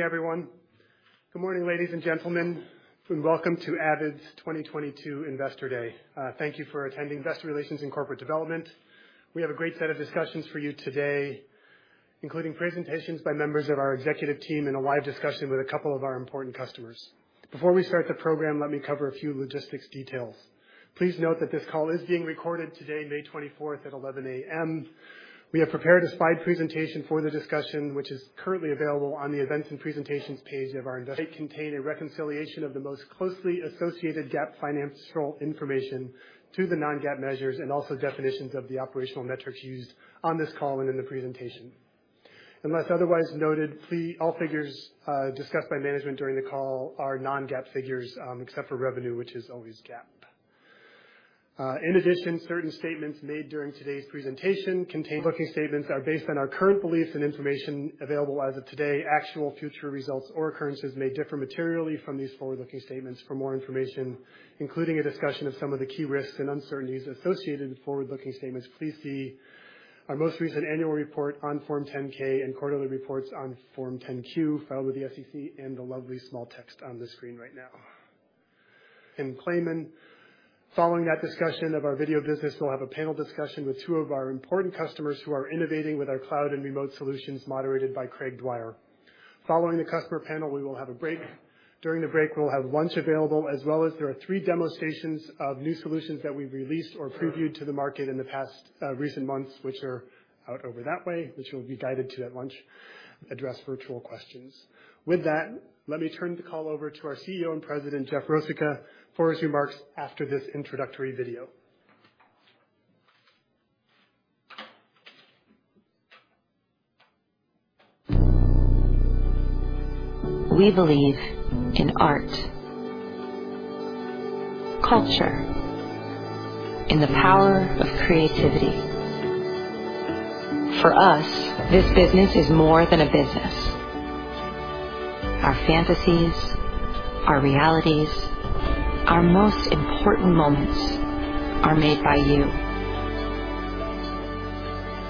Hey, everyone. Good morning, ladies and gentlemen, and welcome to Avid's 2022 Investor Day. Thank you for attending Investor Relations and Corporate Development. We have a great set of discussions for you today, including presentations by members of our executive team in a live discussion with a couple of our important customers. Before we start the program, let me cover a few logistics details. Please note that this call is being recorded today, May 24 at 11 A.M. We have prepared a slide presentation for the discussion, which is currently available on the Events & Presentations page of our investor relations website. It contains a reconciliation of the most closely associated GAAP financial information to the non-GAAP measures and also definitions of the operational metrics used on this call and in the presentation. Unless otherwise noted, all figures discussed by management during the call are non-GAAP figures, except for revenue, which is always GAAP. In addition, certain statements made during today's presentation contain forward-looking statements that are based on our current beliefs and information available as of today. Actual future results or occurrences may differ materially from these forward-looking statements. For more information, including a discussion of some of the key risks and uncertainties associated with forward-looking statements, please see our most recent annual report on Form 10-K and quarterly reports on Form 10-Q filed with the SEC and the lovely small text on the screen right now. Tim Claman, following that discussion of our video business, we'll have a panel discussion with two of our important customers who are innovating with our cloud and remote solutions, moderated by Craig Dwyer. Following the customer panel, we will have a break. During the break, we'll have lunch available as well as there are three demo stations of new solutions that we've released or previewed to the market in the past, recent months, which are out over that way, which you'll be guided to at lunch. Address virtual questions. With that, let me turn the call over to our CEO and President, Jeff Rosica, for his remarks after this introductory video. We believe in art, culture, and the power of creativity. For us, this business is more than a business. Our fantasies, our realities, our most important moments are made by you.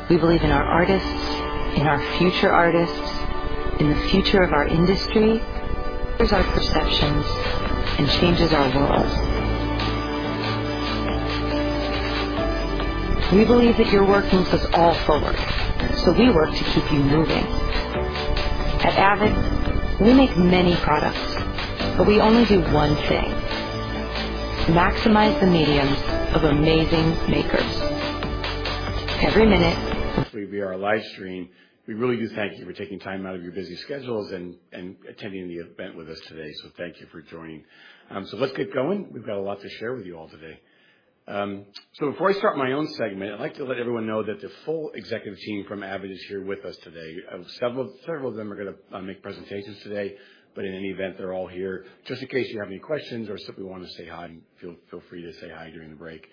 We believe in our artists, in our future artists, in the future of our industry. Here's our perceptions and changes our world. We believe that your work moves us all forward, so we work to keep you moving. At Avid, we make many products, but we only do one thing, maximize the mediums of amazing makers. Every minute. We are a live stream. We really do thank you for taking time out of your busy schedules and attending the event with us today. Thank you for joining. Let's get going. We've got a lot to share with you all today. Before I start my own segment, I'd like to let everyone know that the full executive team from Avid is here with us today. Several of them are gonna make presentations today, but in any event, they're all here just in case you have any questions or simply wanna say hi, and feel free to say hi during the break.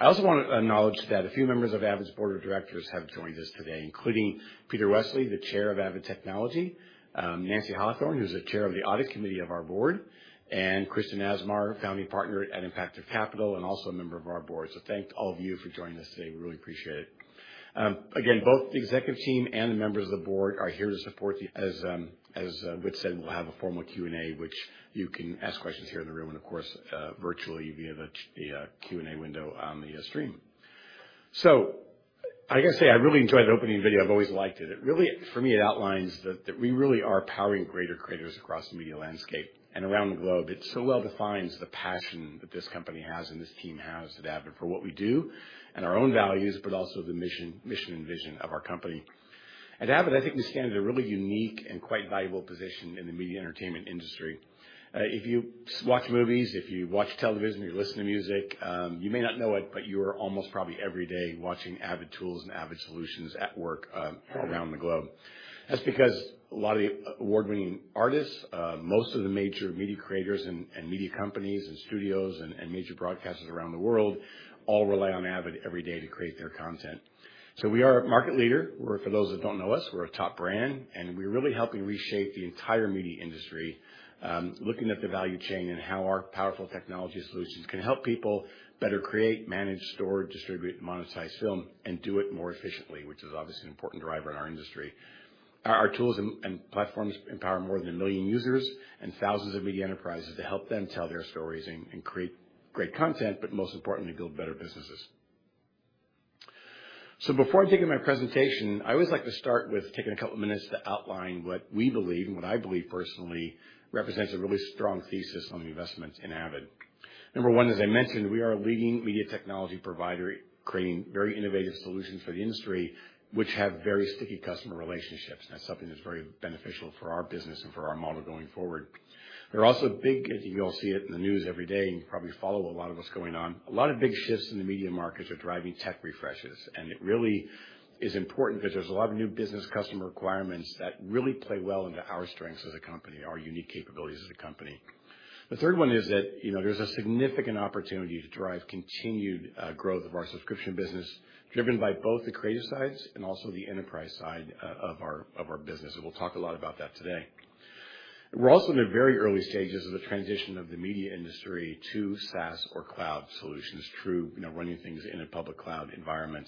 I also wanna acknowledge that a few members of Avid's Board of Directors have joined us today, including Peter Westley, the Chair of Avid Technology, Nancy Hawthorne, who's Chair of the Audit Committee of our board, and Christian Asmar, founding partner at Impactive Capital and also a member of our board. Thanks to all of you for joining us today. We really appreciate it. Again, both the executive team and the members of the board are here to support you. As Whit said, we'll have a formal Q&A, which you can ask questions here in the room, and of course, virtually via the Q&A window on the stream. I gotta say, I really enjoyed the opening video. I've always liked it. It really, for me, outlines that we really are powering greater creators across the media landscape and around the globe. It so well defines the passion that this company has and this team has at Avid for what we do and our own values, but also the mission and vision of our company. At Avid, I think we stand in a really unique and quite valuable position in the media and entertainment industry. If you watch movies, if you watch television, or you listen to music, you may not know it, but you're almost probably every day watching Avid tools and Avid solutions at work around the globe. That's because a lot of the award-winning artists, most of the major media creators and media companies and studios and major broadcasters around the world all rely on Avid every day to create their content. We are a market leader. For those that don't know us, we're a top brand, and we're really helping reshape the entire media industry, looking at the value chain and how our powerful technology solutions can help people better create, manage, store, distribute, and monetize film and do it more efficiently, which is obviously an important driver in our industry. Our tools and platforms empower more than a million users and thousands of media enterprises to help them tell their stories and create great content, but most importantly, build better businesses. Before I begin my presentation, I always like to start with taking a couple of minutes to outline what we believe and what I believe personally represents a really strong thesis on the investments in Avid. Number one, as I mentioned, we are a leading media technology provider creating very innovative solutions for the industry, which have very sticky customer relationships. That's something that's very beneficial for our business and for our model going forward. There are also big, as you all see it in the news every day, and you probably follow a lot of what's going on. A lot of big shifts in the media markets are driving tech refreshes, and it really is important because there's a lot of new business customer requirements that really play well into our strengths as a company, our unique capabilities as a company. The third one is that, there's a significant opportunity to drive continued growth of our subscription business, driven by both the creative sides and also the enterprise side of our business. We'll talk a lot about that today. We're also in the very early stages of the transition of the media industry to SaaS or cloud solutions through running things in a public cloud environment.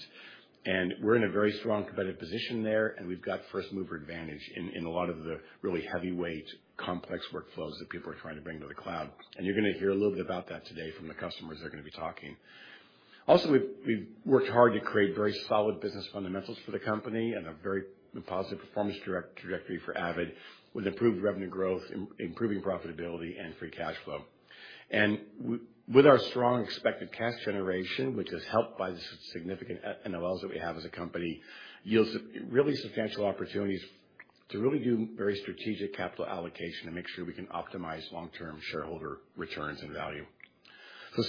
We're in a very strong competitive position there, and we've got first mover advantage in a lot of the really heavyweight complex workflows that people are trying to bring to the cloud. You're gonna hear a little bit about that today from the customers that are gonna be talking. We've worked hard to create very solid business fundamentals for the company and a very positive performance direct trajectory for Avid, with improved revenue growth, improving profitability, and free cash flow. With our strong expected cash generation, which is helped by the significant NOLs that we have as a company, yields really substantial opportunities to really do very strategic capital allocation to make sure we can optimize long-term shareholder returns and value.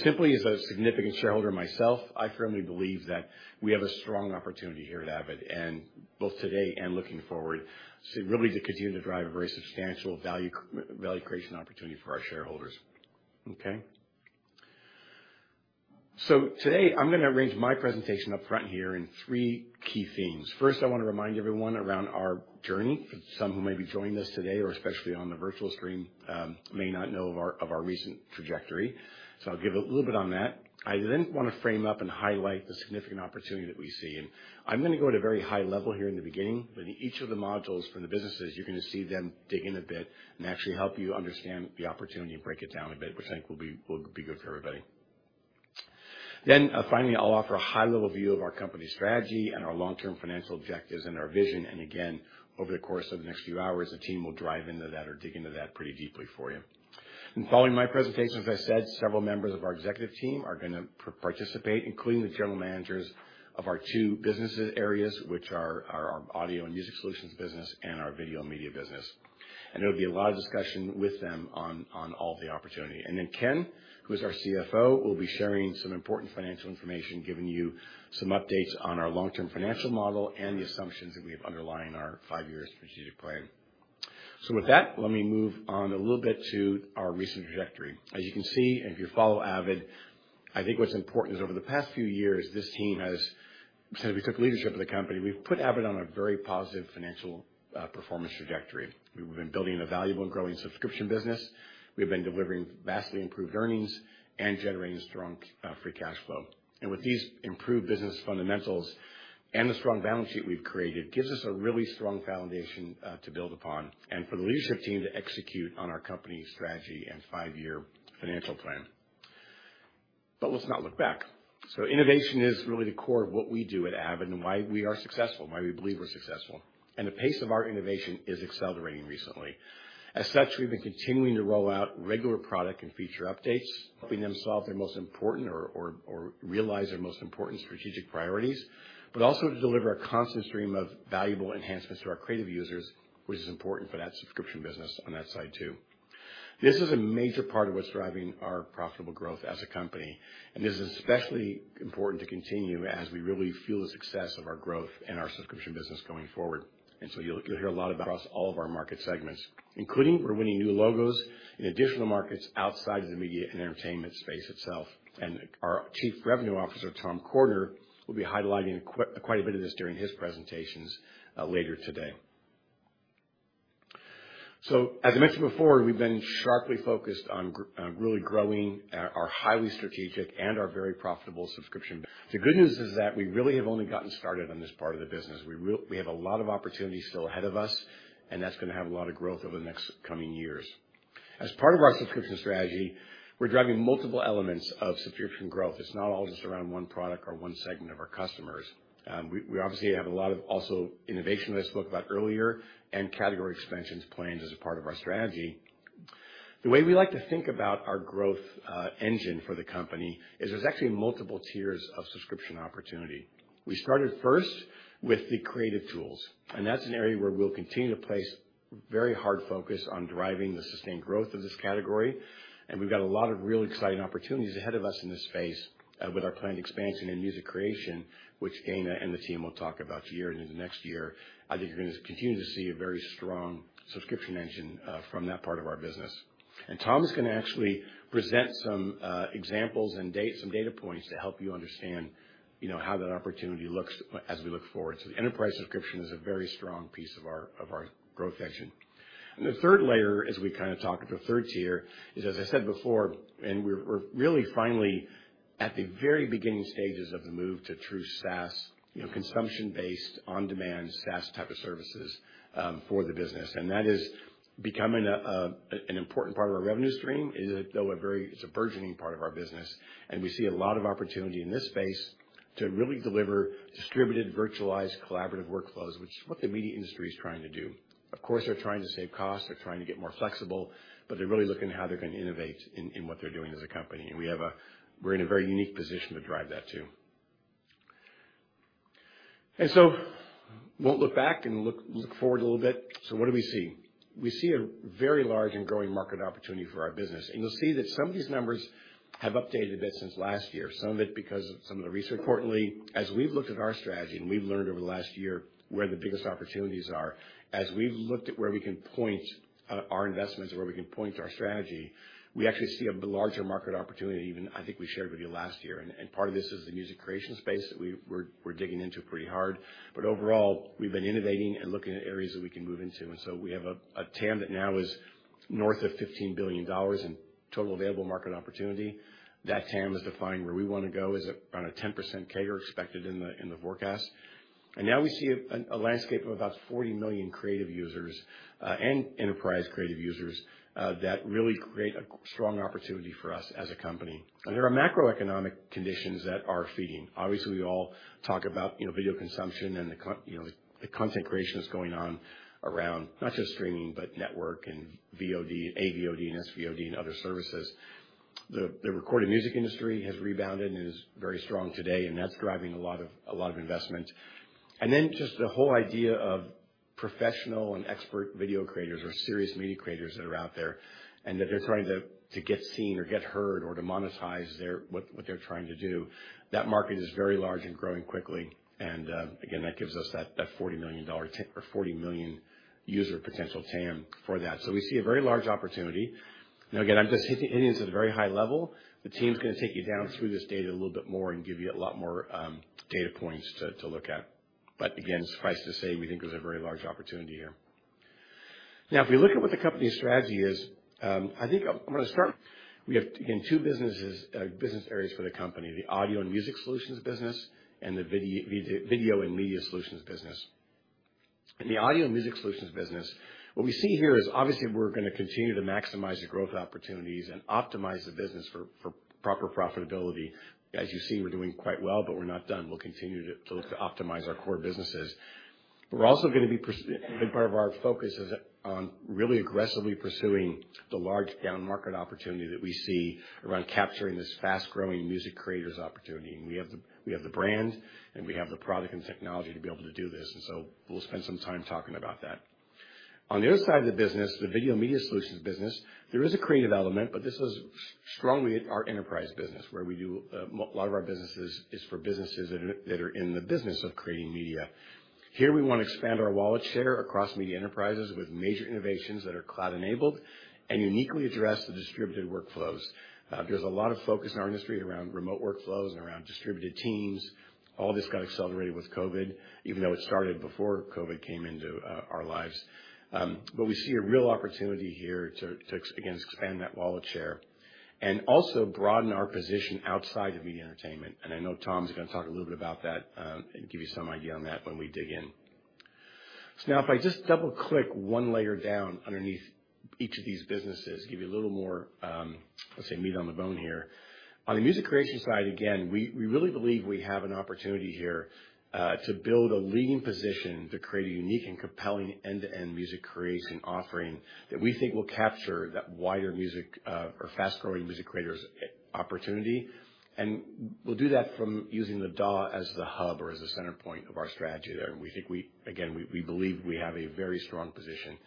Simply, as a significant shareholder myself, I firmly believe that we have a strong opportunity here at Avid, and both today and looking forward, really to continue to drive a very substantial value creation opportunity for our shareholders. Okay. Today I'm gonna arrange my presentation up front here in three key themes. First, I wanna remind everyone around our journey. For some who may be joining us today, or especially on the virtual screen, may not know of our recent trajectory. I'll give a little bit on that. I then wanna frame up and highlight the significant opportunity that we see. I'm gonna go at a very high level here in the beginning, but in each of the modules from the businesses, you're gonna see them dig in a bit and actually help you understand the opportunity and break it down a bit, which I think will be good for everybody. Finally, I'll offer a high level view of our company strategy and our long-term financial objectives and our vision. Again, over the course of the next few hours, the team will drive into that or dig into that pretty deeply for you. Following my presentation, as I said, several members of our executive team are gonna participate, including the general managers of our two business areas, which are our Audio and Music Solutions business and our Video and Media business. There'll be a lot of discussion with them on all the opportunity. Then Ken, who is our CFO, will be sharing some important financial information, giving you some updates on our long-term financial model and the assumptions that we have underlying our five-year strategic plan. With that, let me move on a little bit to our recent trajectory. As you can see, and if you follow Avid, I think what's important is over the past few years, this team has, since we took leadership of the company, we've put Avid on a very positive financial performance trajectory. We've been building a valuable and growing subscription business, we've been delivering vastly improved earnings and generating strong free cash flow. With these improved business fundamentals and the strong balance sheet we've created, gives us a really strong foundation to build upon and for the leadership team to execute on our company strategy and five-year financial plan. Let's not look back. Innovation is really the core of what we do at Avid and why we are successful, why we believe we're successful. The pace of our innovation is accelerating recently. As such, we've been continuing to roll out regular product and feature updates, helping them realize their most important strategic priorities, but also to deliver a constant stream of valuable enhancements to our creative users, which is important for that subscription business on that side too. This is a major part of what's driving our profitable growth as a company, and this is especially important to continue as we really fuel the success of our growth and our subscription business going forward. You'll hear a lot about all of our market segments, including we're winning new logos in additional markets outside of the media and entertainment space itself. Our Chief Revenue Officer, Tom Cordiner, will be highlighting quite a bit of this during his presentations later today. As I mentioned before, we've been sharply focused on really growing our highly strategic and our very profitable subscription. The good news is that we really have only gotten started on this part of the business. We have a lot of opportunities still ahead of us, and that's gonna have a lot of growth over the next coming years. As part of our subscription strategy, we're driving multiple elements of subscription growth. It's not all just around one product or one segment of our customers. We obviously have a lot of also innovation that I spoke about earlier and category expansion plans as a part of our strategy. The way we like to think about our growth engine for the company is there's actually multiple tiers of subscription opportunity. We started first with the creative tools, and that's an area where we'll continue to place very hard focus on driving the sustained growth of this category. We've got a lot of really exciting opportunities ahead of us in this space, with our planned expansion in music creation, which Dana and the team will talk about here and into next year. I think you're gonna continue to see a very strong subscription engine, from that part of our business. Tom is gonna actually present some examples and some data points to help you understand how that opportunity looks as we look forward. The enterprise subscription is a very strong piece of our growth engine. The third layer, as we kinda talk, the third tier is, as I said before, we're really, finally at the very beginning stages of the move to true SaaS, consumption-based, on-demand SaaS type of services for the business. That is becoming an important part of our revenue stream, though a very, it's a burgeoning part of our business, and we see a lot of opportunity in this space to really deliver distributed, virtualized, collaborative workflows, which is what the media industry is trying to do. Of course, they're trying to save costs, they're trying to get more flexible, but they're really looking at how they're gonna innovate in what they're doing as a company. We're in a very unique position to drive that too. We won't look back and look forward a little bit. What do we see? We see a very large and growing market opportunity for our business. You'll see that some of these numbers have updated a bit since last year, some of it because of some of the recent. Importantly, as we've looked at our strategy and we've learned over the last year where the biggest opportunities are, as we've looked at where we can point our investments and where we can point our strategy, we actually see a larger market opportunity than even I think we shared with you last year. Part of this is the music creation space that we're digging into pretty hard. Overall, we've been innovating and looking at areas that we can move into. We have a TAM that now is north of $15 billion total available market opportunity. That TAM is defined where we want to go is around a 10% CAGR expected in the forecast. Now we see a landscape of about 40 million creative users, and enterprise creative users, that really create a strong opportunity for us as a company. There are macroeconomic conditions that are feeding. Obviously, we all talk about video consumption and the content creation that's going on around not just streaming, but network and VOD, AVOD, and SVOD, and other services. The recorded music industry has rebounded and is very strong today, and that's driving a lot of investment. Then just the whole idea of professional and expert video creators or serious media creators that are out there, and that they're trying to get seen or get heard or to monetize their what they're trying to do, that market is very large and growing quickly. Again, that gives us $40 million or 40 million user potential TAM for that. We see a very large opportunity. Again, I'm just hitting it in at a very high level. The team's gonna take you down through this data a little bit more and give you a lot more data points to look at. Again, suffice to say, we think there's a very large opportunity here. If we look at what the company's strategy is, I think I'm gonna start. We have, again, two businesses, business areas for the company, the Audio and Music Solutions business and the Video and Media Solutions business. In the Audio and Music Solutions business, what we see here is, obviously, we're gonna continue to maximize the growth opportunities and optimize the business for proper profitability. As you see, we're doing quite well, but we're not done. We'll continue to optimize our core businesses. We're also gonna be and part of our focus is on really aggressively pursuing the large down-market opportunity that we see around capturing this fast-growing music creators opportunity. We have the brand, and we have the product and technology to be able to do this, and so we'll spend some time talking about that. On the other side of the business, the Video Media Solutions business, there is a creative element, but this is strongly our enterprise business, where we do a lot of our businesses is for businesses that are in the business of creating media. Here we wanna expand our wallet share across media enterprises with major innovations that are cloud-enabled and uniquely address the distributed workflows. There's a lot of focus in our industry around remote workflows and around distributed teams. All this got accelerated with COVID, even though it started before COVID came into our lives. We see a real opportunity here to again expand that wallet share and also broaden our position outside of media entertainment. I know Tom's gonna talk a little bit about that and give you some idea on that when we dig in. Now if I just double-click one layer down underneath each of these businesses, give you a little more, let's say meat on the bone here. On the music creation side, again, we really believe we have an opportunity here to build a leading position to create a unique and compelling end-to-end music creation offering that we think will capture that wider music or fast-growing music creators opportunity. We'll do that from using the DAW as the hub or as the center point of our strategy there. We think we, again believe we have a very strong position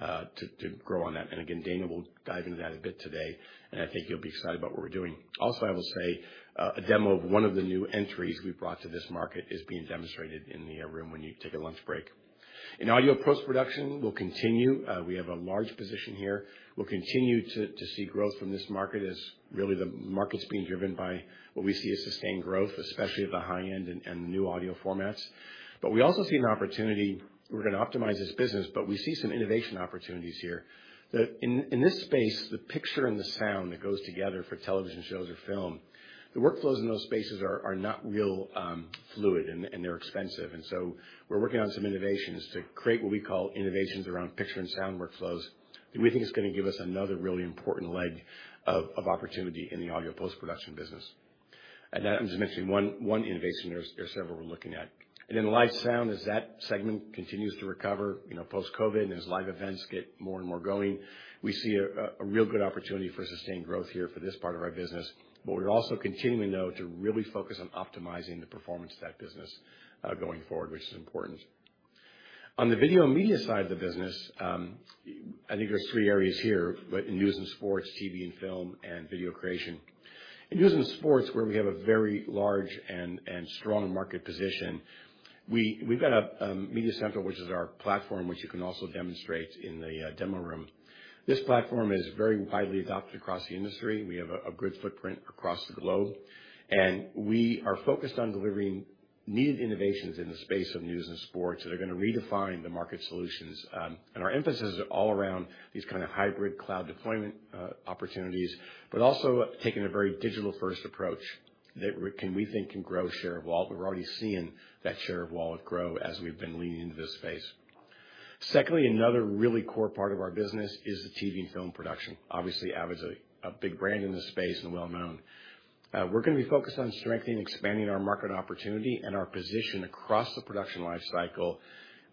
to grow on that. Again, Dana will dive into that a bit today, and I think you'll be excited about what we're doing. Also, I will say a demo of one of the new entries we've brought to this market is being demonstrated in the room when you take a lunch break. In audio post-production, we'll continue. We have a large position here. We'll continue to see growth from this market as really the market's being driven by what we see as sustained growth, especially at the high end and new audio formats. But we also see an opportunity. We're gonna optimize this business, but we see some innovation opportunities here. In this space, the picture and the sound that goes together for television shows or film, the workflows in those spaces are not really fluid and they're expensive. We're working on some innovations to create what we call innovations around picture and sound workflows that we think is gonna give us another really important leg of opportunity in the audio post-production business. That, I'm just mentioning one innovation. There are several we're looking at.nThen live sound, as that segment continues to recover, you know, post-COVID, and as live events get more and more going, we see a real good opportunity for sustained growth here for this part of our business. But we're also continuing, though, to really focus on optimizing the performance of that business, going forward, which is important. On the video and media side of the business, I think there's three areas here, but in news and sports, TV and film, and video creation. In news and sports, where we have a very large and strong market position, we've got a MediaCentral, which is our platform, which you can also demonstrate in the demo room. This platform is very widely adopted across the industry. We have a good footprint across the globe, and we are focused on delivering needed innovations in the space of news and sports that are gonna redefine the market solutions. Our emphasis is all around these kind of hybrid cloud deployment opportunities, but also taking a very digital-first approach that we think can grow share of wallet. We're already seeing that share of wallet grow as we've been leaning into this space. Secondly, another really core part of our business is the TV and film production. Obviously, Avid's a big brand in this space and well-known. We're gonna be focused on strengthening and expanding our market opportunity and our position across the production life cycle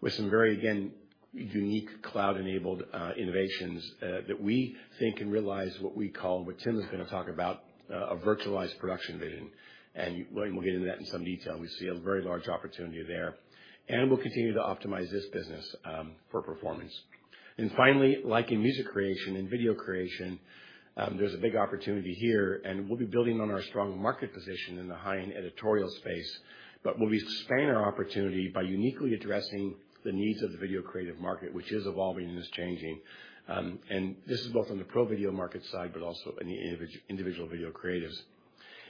with some very, again, unique cloud-enabled innovations that we think can realize what we call, what Tim is gonna talk about, a virtualized production vision. We'll get into that in some detail. We see a very large opportunity there. We'll continue to optimize this business for performance. Finally, like in music creation and video creation, there's a big opportunity here, and we'll be building on our strong market position in the high-end editorial space, but we'll be expanding our opportunity by uniquely addressing the needs of the video creative market, which is evolving and is changing. This is both on the pro video market side, but also in the individual video creatives.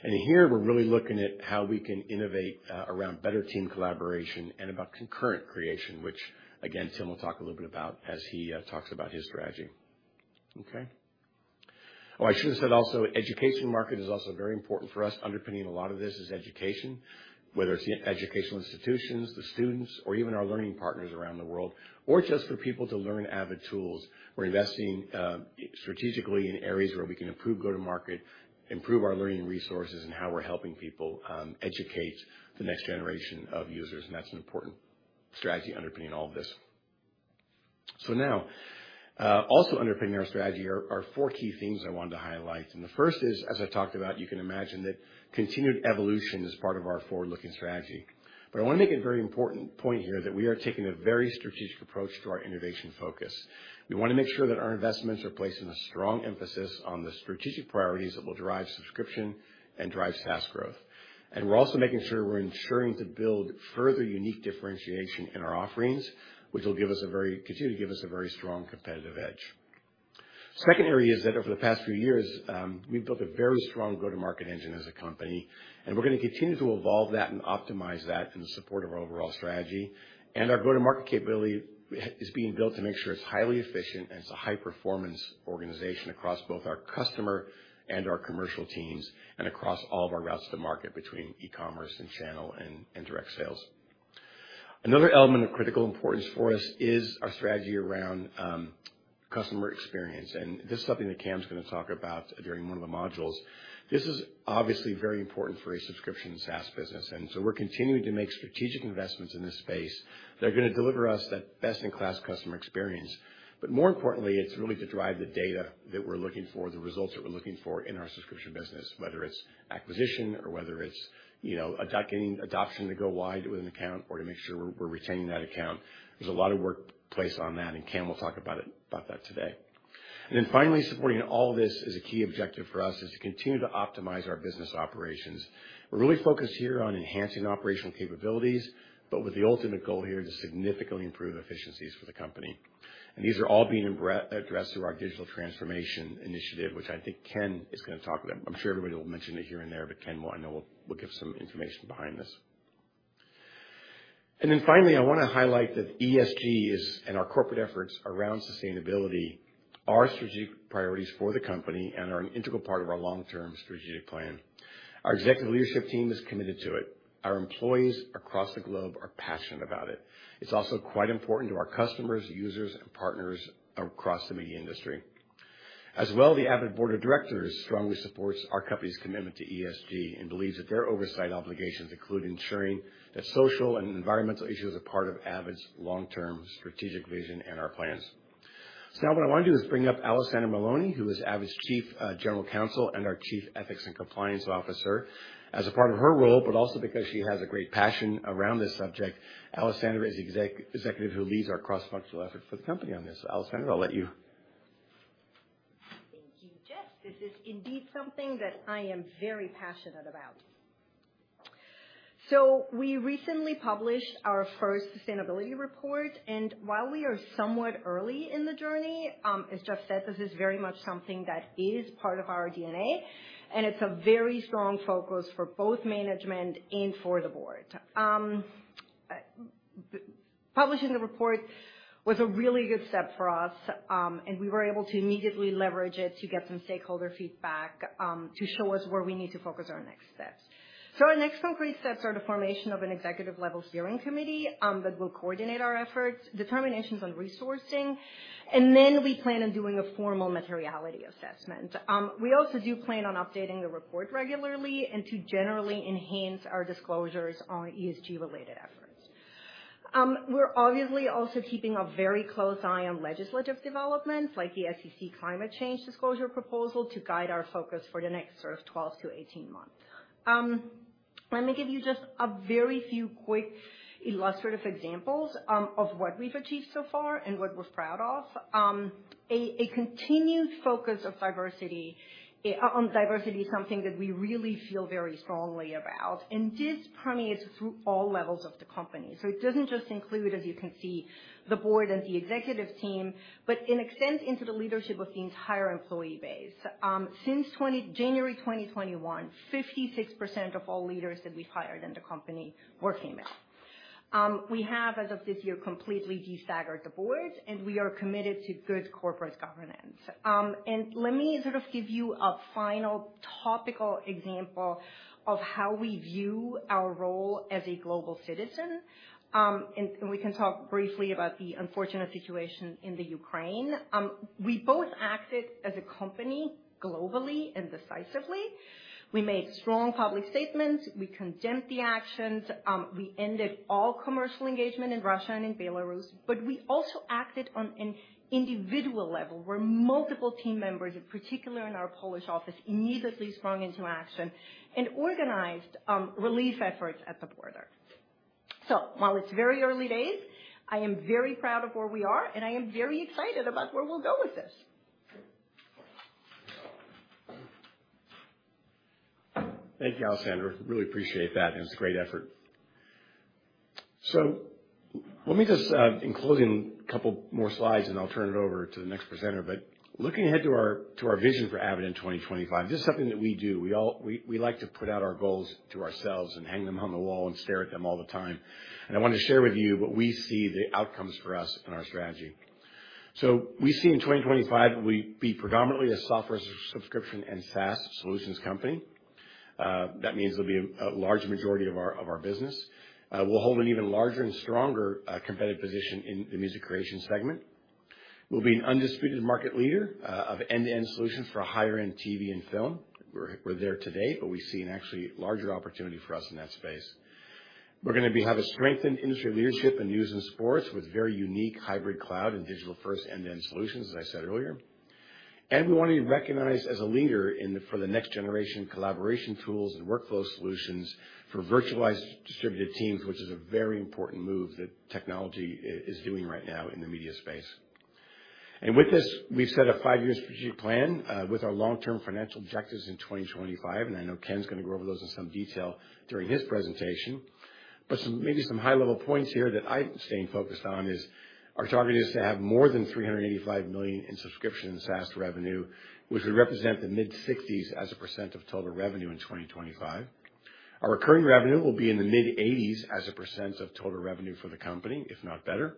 Here, we're really looking at how we can innovate around better team collaboration and about concurrent creation, which again, Tim will talk a little bit about as he talks about his strategy. I should have said also, education market is also very important for us. Underpinning a lot of this is education, whether it's the educational institutions, the students, or even our learning partners around the world, or just for people to learn Avid tools. We're investing strategically in areas where we can improve go-to-market, improve our learning resources, and how we're helping people educate the next generation of users. That's an important strategy underpinning all of this. Also underpinning our strategy are four key themes I wanted to highlight. The first is, as I talked about, you can imagine that continued evolution is part of our forward-looking strategy. I wanna make a very important point here that we are taking a very strategic approach to our innovation focus. We wanna make sure that our investments are placing a strong emphasis on the strategic priorities that will drive subscription and drive SaaS growth. We're also making sure we're ensuring to build further unique differentiation in our offerings, which will continue to give us a very strong competitive edge. Second area is that over the past few years, we've built a very strong go-to-market engine as a company, and we're gonna continue to evolve that and optimize that in support of our overall strategy. Our go-to-market capability is being built to make sure it's highly efficient and it's a high-performance organization across both our customer and our commercial teams, and across all of our routes to market between e-commerce and channel and direct sales. Another element of critical importance for us is our strategy around customer experience, and this is something that KAM’s gonna talk about during one of the modules. This is obviously very important for a subscription SaaS business, and so we're continuing to make strategic investments in this space that are gonna deliver us that best-in-class customer experience. More importantly, it's really to drive the data that we're looking for, the results that we're looking for in our subscription business, whether it's acquisition or whether it's getting adoption to go wide with an account or to make sure we're retaining that account. There's a lot of work placed on that, and KAM will talk about it, about that today. Then finally, supporting all this is a key objective for us is to continue to optimize our business operations. We're really focused here on enhancing operational capabilities, but with the ultimate goal here to significantly improve efficiencies for the company. These are all being addressed through our digital transformation initiative, which I think Ken is gonna talk about. I'm sure everybody will mention it here and there, but Ken will, I know, will give some information behind this. Then finally, I wanna highlight that ESG and our corporate efforts around sustainability are strategic priorities for the company and are an integral part of our long-term strategic plan. Our executive leadership team is committed to it. Our employees across the globe are passionate about it. It's also quite important to our customers, users, and partners across the media industry. As well, the Avid Board of Directors strongly supports our company's commitment to ESG and believes that their oversight obligations including ensuring that social and environmental issues are part of Avid's long-term strategic vision and our plans. Now, what I wanna do is bring up Alessandra Melloni, who is Avid's General Counsel and our Chief Ethics and Compliance Officer, as a part of her role, but also because she has a great passion around this subject. Alessandra is executive who leads our cross-functional effort for the company on this. Alessandra, I'll let you. Thank you, Jeff. This is indeed something that I am very passionate about. We recently published our first sustainability report, and while we are somewhat early in the journey, as Jeff said, this is very much something that is part of our DNA, and it's a very strong focus for both management and for the board. Publishing the report was a really good step for us, and we were able to immediately leverage it to get some stakeholder feedback, to show us where we need to focus our next steps. Our next concrete steps are the formation of an executive-level steering committee that will coordinate our efforts, determinations on resourcing, and then we plan on doing a formal materiality assessment. We also do plan on updating the report regularly and to generally enhance our disclosures on ESG-related efforts. We're obviously also keeping a very close eye on legislative developments like the SEC Climate Change Disclosure Proposal to guide our focus for the next sort of 12–18 months. Let me give you just a very few quick illustrative examples of what we've achieved so far and what we're proud of. A continued focus on diversity is something that we really feel very strongly about, and this permeates through all levels of the company. It doesn't just include, as you can see, the board and the executive team, but it extends into the leadership of the entire employee base. Since January 2021, 56% of all leaders that we've hired in the company were female. We have, as of this year, completely de-staggered the board, and we are committed to good corporate governance. Let me sort of give you a final topical example of how we view our role as a global citizen, and we can talk briefly about the unfortunate situation in the Ukraine. We both acted as a company, globally and decisively. We made strong public statements. We condemned the actions. We ended all commercial engagement in Russia and in Belarus, but we also acted on an individual level, where multiple team members, in particular in our Polish office, immediately sprung into action and organized relief efforts at the border. While it's very early days, I am very proud of where we are, and I am very excited about where we'll go with this. Thank you, Alessandra. Really appreciate that, and it's a great effort. Let me just include in a couple more slides, and I'll turn it over to the next presenter. Looking ahead to our vision for Avid in 2025, this is something that we do. We like to put out our goals to ourselves and hang them on the wall and stare at them all the time. I want to share with you what we see the outcomes for us in our strategy. We see in 2025, we'd be predominantly a software subscription and SaaS solutions company. That means there'll be a large majority of our business. We'll hold an even larger and stronger competitive position in the music creation segment. We'll be an undisputed market leader of end-to-end solutions for higher-end TV and film. We're there today, but we see an actually larger opportunity for us in that space. We're gonna have a strengthened industry leadership in news and sports with very unique hybrid cloud and digital-first end-to-end solutions, as I said earlier. We wanna be recognized as a leader for the next generation collaboration tools and workflow solutions for virtualized distributed teams, which is a very important move that technology is doing right now in the media space. With this, we've set a five-year strategic plan with our long-term financial objectives in 2025, and I know Ken's gonna go over those in some detail during his presentation. Maybe some high-level points here that I'm staying focused on is our target is to have more than $385 million in subscription and SaaS revenue, which would represent the mid-60s as a percent of total revenue in 2025. Our recurring revenue will be in the mid-80s as a percent of total revenue for the company, if not better.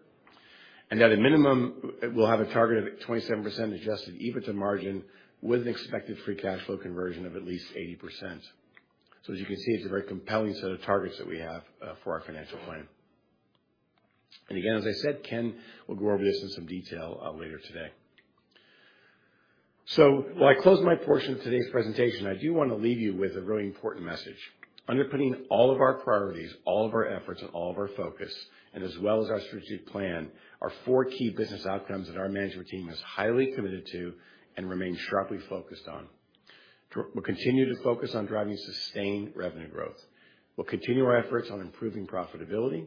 At a minimum, we'll have a target of 27% adjusted EBITDA margin with an expected free cash flow conversion of at least 80%. As you can see, it's a very compelling set of targets that we have for our financial plan. Again, as I said, Ken will go over this in some detail later today. While I close my portion of today's presentation, I do wanna leave you with a really important message. Underpinning all of our priorities, all of our efforts, and all of our focus, and as well as our strategic plan, are four key business outcomes that our management team is highly committed to and remains sharply focused on. We'll continue to focus on driving sustained revenue growth. We'll continue our efforts on improving profitability.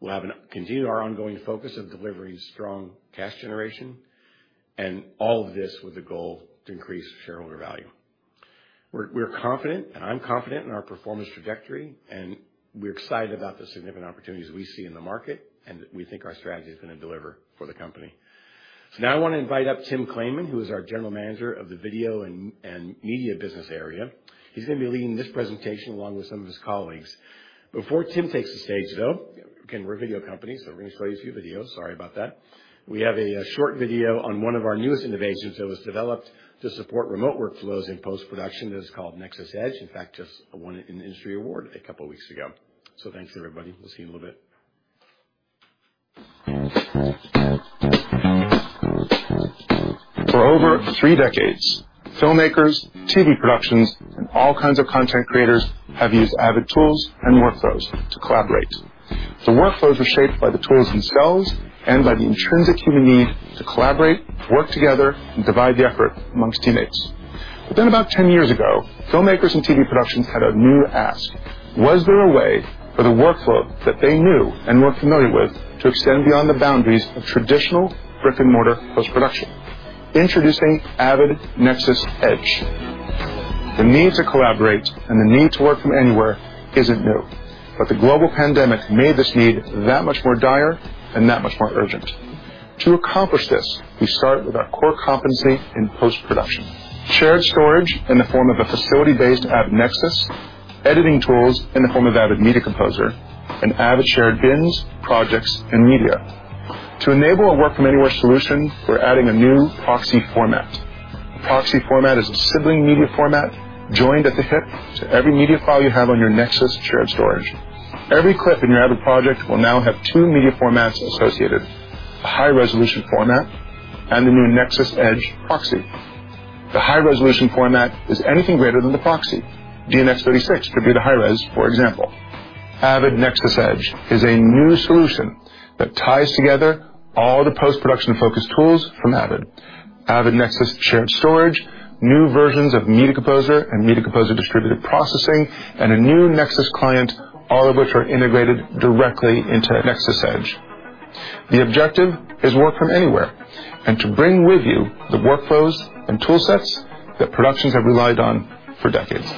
We'll continue our ongoing focus of delivering strong cash generation, and all of this with the goal to increase shareholder value. We're confident, and I'm confident in our performance trajectory, and we're excited about the significant opportunities we see in the market and that we think our strategy is gonna deliver for the company. Now, I wanna invite up Tim Claman, who is our General Manager of the Video and Media business area. He's gonna be leading this presentation along with some of his colleagues. Before Tim takes the stage, though, again, we're a video company, so we're gonna show you a few videos. Sorry about that. We have a short video on one of our newest innovations that was developed to support remote workflows in post-production. It is called NEXIS | EDGE. In fact, just won an industry award a couple weeks ago. Thanks, everybody. We'll see you in a little bit. For over three decades, filmmakers, TV productions, and all kinds of content creators have used Avid tools and workflows to collaborate. The workflows were shaped by the tools themselves and by the intrinsic human need to collaborate, work together, and divide the effort among teammates. About 10 years ago, filmmakers and TV productions had a new ask. Was there a way for the workflow that they knew and were familiar with to extend beyond the boundaries of traditional brick-and-mortar post-production? Introducing Avid NEXIS | EDGE. The need to collaborate and the need to work from anywhere isn't new, but the global pandemic made this need that much more dire and that much more urgent. To accomplish this, we start with our core competency in post-production. Shared storage in the form of a facility-based Avid NEXIS, editing tools in the form of Avid Media Composer, and Avid shared bins, projects, and media. To enable a work-from-anywhere solution, we're adding a new proxy format. Proxy format is a sibling media format joined at the hip to every media file you have on your NEXIS shared storage. Every clip in your Avid project will now have two media formats associated, a high-resolution format and the new NEXIS | EDGE proxy. The high-resolution format is anything greater than the proxy. DNxHD 36 could be the high-res, for example. Avid NEXIS | EDGE is a new solution that ties together all the post-production focused tools from Avid. Avid NEXIS shared storage, new versions of Media Composer and Media Composer distributed processing, and a new NEXIS Client, all of which are integrated directly into NEXIS | Edge. The objective is work from anywhere and to bring with you the workflows and tool sets that productions have relied on for decades.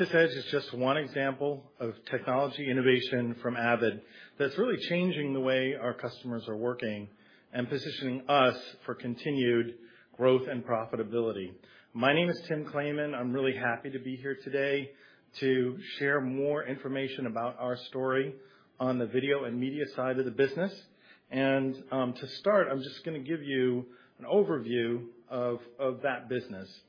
NEXIS | Edge is just one example of technology innovation from Avid that's really changing the way our customers are working and positioning us for continued growth and profitability. My name is Tim Claman. I'm really happy to be here today to share more information about our story. On the video and media side of the business. To start, I'm just gonna give you an overview of that business.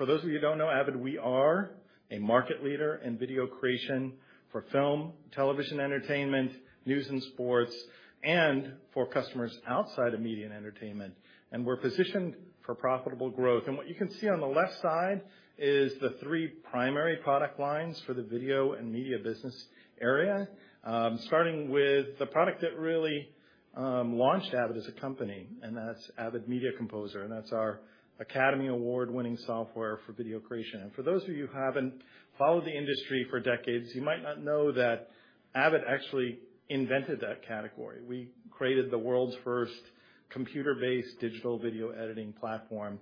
For those of you who don't know Avid, we are a market leader in video creation for film, television, entertainment, news and sports, and for customers outside of media and entertainment. We're positioned for profitable growth. What you can see on the left side is the three primary product lines for the video and media business area. Starting with the product that really launched Avid as a company, and that's Avid Media Composer. That's our Academy Award-winning software for video creation. For those of you who haven't followed the industry for decades, you might not know that Avid actually invented that category. We created the world's first computer-based digital video editing platform.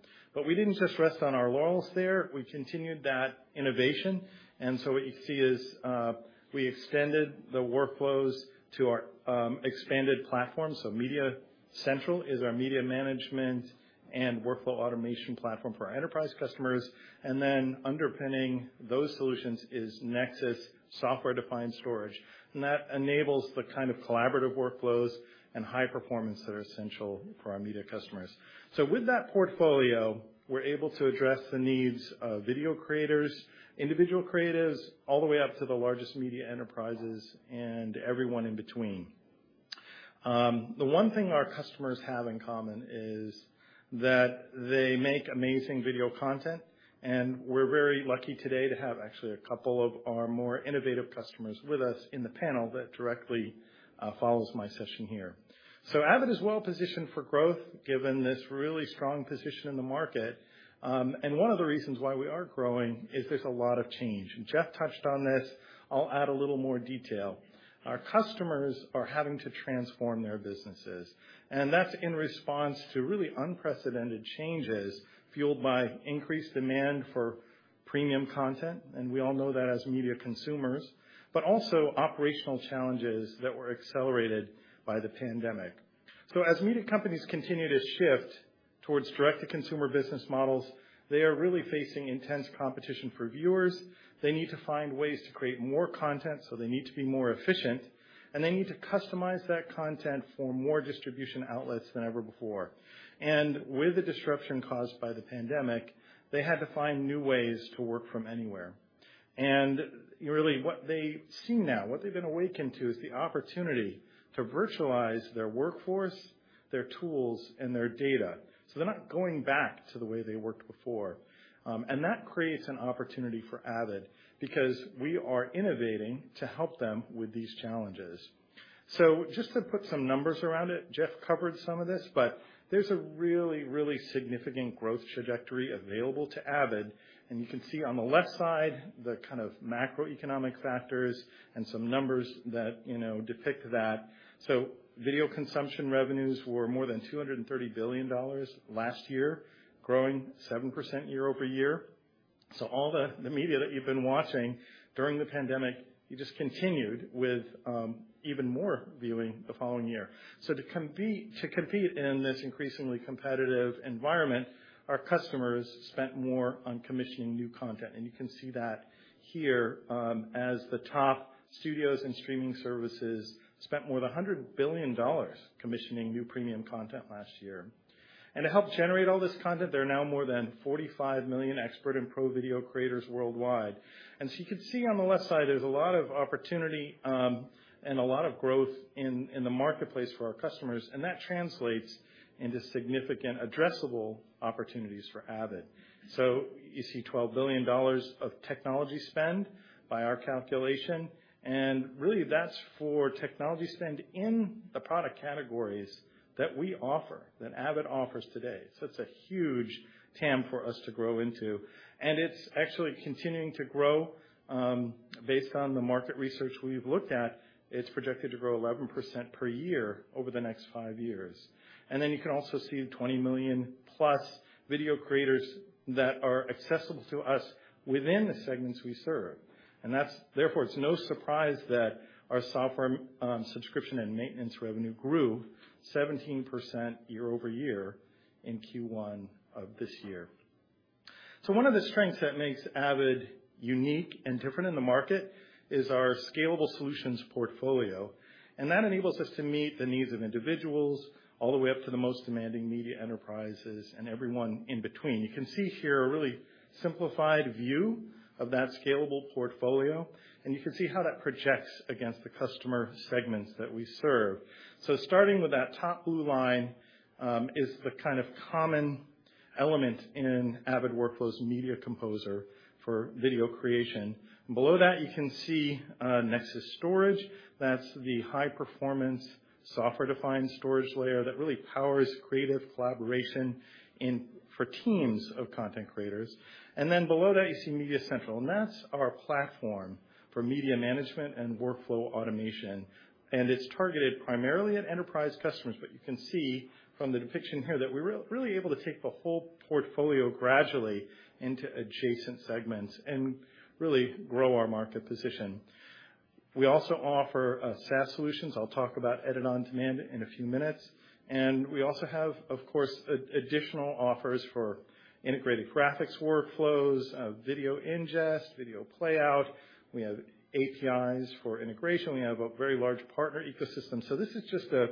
We didn't just rest on our laurels there. We continued that innovation. What you see is, we extended the workflows to our expanded platform. MediaCentral is our media management and workflow automation platform for our enterprise customers. Underpinning those solutions is NEXIS software-defined storage. That enables the kind of collaborative workflows and high performance that are essential for our media customers. With that portfolio, we're able to address the needs of video creators, individual creators all the way up to the largest media enterprises, and everyone in between. The one thing our customers have in common is that they make amazing video content, and we're very lucky today to have actually a couple of our more innovative customers with us in the panel that directly follows my session here. Avid is well positioned for growth, given this really strong position in the market. One of the reasons why we are growing is there's a lot of change. Jeff touched on this. I'll add a little more detail. Our customers are having to transform their businesses, and that's in response to really unprecedented changes fueled by increased demand for premium content, and we all know that as media consumers, but also operational challenges that were accelerated by the pandemic. As media companies continue to shift towards direct-to-consumer business models, they are really facing intense competition for viewers. They need to find ways to create more content, so they need to be more efficient. They need to customize that content for more distribution outlets than ever before. With the disruption caused by the pandemic, they had to find new ways to work from anywhere. Really, what they see now, what they've been awakened to, is the opportunity to virtualize their workforce, their tools, and their data. They're not going back to the way they worked before. That creates an opportunity for Avid because we are innovating to help them with these challenges. Just to put some numbers around it, Jeff covered some of this, but there's a really, really significant growth trajectory available to Avid. You can see on the left side the kind of macroeconomic factors and some numbers that depict that. Video consumption revenues were more than $230 billion last year, growing 7% year-over-year. All the media that you've been watching during the pandemic, you just continued with even more viewing the following year. To compete in this increasingly competitive environment, our customers spent more on commissioning new content. You can see that here, as the top studios and streaming services spent more than $100 billion commissioning new premium content last year. To help generate all this content, there are now more than 45 million expert and pro video creators worldwide. You can see on the left side, there's a lot of opportunity, and a lot of growth in the marketplace for our customers, and that translates into significant addressable opportunities for Avid. You see $12 billion of technology spend by our calculation, and really, that's for technology spend in the product categories that we offer, that Avid offers today. It's a huge TAM for us to grow into, and it's actually continuing to grow, based on the market research we've looked at. It's projected to grow 11% per year over the next five years. Then you can also see 20 million+ video creators that are accessible to us within the segments we serve. That's therefore, it's no surprise that our software subscription and maintenance revenue grew 17% year-over-year in Q1 of this year. One of the strengths that makes Avid unique and different in the market is our scalable solutions portfolio, and that enables us to meet the needs of individuals all the way up to the most demanding media enterprises and everyone in between. You can see here a really simplified view of that scalable portfolio, and you can see how that projects against the customer segments that we serve. Starting with that top blue line is the kind of common element in Avid workflows, Media Composer for video creation. Below that, you can see NEXIS storage. That's the high-performance software-defined storage layer that really powers creative collaboration for teams of content creators. Then below that, you see MediaCentral, and that's our platform for media management and workflow automation. It's targeted primarily at enterprise customers, but you can see from the depiction here that we're really able to take the whole portfolio gradually into adjacent segments and really grow our market position. We also offer SaaS solutions. I'll talk about Edit On Demand in a few minutes. We also have, of course, additional offers for integrated graphics workflows, video ingest, video playout. We have APIs for integration. We have a very large partner ecosystem. This is just a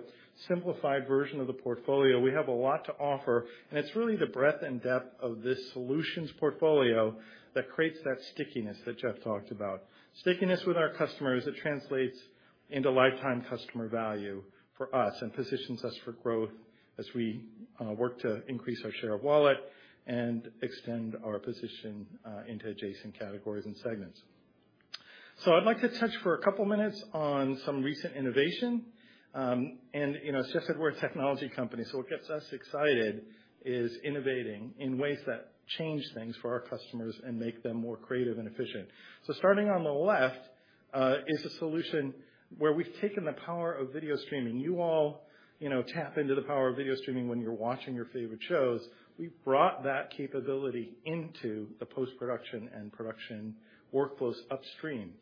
simplified version of the portfolio. We have a lot to offer, and it's really the breadth and depth of this solutions portfolio that creates that stickiness that Jeff talked about. Stickiness with our customers, it translates into lifetime customer value for us and positions us for growth as we work to increase our share of wallet and extend our position into adjacent categories and segments. I'd like to touch for a couple minutes on some recent innovation. You know, Jeff said we're a technology company, so what gets us excited is innovating in ways that change things for our customers and make them more creative and efficient. Starting on the left is a solution where we've taken the power of video streaming. You all tap into the power of video streaming when you're watching your favorite shows. We've brought that capability into the post-production and production workflows upstream.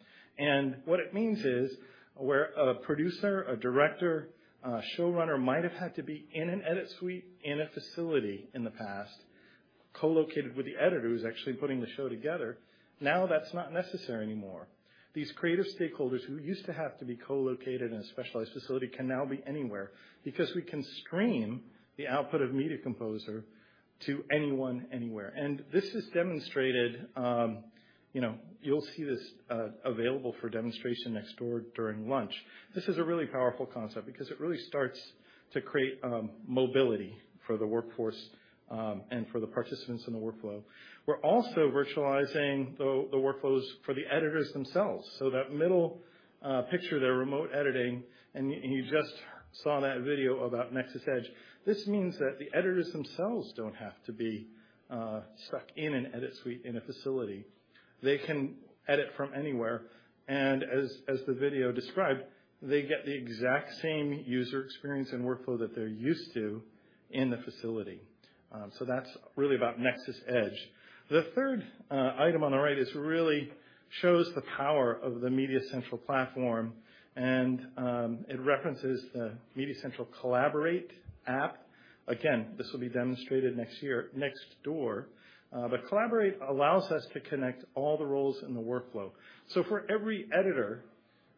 What it means is, where a producer, a director, a showrunner might have had to be in an edit suite in a facility in the past, co-located with the editor who's actually putting the show together, now that's not necessary anymore. These creative stakeholders who used to have to be co-located in a specialized facility can now be anywhere because we can stream the output of Media Composer to anyone, anywhere. This is demonstrated, you'll see this available for demonstration next door during lunch. This is a really powerful concept because it really starts to create mobility for the workforce and for the participants in the workflow. We're also virtualizing the workflows for the editors themselves. That middle picture there, remote editing, and you just saw that video about NEXIS | EDGE. This means that the editors themselves don't have to be stuck in an edit suite in a facility. They can edit from anywhere, and as the video described, they get the exact same user experience and workflow that they're used to in the facility. That's really about NEXIS | EDGE. The third item on the right really shows the power of the MediaCentral platform, and it references the MediaCentral | Collaborate app. Again, this will be demonstrated next year next door. Collaborate allows us to connect all the roles in the workflow. For every editor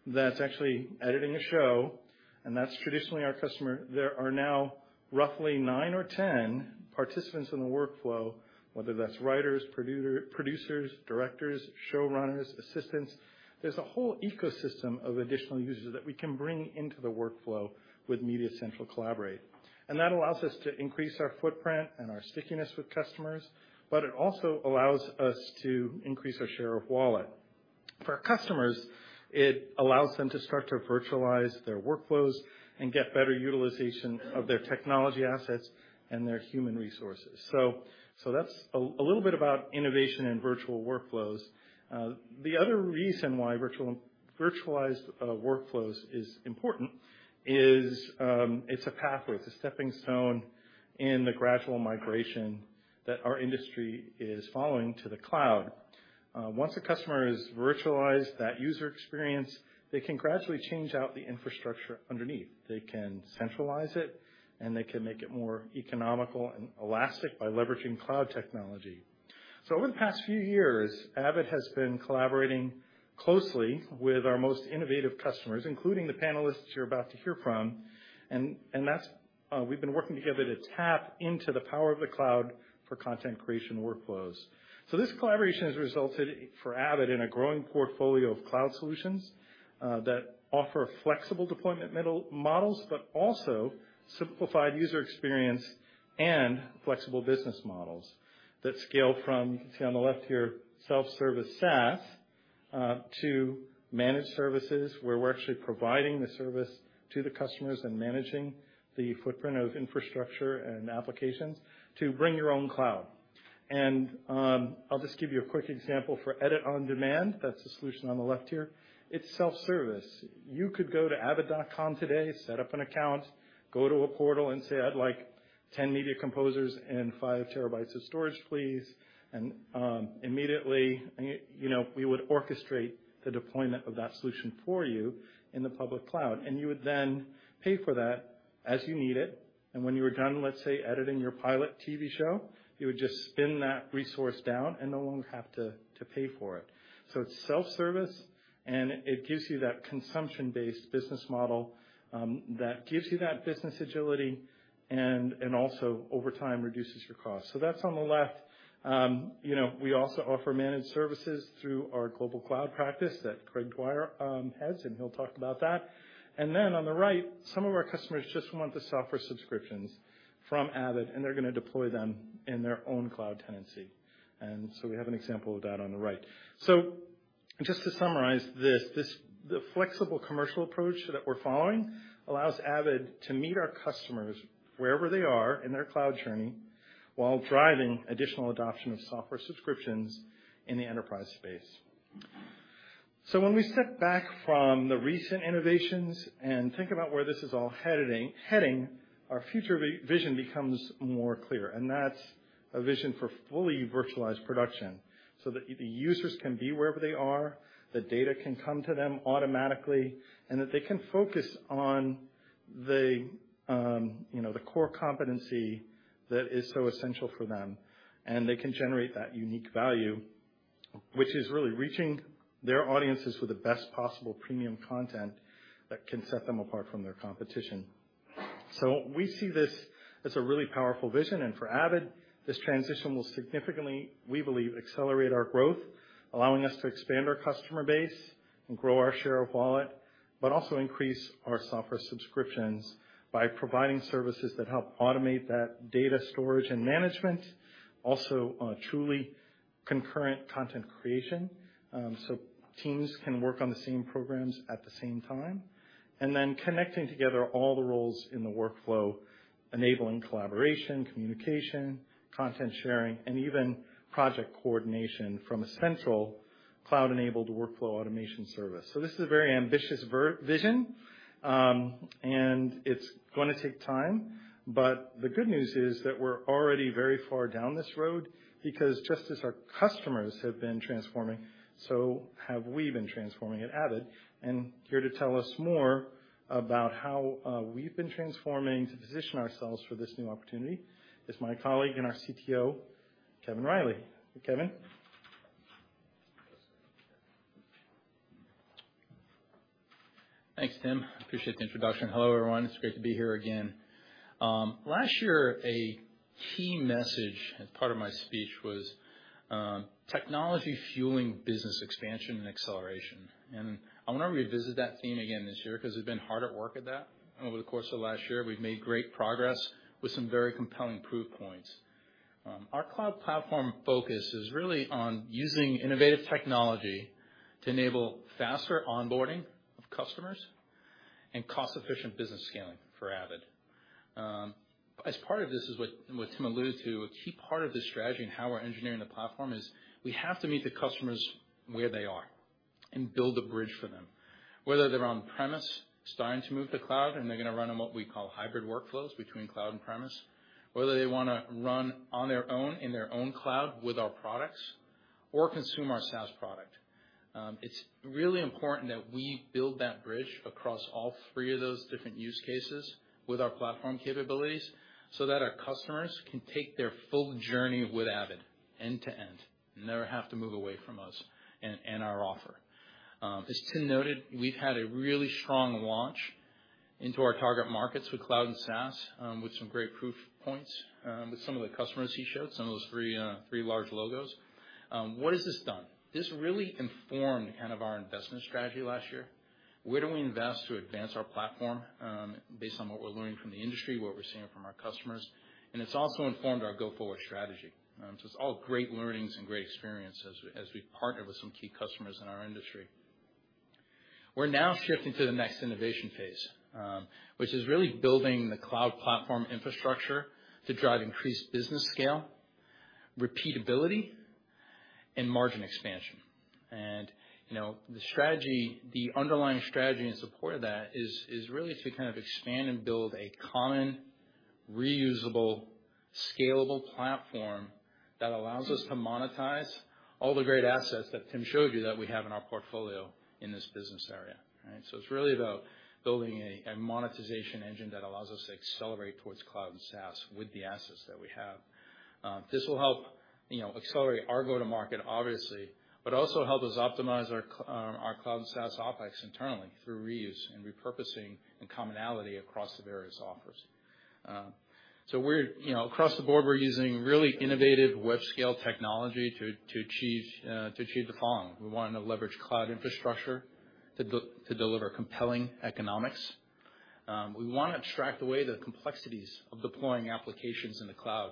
that's actually editing a show, and that's traditionally our customer, there are now roughly nine or 10 participants in the workflow, whether that's writers, producers, directors, showrunners, assistants. There's a whole ecosystem of additional users that we can bring into the workflow with MediaCentral | Collaborate. That allows us to increase our footprint and our stickiness with customers, but it also allows us to increase our share of wallet. For our customers, it allows them to start to virtualize their workflows and get better utilization of their technology assets and their human resources. That's a little bit about innovation and virtual workflows. The other reason why virtualized workflows is important is, it's a pathway. It's a stepping stone in the gradual migration that our industry is following to the cloud. Once a customer has virtualized that user experience, they can gradually change out the infrastructure underneath. They can centralize it, and they can make it more economical and elastic by leveraging cloud technology. Over the past few years, Avid has been collaborating closely with our most innovative customers, including the panelists you're about to hear from. We've been working together to tap into the power of the cloud for content creation workflows. This collaboration has resulted for Avid in a growing portfolio of cloud solutions that offer flexible deployment models but also simplified user experience and flexible business models that scale from, you can see on the left here, self-service SaaS to managed services, where we're actually providing the service to the customers and managing the footprint of infrastructure and applications to bring your own cloud. I'll just give you a quick example for Edit On Demand. That's the solution on the left here. It's self-service. You could go to avid.com today, set up an account, go to a portal and say, "I'd like 10 Media Composers and 5 TB of storage, please." Immediately, we would orchestrate the deployment of that solution for you in the public cloud. You would then pay for that as you need it, and when you were done, let's say, editing your pilot TV show, you would just spin that resource down, and no longer have to pay for it. It's self-service, and it gives you that consumption-based business model that gives you that business agility and also over time reduces your cost. That's on the left. You know, we also offer managed services through our global cloud practice that Craig Dwyer heads, and he'll talk about that. On the right, some of our customers just want the software subscriptions from Avid, and they're gonna deploy them in their own cloud tenancy. We have an example of that on the right. Just to summarize this, the flexible commercial approach that we're following allows Avid to meet our customers wherever they are in their cloud journey while driving additional adoption of software subscriptions in the enterprise space. When we step back from the recent innovations and think about where this is all heading, our future vision becomes more clear, and that's a vision for fully virtualized production, so that the users can be wherever they are, the data can come to them automatically, and that they can focus on the core competency that is so essential for them, and they can generate that unique value, which is really reaching their audiences with the best possible premium content that can set them apart from their competition. We see this as a really powerful vision. For Avid, this transition will significantly, we believe, accelerate our growth, allowing us to expand our customer base and grow our share of wallet, but also increase our software subscriptions by providing services that help automate that data storage and management. Also, truly concurrent content creation, so teams can work on the same programs at the same time, and then connecting together all the roles in the workflow, enabling collaboration, communication, content sharing, and even project coordination from a central cloud-enabled workflow automation service. This is a very ambitious vision, and it's gonna take time, but the good news is that we're already very far down this road because just as our customers have been transforming, so have we been transforming at Avid. Here to tell us more about how we've been transforming to position ourselves for this new opportunity is my colleague and our CTO, Kevin Riley. Kevin. Thanks, Tim. Appreciate the introduction. Hello, everyone. It's great to be here again. Last year, a key message as part of my speech was technology fueling business expansion and acceleration. I wanna revisit that theme again this year 'cause we've been hard at work at that. Over the course of last year, we've made great progress with some very compelling proof points. Our cloud platform focus is really on using innovative technology to enable faster onboarding of customers and cost-efficient business scaling for Avid. As part of this is what Tim alluded to, a key part of the strategy and how we're engineering the platform is we have to meet the customers where they are and build a bridge for them. Whether they're on-premise, starting to move to cloud, and they're gonna run on what we call hybrid workflows between cloud and premise. Whether they wanna run on their own in their own cloud with our products or consume our SaaS product. It's really important that we build that bridge across all three of those different use cases with our platform capabilities so that our customers can take their full journey with Avid, end to end and never have to move away from us and our offer. As Tim noted, we've had a really strong launch into our target markets with cloud and SaaS, with some great proof points, with some of the customers he showed, some of those three large logos. What has this done? This really informed kind of our investment strategy last year. Where do we invest to advance our platform, based on what we're learning from the industry, what we're seeing from our customers? It's also informed our go-forward strategy. It's all great learnings and great experiences as we partner with some key customers in our industry. We're now shifting to the next innovation phase, which is really building the cloud platform infrastructure to drive increased business scale, repeatability and margin expansion. The strategy, the underlying strategy in support of that is really to kind of expand and build a common, reusable, scalable platform that allows us to monetize all the great assets that Tim showed you that we have in our portfolio in this business area, right? It's really about building a monetization engine that allows us to accelerate towards cloud and SaaS with the assets that we have. This will help, you know, accelerate our go-to-market obviously, but also help us optimize our cloud and SaaS OpEx internally through reuse and repurposing and commonality across the various offers. Across the board, we're using really innovative web-scale technology to achieve the following. We wanna leverage cloud infrastructure to deliver compelling economics. We wanna abstract away the complexities of deploying applications in the cloud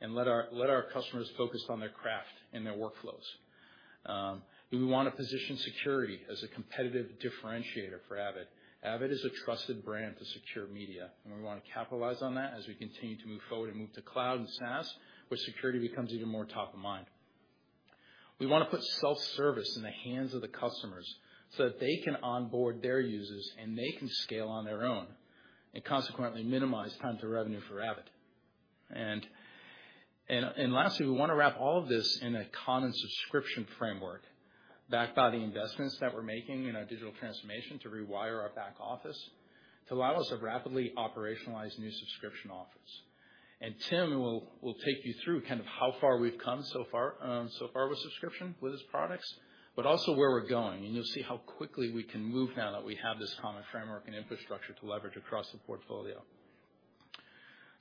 and let our customers focus on their craft and their workflows. We wanna position security as a competitive differentiator for Avid. Avid is a trusted brand for secure media, and we wanna capitalize on that as we continue to move forward and move to cloud and SaaS, where security becomes even more top of mind. We wanna put self-service in the hands of the customers, so that they can onboard their users and they can scale on their own and consequently minimize time to revenue for Avid. Lastly, we wanna wrap all of this in a common subscription framework backed by the investments that we're making in our digital transformation to rewire our back office to allow us to rapidly operationalize new subscription offers. Tim will take you through kind of how far we've come so far with subscription, with his products, but also where we're going. You'll see how quickly we can move now that we have this common framework and infrastructure to leverage across the portfolio.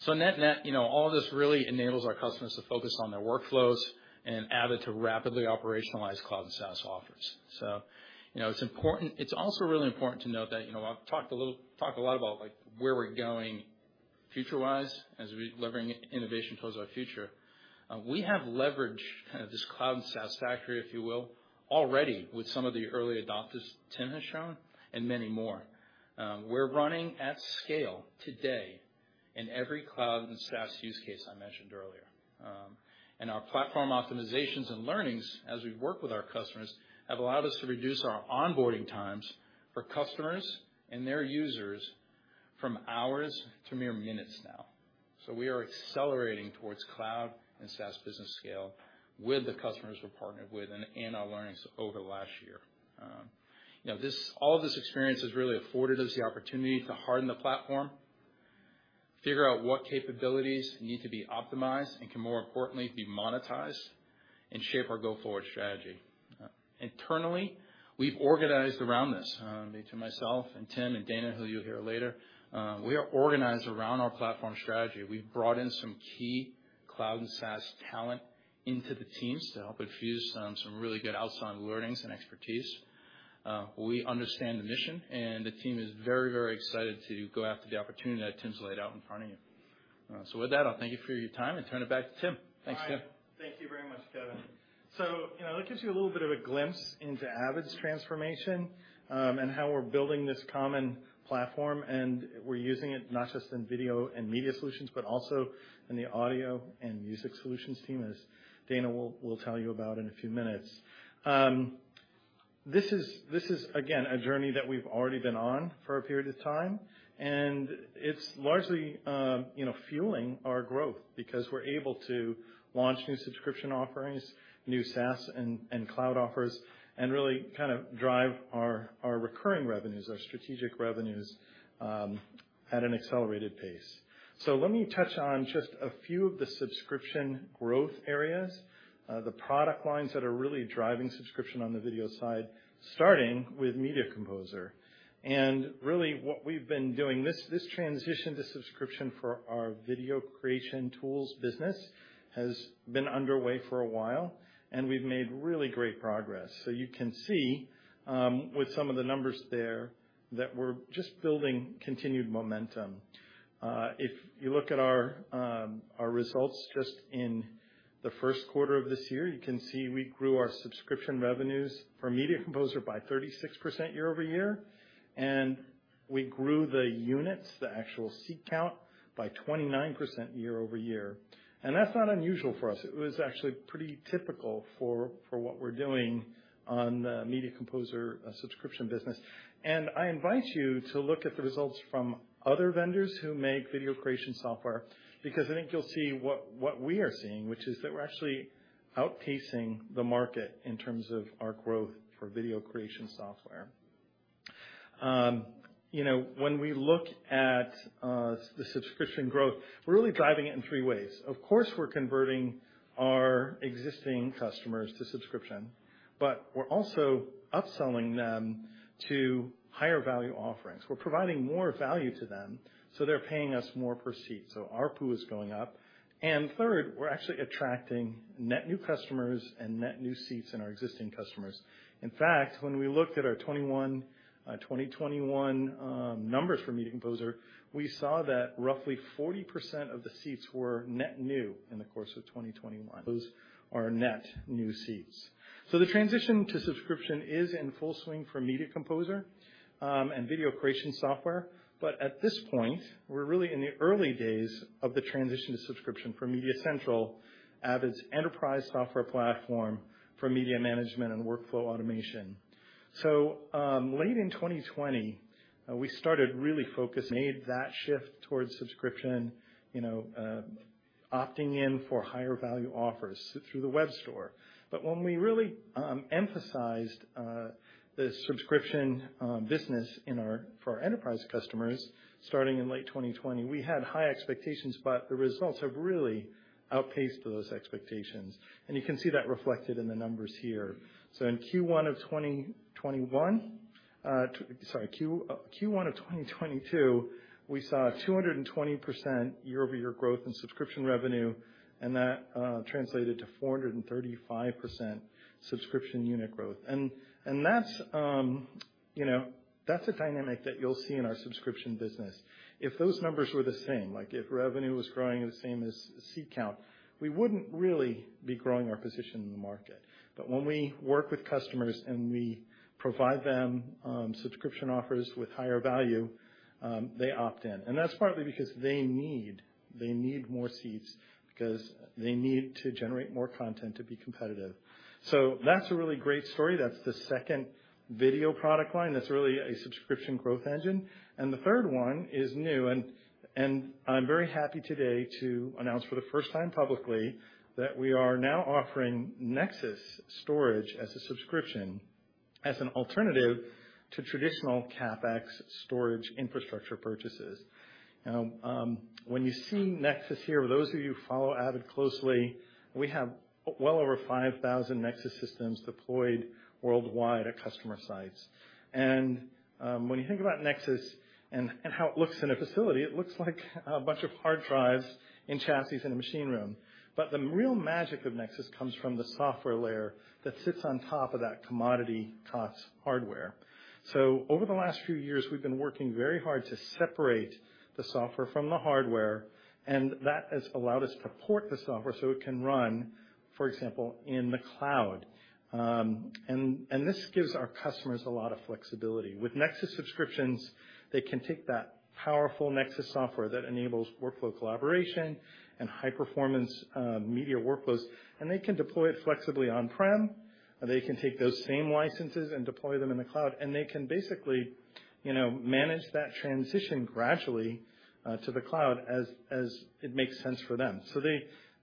Net-net, you know, all this really enables our customers to focus on their workflows and Avid to rapidly operationalize cloud and SaaS offers. You know, it's important. It's also really important to note that I've talked a little, talked a lot about, like, where we're going future-wise as we're delivering innovation towards our future. We have leveraged this cloud and SaaS factory, if you will, already with some of the early adopters Tim has shown and many more. We're running at scale today. In every cloud and SaaS use case I mentioned earlier. Our platform optimizations and learnings as we work with our customers have allowed us to reduce our onboarding times for customers and their users from hours to mere minutes now. We are accelerating towards cloud and SaaS business scale with the customers we're partnered with and our learnings over the last year. All this experience has really afforded us the opportunity to harden the platform, figure out what capabilities need to be optimized and can more importantly be monetized and shape our go-forward strategy. Internally, we've organized around this, between myself and Tim and Dana, who you'll hear later. We are organized around our platform strategy. We've brought in some key cloud and SaaS talent into the teams to help infuse some really good outside learnings and expertise. We understand the mission, and the team is very, very excited to go after the opportunity that Tim's laid out in front of you. With that, I'll thank you for your time and turn it back to Tim. Thanks, Tim. All right. Thank you very much, Kevin. That gives you a little bit of a glimpse into Avid's transformation, and how we're building this common platform, and we're using it not just in Video and Media Solutions, but also in the Audio and Music Solutions team, as Dana will tell you about in a few minutes. This is, again, a journey that we've already been on for a period of time, and it's largely fueling our growth because we're able to launch new subscription offerings, new SaaS and cloud offers, and really kind of drive our recurring revenues, our strategic revenues, at an accelerated pace. Let me touch on just a few of the subscription growth areas, the product lines that are really driving subscription on the video side, starting with Media Composer. Really what we've been doing, this transition to subscription for our video creation tools business has been underway for a while, and we've made really great progress. You can see, with some of the numbers there that we're just building continued momentum. If you look at our results just in the first quarter of this year, you can see we grew our subscription revenues for Media Composer by 36% year-over-year, and we grew the units, the actual seat count, by 29% year-over-year. That's not unusual for us. It was actually pretty typical for what we're doing on the Media Composer subscription business. I invite you to look at the results from other vendors who make video creation software, because I think you'll see what we are seeing, which is that we're actually outpacing the market in terms of our growth for video creation software. When we look at the subscription growth, we're really driving it in three ways. Of course, we're converting our existing customers to subscription, but we're also upselling them to higher value offerings. We're providing more value to them, so they're paying us more per seat, so ARPU is going up. Third, we're actually attracting net new customers and net new seats in our existing customers. In fact, when we looked at our 2021 numbers for Media Composer, we saw that roughly 40% of the seats were net new in the course of 2021, those are net new seats. The transition to subscription is in full swing for Media Composer and video creation software. At this point, we're really in the early days of the transition to subscription for MediaCentral, Avid's enterprise software platform for media management and workflow automation. Late in 2020, we made that shift towards subscription, opting in for higher value offers through the web store. When we really emphasized the subscription business for our enterprise customers starting in late 2020, we had high expectations, but the results have really outpaced those expectations. You can see that reflected in the numbers here. In Q1 of 2022, we saw 220% year-over-year growth in subscription revenue, and that translated to 435% subscription unit growth. That's a dynamic that you'll see in our subscription business. If those numbers were the same, like if revenue was growing the same as seat count, we wouldn't really be growing our position in the market. When we work with customers and we provide them subscription offers with higher value, they opt in. That's partly because they need more seats because they need to generate more content to be competitive. That's a really great story. That's the second video product line that's really a subscription growth engine. The third one is new and I'm very happy today to announce for the first time publicly that we are now offering NEXIS storage as a subscription as an alternative to traditional CapEx storage infrastructure purchases. Now, when you see NEXIS here, those of you who follow Avid closely, we have well over 5,000 NEXIS systems deployed worldwide at customer sites. When you think about NEXIS and how it looks in a facility, it looks like a bunch of hard drives and chassis in a machine room. But the real magic of NEXIS comes from the software layer that sits on top of that commodity cost hardware. Over the last few years, we've been working very hard to separate the software from the hardware, and that has allowed us to port the software so it can run, for example, in the cloud. This gives our customers a lot of flexibility. With NEXIS subscriptions, they can take that powerful NEXIS software that enables workflow collaboration and high performance, media workflows, and they can deploy it flexibly on-prem, or they can take those same licenses and deploy them in the cloud, and they can basically manage that transition gradually, to the cloud as it makes sense for them.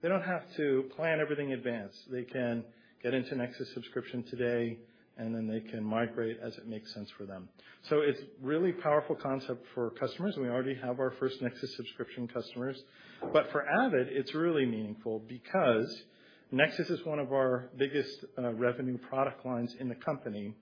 They don't have to plan everything in advance. They can get into NEXIS subscription today, and then they can migrate as it makes sense for them. It's really powerful concept for customers, and we already have our first NEXIS subscription customers. For Avid, it's really meaningful because NEXIS is one of our biggest revenue product lines in the company.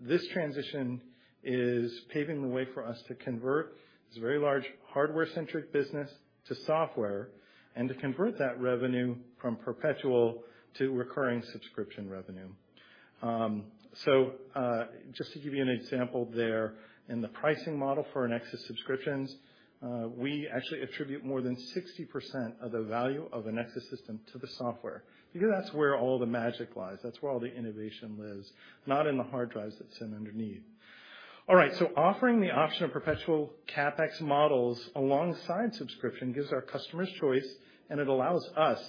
This transition is paving the way for us to convert this very large hardware-centric business to software and to convert that revenue from perpetual to recurring subscription revenue. Just to give you an example there. In the pricing model for our NEXIS subscriptions, we actually attribute more than 60% of the value of a NEXIS system to the software because that's where all the magic lies, that's where all the innovation lives, not in the hard drives that sit underneath. All right, so offering the option of perpetual CapEx models alongside subscription gives our customers choice, and it allows us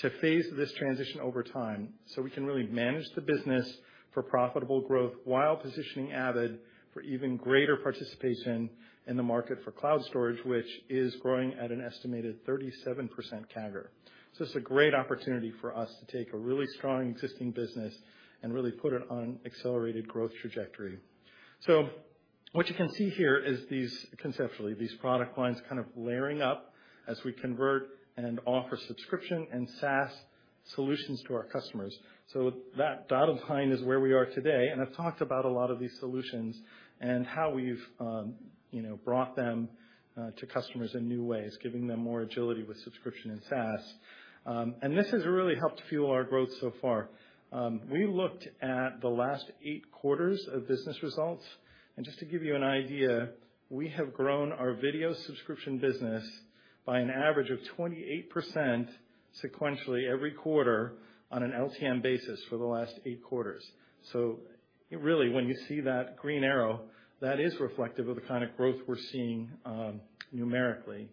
to phase this transition over time, so we can really manage the business for profitable growth while positioning Avid for even greater participation in the market for cloud storage, which is growing at an estimated 37% CAGR. It's a great opportunity for us to take a really strong existing business and really put it on accelerated growth trajectory. What you can see here is these, conceptually, these product lines kind of layering up as we convert and offer subscription and SaaS solutions to our customers. That dotted line is where we are today, and I've talked about a lot of these solutions and how we've brought them to customers in new ways, giving them more agility with subscription and SaaS. This has really helped fuel our growth so far. We looked at the last eight quarters of business results, and just to give you an idea, we have grown our video subscription business by an average of 28% sequentially every quarter on an LTM basis for the last eight quarters. Really, when you see that green arrow, that is reflective of the kind of growth we're seeing numerically.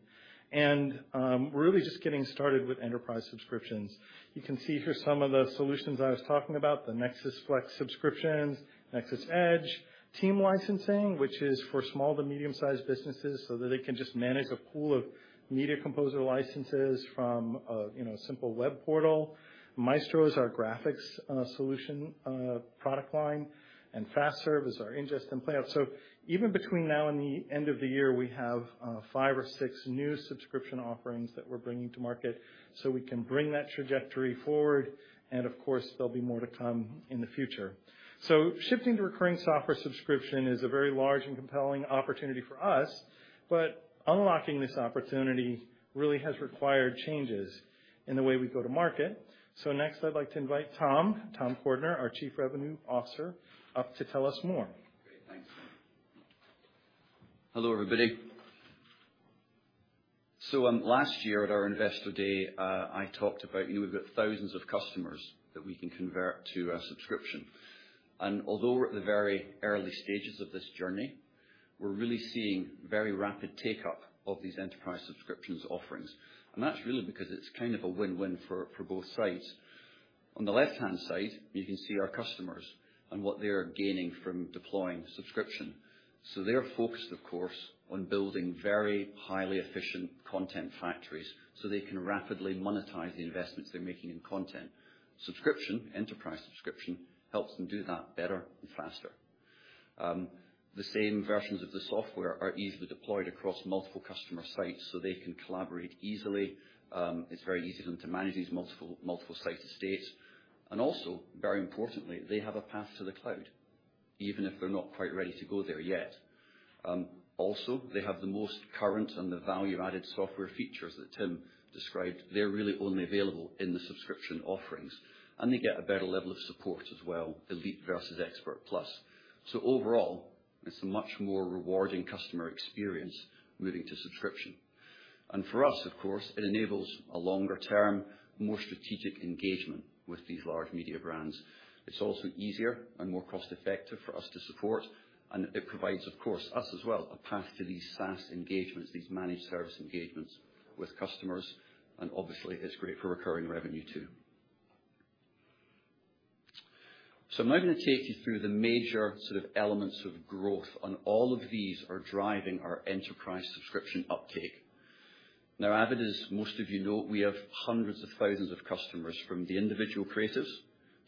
We're really just getting started with enterprise subscriptions. You can see here some of the solutions I was talking about, the NEXIS Flex subscriptions, NEXIS | Edge, Team Licensing, which is for small to medium-sized businesses, so that they can just manage a pool of Media Composer licenses from a simple web portal. Maestro is our graphics solution product line, and FastServe is our ingest and playout. Even between now and the end of the year, we have five or six new subscription offerings that we're bringing to market, so we can bring that trajectory forward, and of course, there'll be more to come in the future. Shifting to recurring software subscription is a very large and compelling opportunity for us, but unlocking this opportunity really has required changes in the way we go to market. Next, I'd like to invite Tom Cordiner, our Chief Revenue Officer, up to tell us more. Great. Thanks. Hello, everybody. Last year at our Investor Day, I talked about, we've got thousands of customers that we can convert to a subscription. Although we're at the very early stages of this journey, we're really seeing very rapid take-up of these enterprise subscriptions offerings. That's really because it's kind of a win-win for both sides. On the left-hand side, you can see our customers and what they are gaining from deploying subscription. They are focused, of course, on building very highly efficient content factories so they can rapidly monetize the investments they're making in content. Subscription, enterprise subscription, helps them do that better and faster. The same versions of the software are easily deployed across multiple customer sites so they can collaborate easily. It's very easy for them to manage these multiple site estates. Also, very importantly, they have a path to the cloud, even if they're not quite ready to go there yet. Also, they have the most current and the value-added software features that Tim described. They're really only available in the subscription offerings. They get a better level of support as well, Elite versus ExpertPlus. Overall, it's a much more rewarding customer experience moving to subscription. For us, of course, it enables a longer term, more strategic engagement with these large media brands. It's also easier and more cost-effective for us to support, and it provides, of course, us as well, a path to these SaaS engagements, these managed service engagements with customers, and obviously, it's great for recurring revenue too. I'm now gonna take you through the major elements of growth, and all of these are driving our enterprise subscription uptake. Now, Avid, as most of you know, we have hundreds of thousands of customers, from the individual creators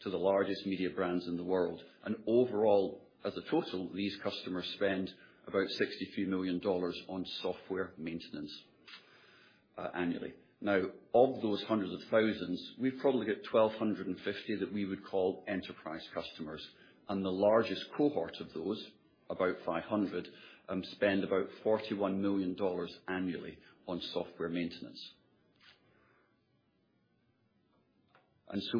to the largest media brands in the world. Overall, as a total, these customers spend about $63 million on software maintenance annually. Now, of those hundreds of thousands, we've probably got 1,250 that we would call enterprise customers. The largest cohort of those, about 500, spend about $41 million annually on software maintenance.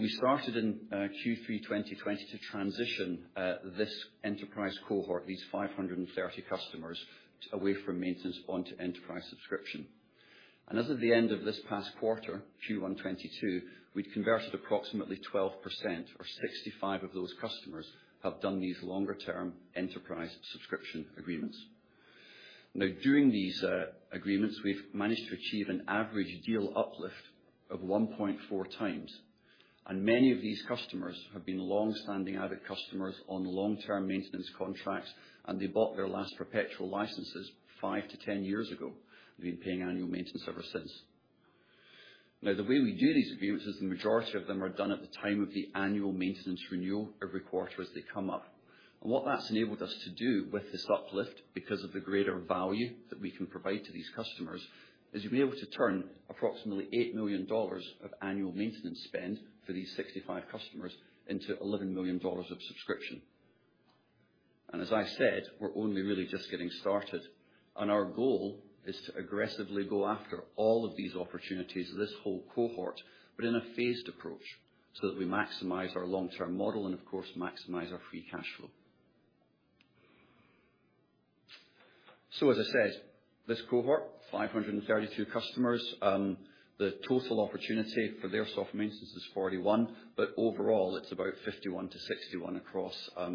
We started in Q3 2020 to transition this enterprise cohort, these 530 customers, away from maintenance onto enterprise subscription. As of the end of this past quarter, Q1 2022, we'd converted approximately 12% or 65 of those customers have done these longer term enterprise subscription agreements. Now, during these agreements, we've managed to achieve an average deal uplift of 1.4x, and many of these customers have been longstanding Avid customers on long-term maintenance contracts, and they bought their last perpetual licenses five to 10 years ago, and been paying annual maintenance ever since. Now, the way we do these agreements is the majority of them are done at the time of the annual maintenance renewal every quarter as they come up. What that's enabled us to do with this uplift, because of the greater value that we can provide to these customers, is we're able to turn approximately $8 million of annual maintenance spend for these 65 customers into $11 million of subscription. As I said, we're only really just getting started, and our goal is to aggressively go after all of these opportunities, this whole cohort, but in a phased approach, so that we maximize our long-term model and of course maximize our free cash flow. As I said, this cohort, 532 customers, the total opportunity for their software maintenance is $41 million, but overall it's about $51 million-$61 million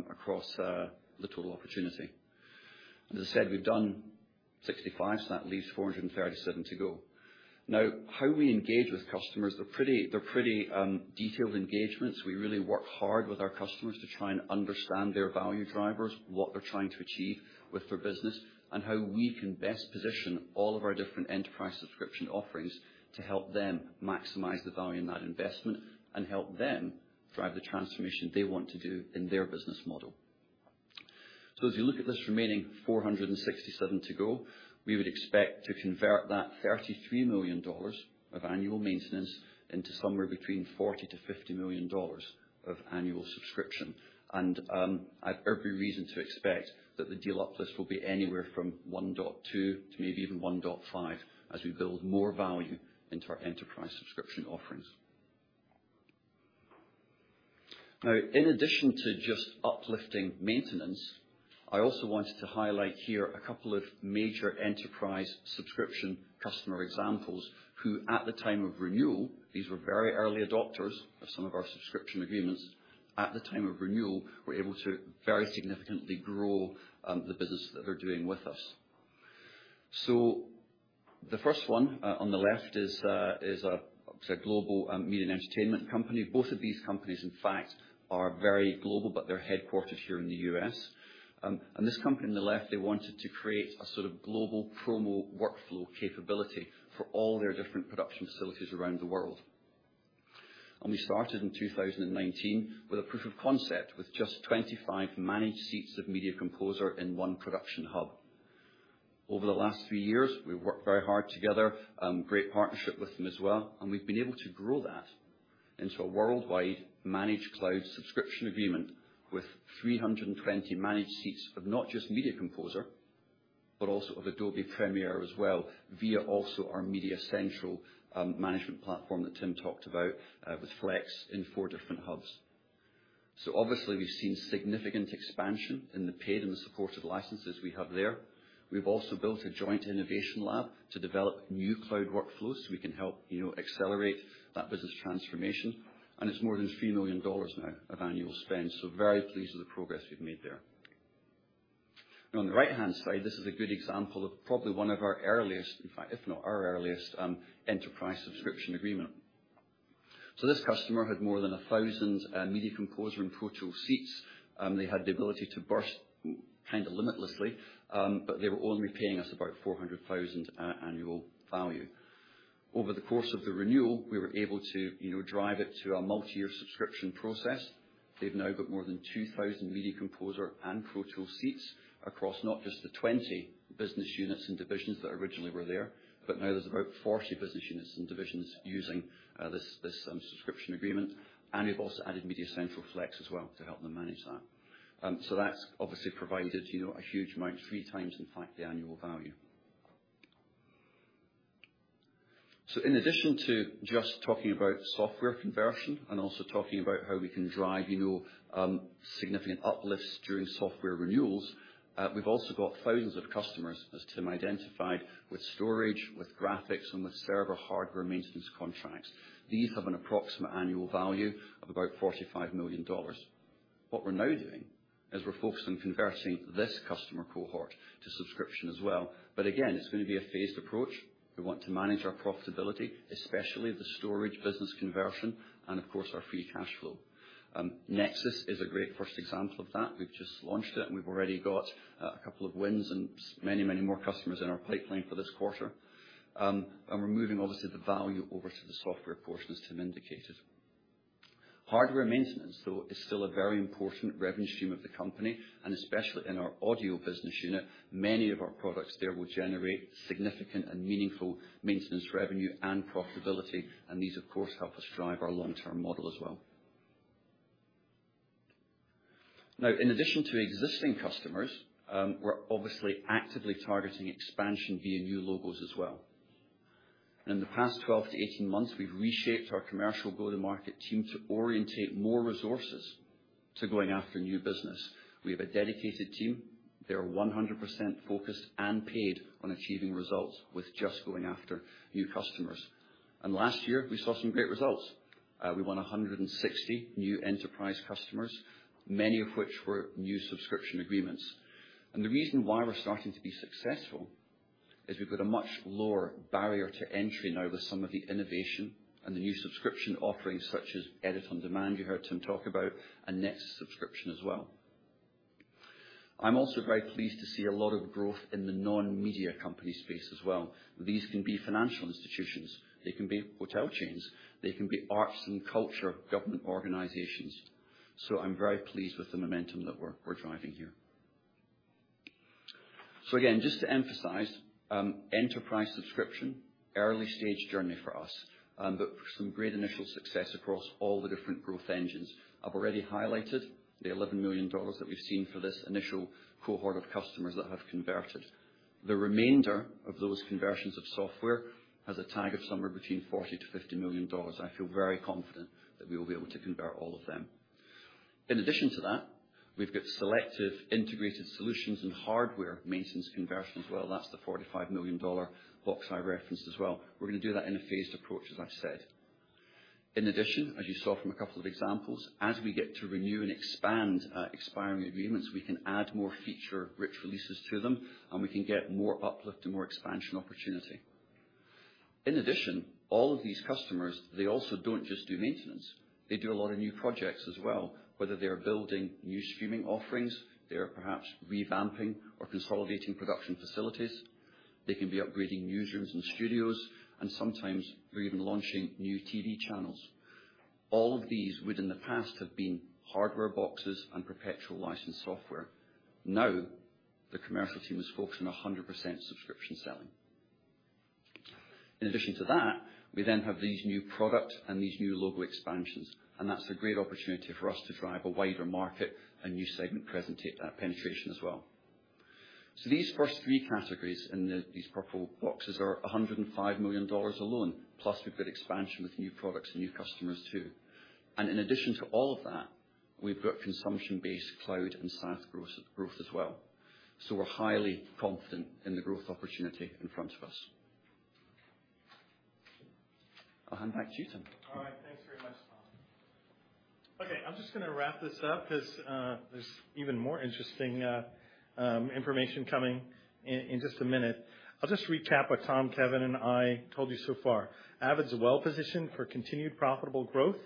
across the total opportunity. As I said, we've done 65, so that leaves 437 to go. Now, how we engage with customers, they're pretty detailed engagements. We really work hard with our customers to try and understand their value drivers, what they're trying to achieve with their business, and how we can best position all of our different enterprise subscription offerings to help them maximize the value in that investment and help them drive the transformation they want to do in their business model. As you look at this remaining 467 to go, we would expect to convert that $33 million of annual maintenance into somewhere between $40 million-$50 million of annual subscription. I have every reason to expect that the deal uplift will be anywhere from 1.2x to maybe even 1.5x as we build more value into our enterprise subscription offerings. Now, in addition to just uplifting maintenance, I also wanted to highlight here a couple of major enterprise subscription customer examples, who at the time of renewal, these were very early adopters of some of our subscription agreements, were able to very significantly grow the business that they're doing with us. The first one on the left is a global media and entertainment company. Both of these companies, in fact, are very global, but they're headquartered here in the U.S. This company on the left, they wanted to create a sort of global promo workflow capability for all their different production facilities around the world. We started in 2019 with a proof of concept with just 25 managed seats of Media Composer in one production hub. Over the last three years, we've worked very hard together, great partnership with them as well, and we've been able to grow that into a worldwide managed cloud subscription agreement with 320 managed seats of not just Media Composer, but also of Adobe Premiere as well, via also our MediaCentral management platform that Tim talked about with Flex in four different hubs. Obviously, we've seen significant expansion in the paid and the supported licenses we have there. We've also built a joint innovation lab to develop new cloud workflows, so we can help, you know, accelerate that business transformation. It's more than $3 million now of annual spend. Very pleased with the progress we've made there. Now, on the right-hand side, this is a good example of probably one of our earliest, in fact, if not our earliest, enterprise subscription agreement. This customer had more than 1,000 Media Composer and Pro Tools seats, they had the ability to burst kinda limitlessly, but they were only paying us about $400,000 annual value. Over the course of the renewal, we were able to drive it to a multi-year subscription process. They've now got more than 2,000 Media Composer and Pro Tools seats across not just the 20 business units and divisions that originally were there, but now there's about 40 business units and divisions using this subscription agreement. We've also added MediaCentral Flex as well to help them manage that. That's obviously provided a huge amount, 3x in fact, the annual value. In addition to just talking about software conversion and also talking about how we can drive significant uplifts during software renewals, we've also got thousands of customers, as Tim identified, with storage, with graphics, and with server hardware maintenance contracts. These have an approximate annual value of about $45 million. What we're now doing is we're focusing on converting this customer cohort to subscription as well. Again, it's gonna be a phased approach. We want to manage our profitability, especially the storage business conversion and of course our free cash flow. NEXIS is a great first example of that. We've just launched it, and we've already got a couple of wins and many more customers in our pipeline for this quarter. We're moving obviously the value over to the software portion, as Tim indicated. Hardware maintenance though is still a very important revenue stream of the company, and especially in our audio business unit. Many of our products there will generate significant and meaningful maintenance revenue and profitability, and these of course help us drive our long-term model as well. Now, in addition to existing customers, we're obviously actively targeting expansion via new logos as well. In the past 12-18 months, we've reshaped our commercial go-to-market team to orientate more resources to going after new business. We have a dedicated team. They are 100% focused and paid on achieving results with just going after new customers. Last year, we saw some great results. We won 160 new enterprise customers, many of which were new subscription agreements. The reason why we're starting to be successful is we've got a much lower barrier to entry now with some of the innovation and the new subscription offerings such as Edit On Demand, you heard Tim talk about, and NEXIS subscription as well. I'm also very pleased to see a lot of growth in the non-media company space as well. These can be financial institutions, they can be hotel chains, they can be arts and culture, government organizations. I'm very pleased with the momentum that we're driving here. Again, just to emphasize, enterprise subscription, early stage journey for us, but some great initial success across all the different growth engines. I've already highlighted the $11 million that we've seen for this initial cohort of customers that have converted. The remainder of those conversions of software has a tag of somewhere between $40 million-$50 million. I feel very confident that we will be able to convert all of them. In addition to that, we've got selective integrated solutions and hardware maintenance conversions. Well, that's the $45 million box I referenced as well. We're gonna do that in a phased approach, as I've said. In addition, as you saw from a couple of examples, as we get to renew and expand, expiring agreements, we can add more feature-rich releases to them, and we can get more uplift and more expansion opportunity. In addition, all of these customers, they also don't just do maintenance. They do a lot of new projects as well, whether they are building new streaming offerings, they are perhaps revamping or consolidating production facilities. They can be upgrading newsrooms and studios, and sometimes we're even launching new TV channels. All of these would in the past have been hardware boxes and perpetual licensed software. Now, the commercial team is focused on 100% subscription selling. In addition to that, we then have these new products and these new logo expansions, and that's a great opportunity for us to drive a wider market and new segment penetration as well. These first three categories in these purple boxes are $105 million alone, plus we've got expansion with new products and new customers too. In addition to all of that, we've got consumption-based cloud and SaaS growth as well. We're highly confident in the growth opportunity in front of us. I'll hand back to you, Tim. All right. Thanks very much, Tom. Okay, I'm just gonna wrap this up 'cause there's even more interesting information coming in in just a minute. I'll just recap what Tom, Kevin, and I told you so far. Avid's well-positioned for continued profitable growth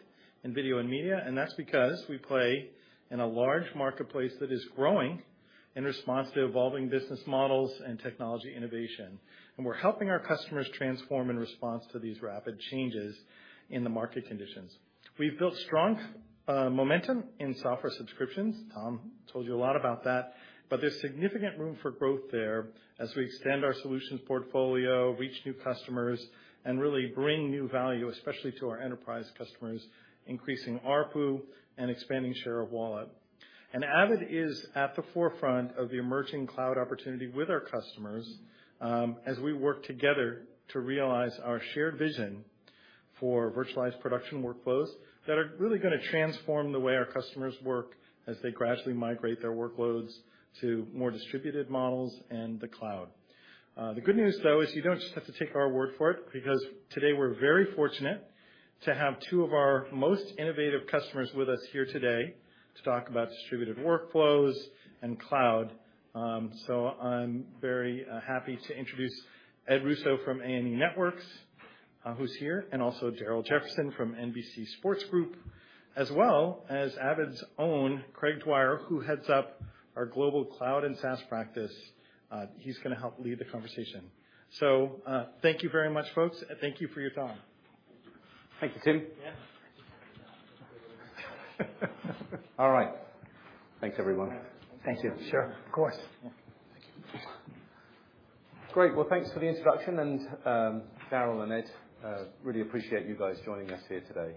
in video and media, and that's because we play in a large marketplace that is growing in response to evolving business models and technology innovation. We're helping our customers transform in response to these rapid changes in the market conditions. We've built strong momentum in software subscriptions. Tom told you a lot about that. There's significant room for growth there as we extend our solutions portfolio, reach new customers, and really bring new value, especially to our enterprise customers, increasing ARPU and expanding share of wallet. Avid is at the forefront of the emerging cloud opportunity with our customers, as we work together to realize our shared vision for virtualized production workflows that are really gonna transform the way our customers work as they gradually migrate their workloads to more distributed models and the cloud. The good news though is you don't just have to take our word for it, because today we're very fortunate to have two of our most innovative customers with us here today to talk about distributed workflows and cloud. I'm very happy to introduce Ed Russo from A+E Networks, who's here, and also Darryl Jefferson from NBC Sports Group, as well as Avid's own Craig Dwyer, who heads up our global cloud and SaaS practice. He's gonna help lead the conversation. Thank you very much, folks, and thank you for your time. Thank you, Tim. Yeah. All right. Thanks, everyone. Thank you. Sure. Of course. Great. Well, thanks for the introduction. Darryl and Ed, really appreciate you guys joining us here today.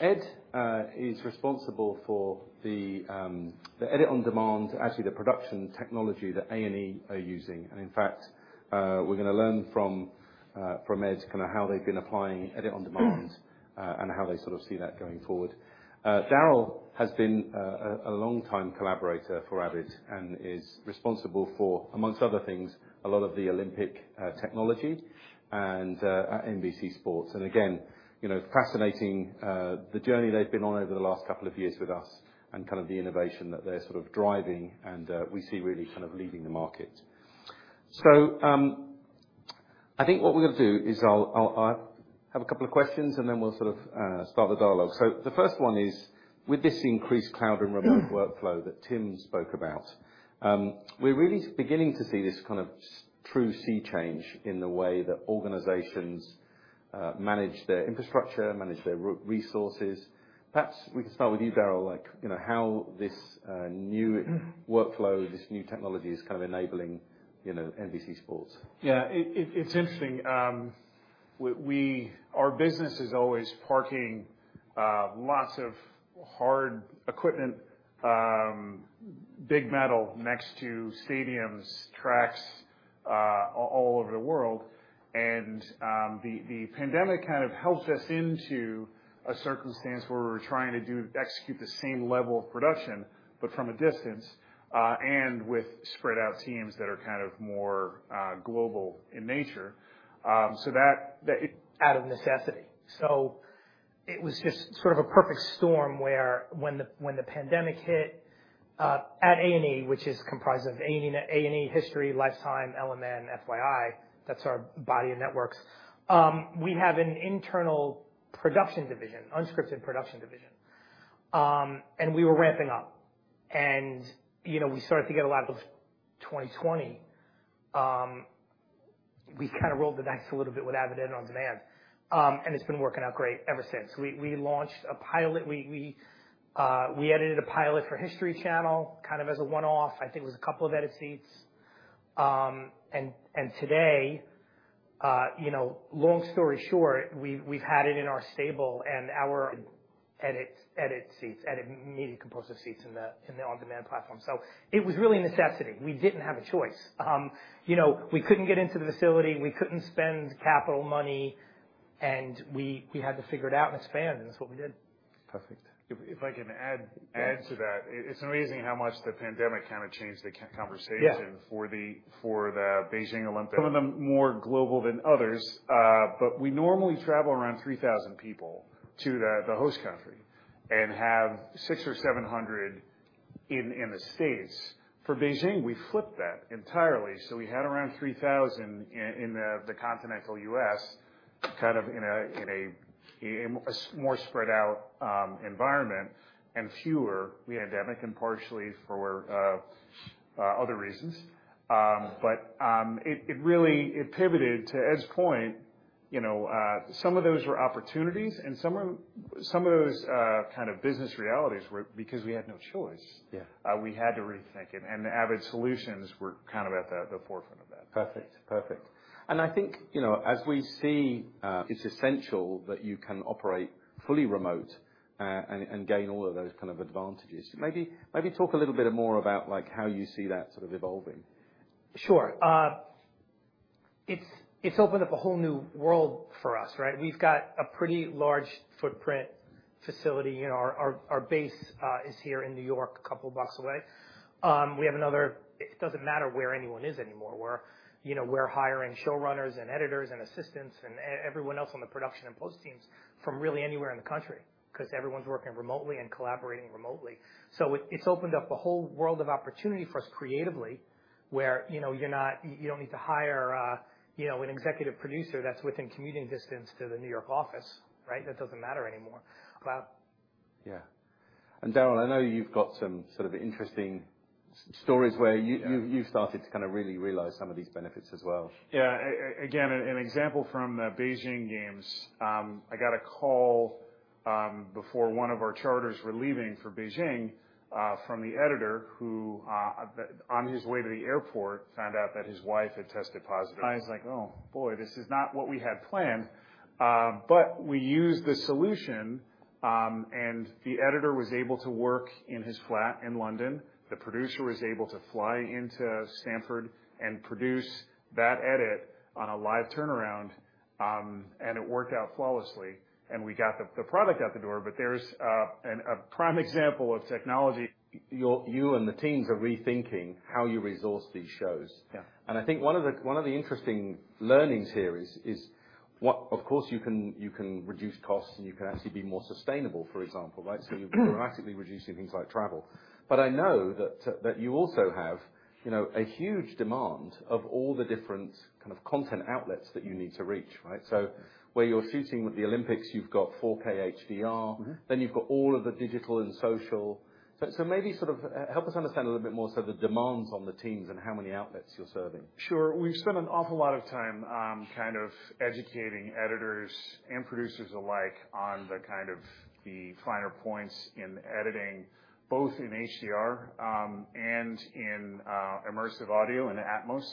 Ed is responsible for the Edit On Demand, actually the production technology that A+E are using. In fact, we're gonna learn from Ed kind of how they've been applying Edit On Demand, and how they sort of see that going forward. Darryl has been a longtime collaborator for Avid and is responsible for, amongst other things, a lot of the Olympic technology and at NBC Sports. Again, fascinating, the journey they've been on over the last couple of years with us and kind of the innovation that they're sort of driving and, we see really kind of leading the market. I think what we're gonna do is I'll have a couple of questions, and then we'll sort of start the dialogue. The first one is, with this increased cloud and remote workflow that Tim spoke about, we're really beginning to see this true sea change in the way that organizations manage their infrastructure, manage their resources. Perhaps we can start with you, Darryl, how this new workflow, this new technology is kind of enabling NBC Sports. Yeah. It's interesting. Our business is always parking lots of hard equipment, big metal next to stadiums, tracks all over the world. The pandemic kind of helped us into a circumstance where we're trying to execute the same level of production, but from a distance, and with spread out teams that are kind of more global in nature. Out of necessity. It was just sort of a perfect storm where, when the pandemic hit, at A+E, which is comprised of A+E, History, Lifetime, LMN, fyi, that's our body of networks. We have an internal production division, unscripted production division. We were ramping up. We started to get a lot of 2020, we kind of rolled the dice a little bit with Edit On Demand, and it's been working out great ever since. We edited a pilot for History Channel, kind of as a one-off. I think it was a couple of edit seats. Today, long story short, we've had it in our stable and our edit, Media Composer seats in the on-demand platform. It was really necessity. We didn't have a choice. We couldn't get into the facility, we couldn't spend capital money, and we had to figure it out and expand, and that's what we did. Perfect. If I can add to that. It's amazing how much the pandemic kind of changed the conversation. Yeah. For the Beijing Olympics. Some of them more global than others, but we normally travel around 3,000 people to the host country and have 600 or 700 in the States. For Beijing, we flipped that entirely. We had around 3,000 in the continental U.S., kind of in a more spread out environment and fewer in the end and partially for other reasons. It really pivoted to Ed's point, some of those were opportunities and some of those kind of business realities were because we had no choice. We had to rethink it, and the Avid solutions were kind of at the forefront of that. Perfect. I think, as we see, it's essential that you can operate fully remote, and gain all of those kind of advantages. Maybe talk a little bit more about like how you see that sort of evolving. Sure. It's opened up a whole new world for us, right? We've got a pretty large footprint facility. Our base is here in New York, a couple blocks away. It doesn't matter where anyone is anymore. We're hiring showrunners and editors and assistants and everyone else on the production and post teams from really anywhere in the country 'cause everyone's working remotely and collaborating remotely. It's opened up a whole world of opportunity for us creatively where you don't need to hire an executive producer that's within commuting distance to the New York office, right? That doesn't matter anymore. Yeah. Darryl, I know you've got some sort of interesting stories where you've started to kind of really realize some of these benefits as well. Again, an example from the Beijing games. I got a call before one of our charters were leaving for Beijing from the editor who on his way to the airport found out that his wife had tested positive. I was like, "Oh, boy, this is not what we had planned." We used the solution and the editor was able to work in his flat in London. The producer was able to fly into Stamford and produce that edit on a live turnaround and it worked out flawlessly and we got the product out the door. There's a prime example of technology. You and the teams are rethinking how you resource these shows. Yeah. I think one of the interesting learnings here is, of course you can reduce costs, and you can actually be more sustainable, for example, right? You're drastically reducing things like travel. I know that you also have a huge demand of all the different kind of content outlets that you need to reach, right? Where you're shooting with the Olympics, you've got 4K HDR. You've got all of the digital and social. Maybe sort of help us understand a little bit more sort of the demands on the teams and how many outlets you're serving. Sure. We've spent an awful lot of time educating editors and producers alike on the kind of the finer points in editing, both in HDR, and in immersive audio in Atmos.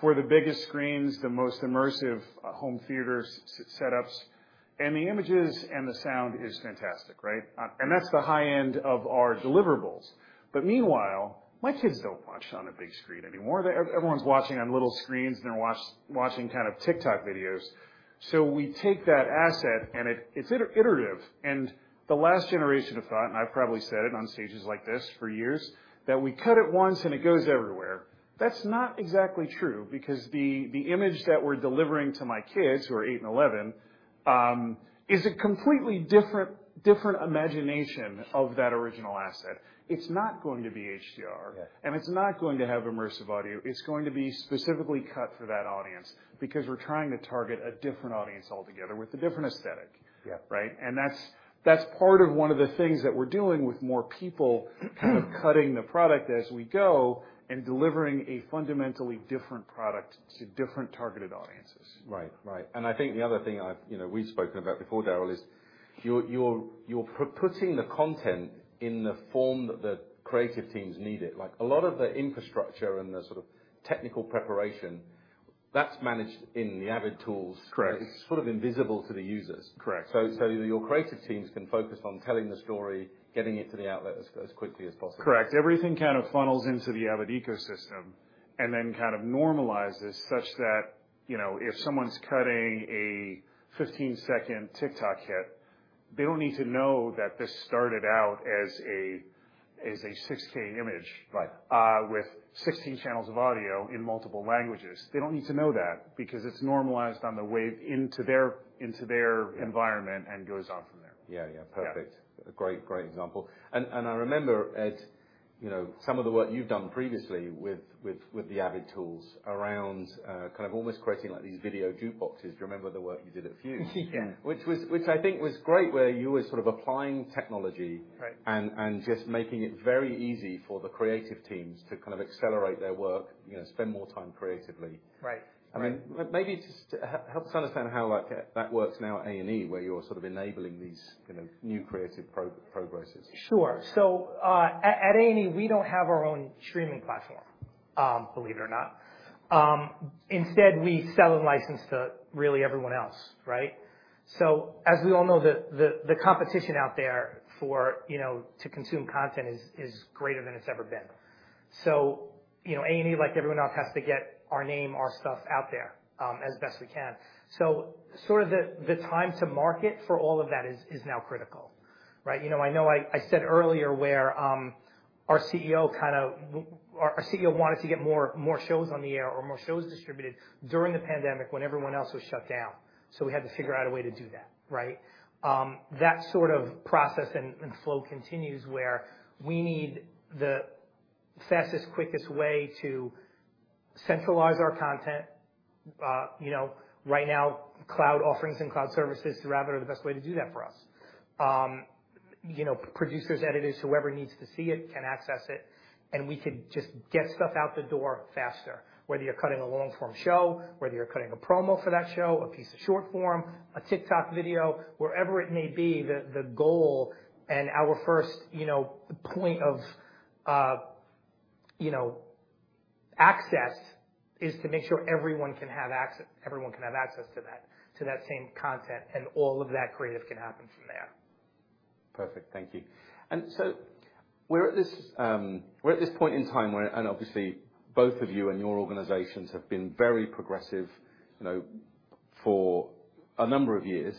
For the biggest screens, the most immersive home theater setups, and the images and the sound is fantastic, right? That's the high end of our deliverables. Meanwhile, my kids don't watch on a big screen anymore. Everyone's watching on little screens, and they're watching kind of TikTok videos. We take that asset and it's iterative. The last generation of thought, and I've probably said it on stages like this for years, that we cut it once and it goes everywhere. That's not exactly true because the image that we're delivering to my kids, who are eight and 11, is a completely different imagination of that original asset. It's not going to be HDR. It's not going to have immersive audio. It's going to be specifically cut for that audience because we're trying to target a different audience altogether with a different aesthetic. Right? That's part of one of the things that we're doing with more people kind of cutting the product as we go and delivering a fundamentally different product to different targeted audiences. Right. Right. I think the other thing I've, we've spoken about before, Darryl is, you're putting the content in the form that the creative teams need it. Like, a lot of the infrastructure and the sort of technical preparation that's managed in the Avid tools? Correct. It's sort of invisible to the users. Correct. Your creative teams can focus on telling the story, getting it to the outlet as quickly as possible. Correct. Everything kind of funnels into the Avid ecosystem and then kind of normalizes such that if someone's cutting a 15-second TikTok hit, they don't need to know that this started out as a 6K image, with 16 channels of audio in multiple languages. They don't need to know that because it's normalized on the way into their environment and goes on from there. Yeah. Perfect. Great example. I remember, Ed, you know, some of the work you've done previously with the Avid tools around kind of almost creating like these video jukeboxes. Do you remember the work you did at FUSE? Yeah. Which I think was great, where you were sort of applying technology, just making it very easy for the creative teams to kind of accelerate their work, spend more time creatively. Right. Right. I mean, maybe just help us understand how, like, that works now at A+E, where you're sort of enabling these new creative processes. Sure. At A+E, we don't have our own streaming platform, believe it or not. Instead, we sell and license to really everyone else, right? As we all know, the competition out there to consume content is greater than it's ever been. A+E, like everyone else, has to get our name, our stuff out there, as best we can. The time to market for all of that is now critical, right? I know I said earlier, where our CEO wanted to get more shows on the air or more shows distributed during the pandemic when everyone else was shut down. We had to figure out a way to do that, right? That sort of process and flow continues where we need the fastest, quickest way to centralize our content. Right now, cloud offerings and cloud services through Avid are the best way to do that for us. Producers, editors, whoever needs to see it can access it, and we can just get stuff out the door faster, whether you're cutting a long-form show, whether you're cutting a promo for that show, a piece of short form, a TikTok video. Wherever it may be, the goal and our first point of access is to make sure everyone can have access to that, to that same content, and all of that creative can happen from there. Perfect. Thank you. We're at this point in time where, and obviously, both of you and your organizations have been very progressive for a number of years.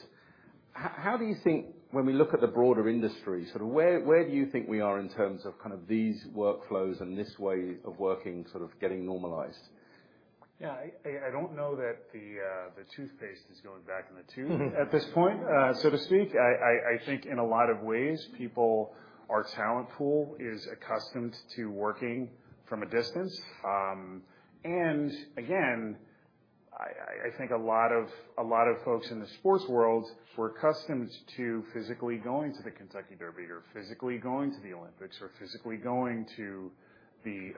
How do you think, when we look at the broader industry, sort of where do you think we are in terms of kind of these workflows and this way of working sort of getting normalized? Yeah. I don't know that the toothpaste is going back in the tube at this point, so to speak. I think in a lot of ways people, our talent pool is accustomed to working from a distance. Again, I think a lot of folks in the sports world were accustomed to physically going to the Kentucky Derby or physically going to the Olympics or physically going to the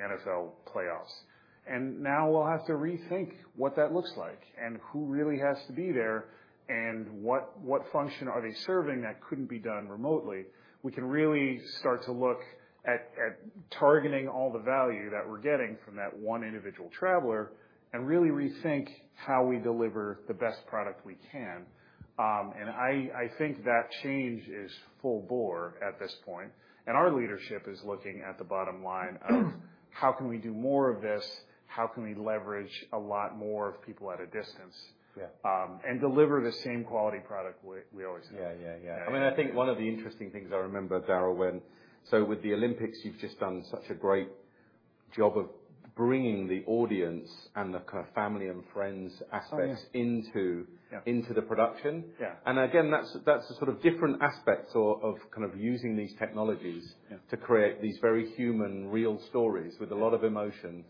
NFL playoffs. Now, we'll have to rethink what that looks like and who really has to be there and what function are they serving that couldn't be done remotely. We can really start to look at targeting all the value that we're getting from that one individual traveler and really rethink how we deliver the best product we can. I think that change is full bore at this point, and our leadership is looking at the bottom line of how can we do more of this, how can we leverage a lot more people at a distance and deliver the same quality product we always have. Yeah. I mean, I think one of the interesting things I remember, Darryl, with the Olympics, you've just done such a great job of bringing the audience and the family and friends aspect into the production. Yeah. Again, that's the sort of different aspects of kind of using these technologies to create these very human, real stories with a lot of emotion.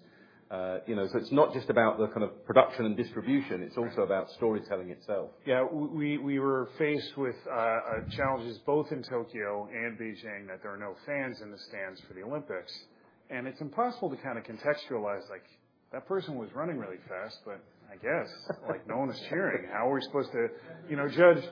It's not just about the kind of production and distribution, it's also about storytelling itself. Yeah. We were faced with challenges both in Tokyo and Beijing, that there are no fans in the stands for the Olympics. It's impossible to kind of contextualize, like, that person was running really fast, but I guess, like, no one is cheering. How are we supposed to judge?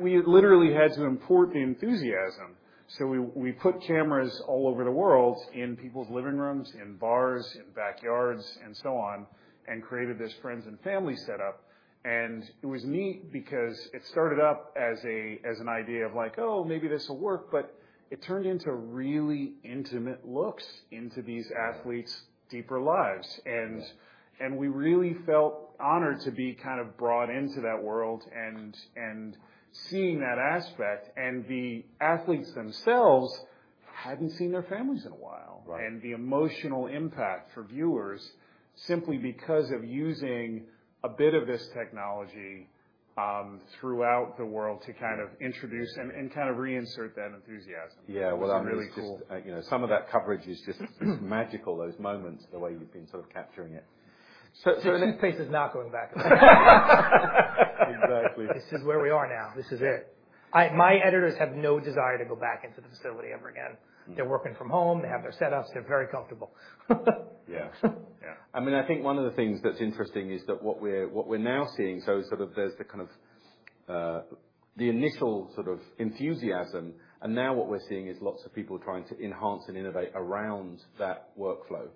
We literally had to import the enthusiasm, so we put cameras all over the world in people's living rooms, in bars, in backyards, and so on, and created this friends and family setup. It was neat because it started up as an idea of like, "Oh, maybe this will work," but it turned into really intimate looks into these athletes' deeper lives. We really felt honored to be kind of brought into that world and seeing that aspect. The athletes themselves hadn't seen their families in a while. The emotional impact for viewers, simply because of using a bit of this technology throughout the world to kind of introduce and kind of reinsert that enthusiasm. Yeah. Well, I mean, it's just. It was really cool. Some of that coverage is just magical, those moments, the way you've been sort of capturing it. The toothpaste is not going back. Exactly. This is where we are now. This is it. My editors have no desire to go back into the facility ever again. They're working from home. They have their setups. They're very comfortable. Yeah. Yeah. I mean, I think one of the things that's interesting is that what we're now seeing. There's the initial sort of enthusiasm, and now what we're seeing is lots of people trying to enhance and innovate around that workflow.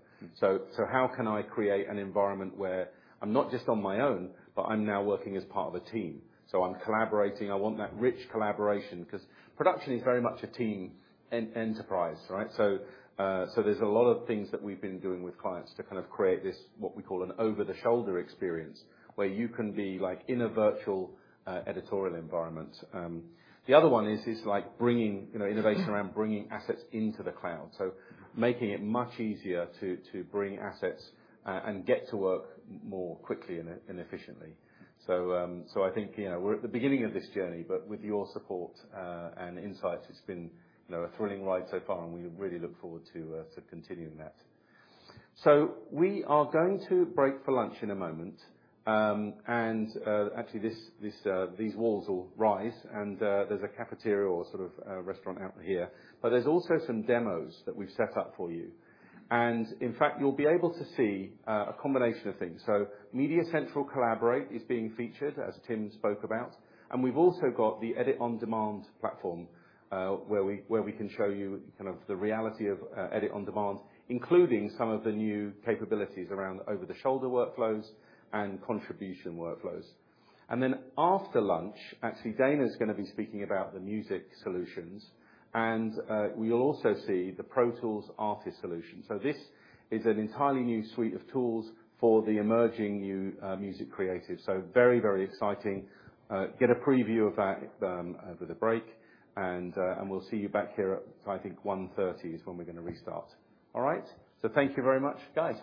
How can I create an environment where I'm not just on my own, but I'm now working as part of a team? I'm collaborating. I want that rich collaboration 'cause production is very much a team enterprise, right? There's a lot of things that we've been doing with clients to kind of create this, what we call an over-the-shoulder experience, where you can be like in a virtual editorial environment. The other one is like bringing innovation around bringing assets into the cloud. Making it much easier to bring assets and get to work more quickly and efficiently. I think we're at the beginning of this journey, but with your support and insights, it's been a thrilling ride so far, and we really look forward to continuing that. We are going to break for lunch in a moment. Actually, these walls will rise and there's a cafeteria or sort of restaurant out here. There's also some demos that we've set up for you. In fact, you'll be able to see a combination of things. MediaCentral Collaborate is being featured, as Tim spoke about. We've also got the Edit On Demand platform, where we can show you kind of the reality of Edit On Demand, including some of the new capabilities around over-the-shoulder workflows and contribution workflows. Then after lunch, actually, Dana is gonna be speaking about the Music Solutions. We'll also see the Pro Tools Artist solution. This is an entirely new suite of tools for the emerging new music creative. Very, very exciting. Get a preview of that over the break, and we'll see you back here at, I think 1:30 P.M. is when we're gonna restart. All right. Thank you very much. Guys,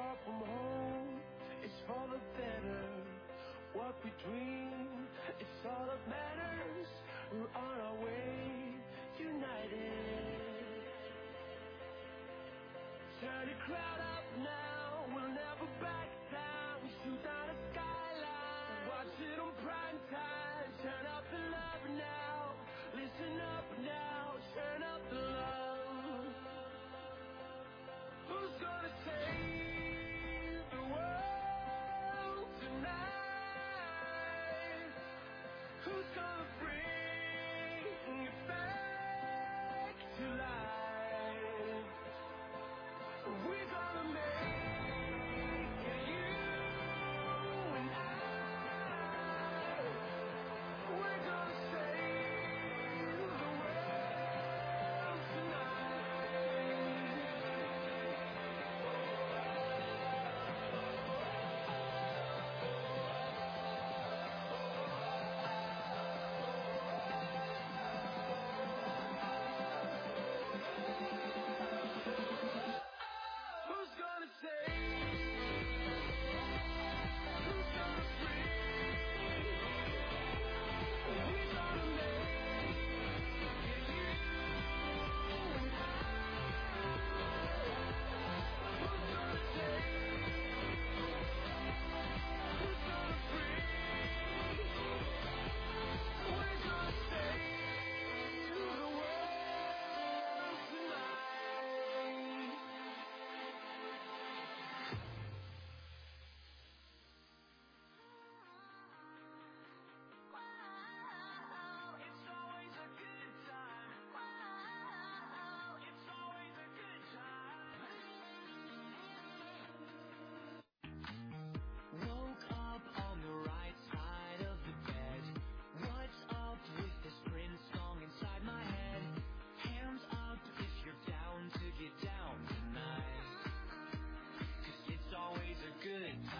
it's been a brilliant day.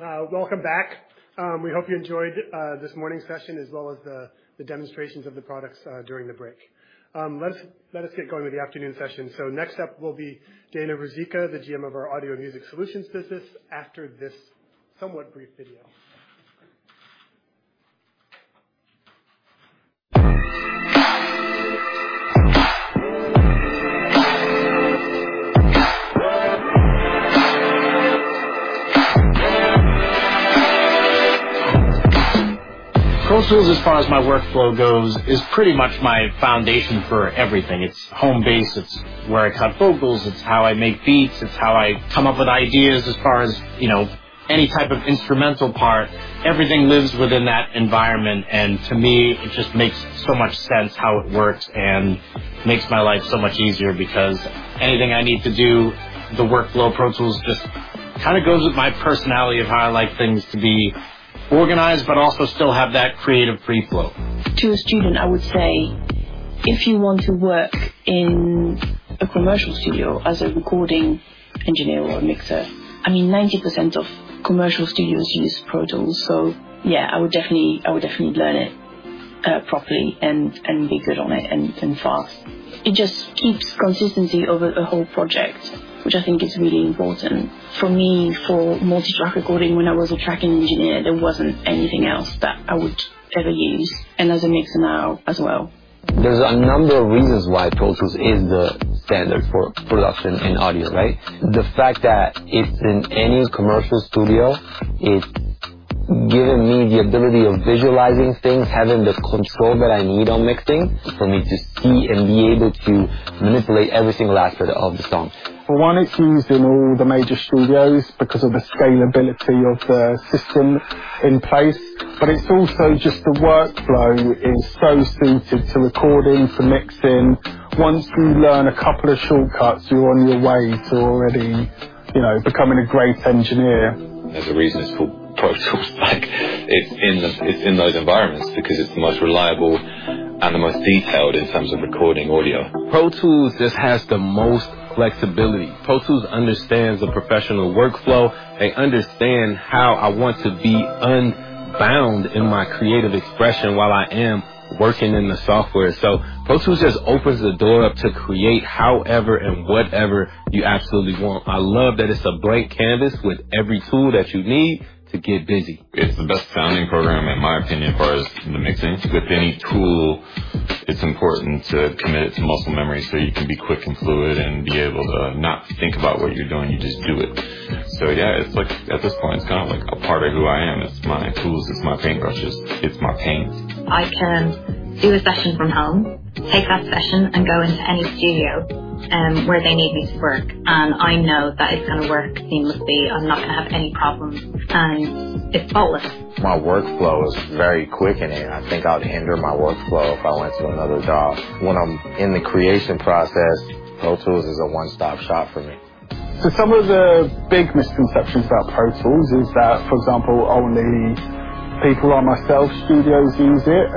Welcome back. We hope you enjoyed this morning's session as well as the demonstrations of the products during the break. Let us get going with the afternoon session. Next up will be Dana Ruzicka, the GM of our Audio and Music Solutions business after this somewhat brief video. Pro Tools, as far as my workflow goes, is pretty much my foundation for everything. It's home base. It's where I cut vocals. It's how I make beats. It's how I come up with ideas as far as, you know, any type of instrumental part. Everything lives within that environment, and to me, it just makes so much sense how it works and makes my life so much easier because anything I need to do, the workflow. Pro Tools just kinda goes with my personality of how I like things to be organized but also still have that creative free flow. To a student, I would say, if you want to work in a commercial studio as a recording engineer or a mixer, I mean, 90% of commercial studios use Pro Tools. Yeah, I would definitely learn it properly and be good on it and fast. It just keeps consistency over a whole project, which I think is really important. For me, for multi-track recording, when I was a tracking engineer, there wasn't anything else that I would ever use, and as a mixer now as well. There's a number of reasons why Pro Tools is the standard for production in audio, right? The fact that it's in any commercial studio, it's given me the ability of visualizing things, having the control that I need on mixing for me to see and be able to manipulate every single aspect of the song. For one, it's used in all the major studios because of the scalability of the system in place. It's also just the workflow is so suited to recording, to mixing. Once you learn a couple of shortcuts, you're on your way to already, you know, becoming a great engineer. There's a reason it's called Pro Tools. Like, it's in those environments because it's the most reliable and the most detailed in terms of recording audio. Pro Tools just has the most flexibility. Pro Tools understands the professional workflow. They understand how I want to be unbound in my creative expression while I am working in the software. Pro Tools just opens the door up to create however and whatever you absolutely want. I love that it's a blank canvas with every tool that you need to get busy. It's the best sounding program, in my opinion, as far as the mixing. With any tool, it's important to commit it to muscle memory, so you can be quick and fluid and be able to not think about what you're doing. You just do it. Yeah, it's like, at this point, it's kind of like a part of who I am. It's my tools, it's my paintbrushes, it's my paint. I can do a session from home, take that session, and go into any studio, where they need me to work, and I know that it's gonna work seamlessly. I'm not gonna have any problems, and it's faultless. My workflow is very quick, and I think I'd hinder my workflow if I went to another DAW. When I'm in the creation process, Pro Tools is a one-stop shop for me. Some of the big misconceptions about Pro Tools is that, for example, only people like myself, studios use it.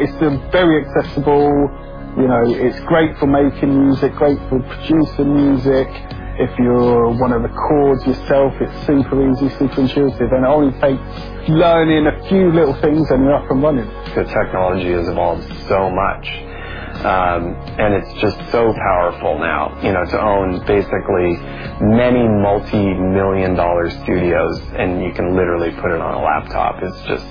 It's a very accessible, you know, it's great for making music, great for producing music. If you wanna record yourself, it's super easy, super intuitive, and it only takes learning a few little things, and you're up and running. The technology has evolved so much. It's just so powerful now, you know, to own basically many multi-million dollar studios, and you can literally put it on a laptop. It's just.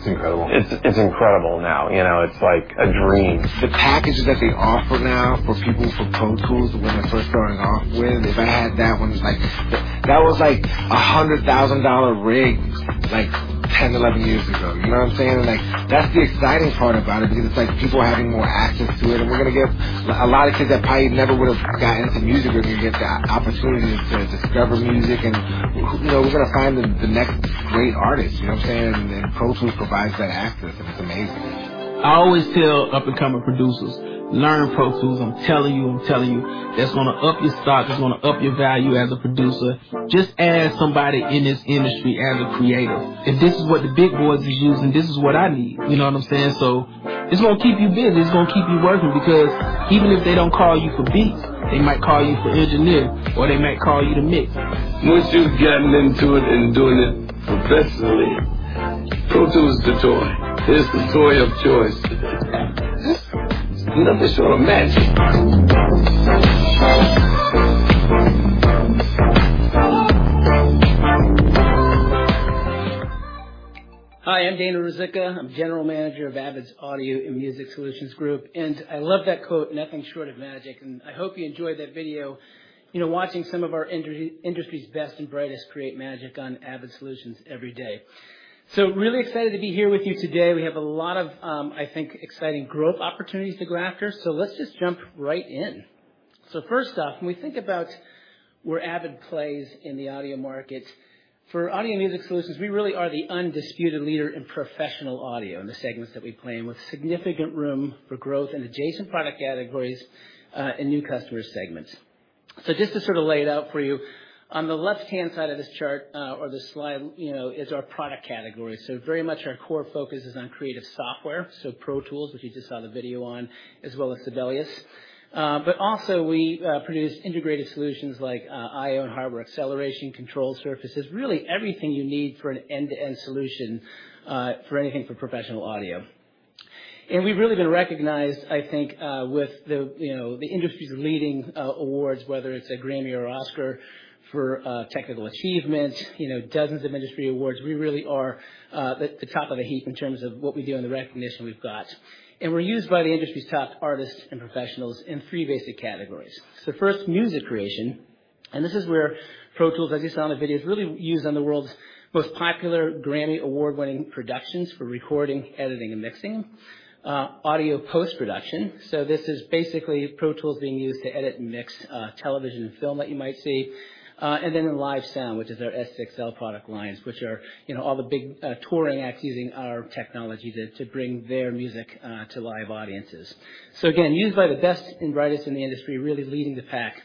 It's incredible. It's incredible now, you know. It's like a dream. The packages that they offer now for people for Pro Tools when they're first starting off with, if I had that when I was starting. Like, that was like a $100,000 rig, like 10, 11 years ago. You know what I'm saying? Like, that's the exciting part about it because it's like people having more access to it, and we're gonna get a lot of kids that probably never would have got into music. We're gonna get the opportunity to discover music, and, you know, we're gonna find the next great artist. You know what I'm saying? Pro Tools provides that access, and it's amazing. I always tell up-and-coming producers, "Learn Pro Tools. I'm telling you, I'm telling you. That's gonna up your stock. That's gonna up your value as a producer, just as somebody in this industry, as a creator. If this is what the big boys are using, this is what I need." You know what I'm saying? It's gonna keep you busy. It's gonna keep you working because even if they don't call you for beats, they might call you for engineering, or they might call you to mix. Once you've gotten into it and doing it professionally, Pro Tools is the toy. It's the toy of choice. Nothing short of magic. Hi, I'm Dana Ruzicka. I'm General Manager of Avid's Audio and Music Solutions Group, and I love that quote, "Nothing short of magic." I hope you enjoyed that video. Watching some of our industry's best and brightest create magic on Avid solutions every day. Really excited to be here with you today. We have a lot of exciting growth opportunities to go after. Let's just jump right in. First off, when we think about where Avid plays in the audio market, for Audio and Music Solutions, we really are the undisputed leader in professional audio in the segments that we play in, with significant room for growth in adjacent product categories, and new customer segments. Just to sort of lay it out for you, on the left-hand side of this chart, or this slide is our product category. Very much our core focus is on creative software, so Pro Tools, which you just saw the video on, as well as Sibelius. But also, we produce integrated solutions like IO and hardware acceleration, control surfaces, really everything you need for an end-to-end solution, for anything for professional audio. We've really been recognized, I think, with the industry's leading awards, whether it's a Grammy or Oscar for technical achievement, dozens of industry awards. We really are the top of the heap in terms of what we do and the recognition we've got. We're used by the industry's top artists and professionals in three basic categories. First, music creation, and this is where Pro Tools, as you saw in the video, is really used on the world's most popular Grammy Award-winning productions for recording, editing and mixing. Audio post-production. This is basically Pro Tools being used to edit and mix television and film that you might see. In live sound, which is our S6L product lines all the big touring acts using our technology to bring their music to live audiences. Again, used by the best and brightest in the industry, really leading the pack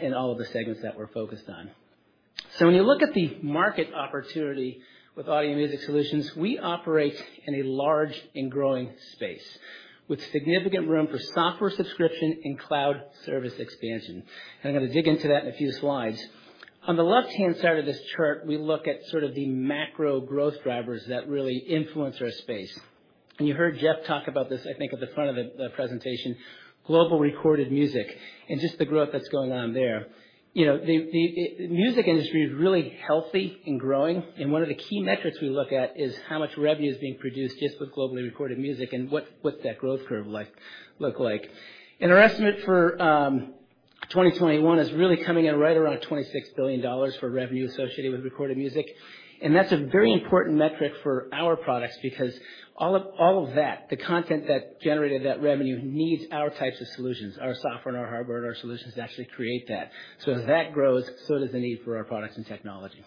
in all of the segments that we're focused on. When you look at the market opportunity with Audio and Music Solutions, we operate in a large and growing space with significant room for software subscription and cloud service expansion. I'm gonna dig into that in a few slides. On the left-hand side of this chart, we look at sort of the macro growth drivers that really influence our space. You heard Jeff talk about this, I think, at the front of the presentation, global recorded music and just the growth that's going on there. The music industry is really healthy and growing, and one of the key metrics we look at is how much revenue is being produced just with globally recorded music and what's that growth curve like. Our estimate for 2021 is really coming in right around $26 billion for revenue associated with recorded music. That's a very important metric for our products because all of that, the content that generated that revenue needs our types of solutions, our software and our hardware, and our solutions to actually create that. As that grows, so does the need for our products and technology.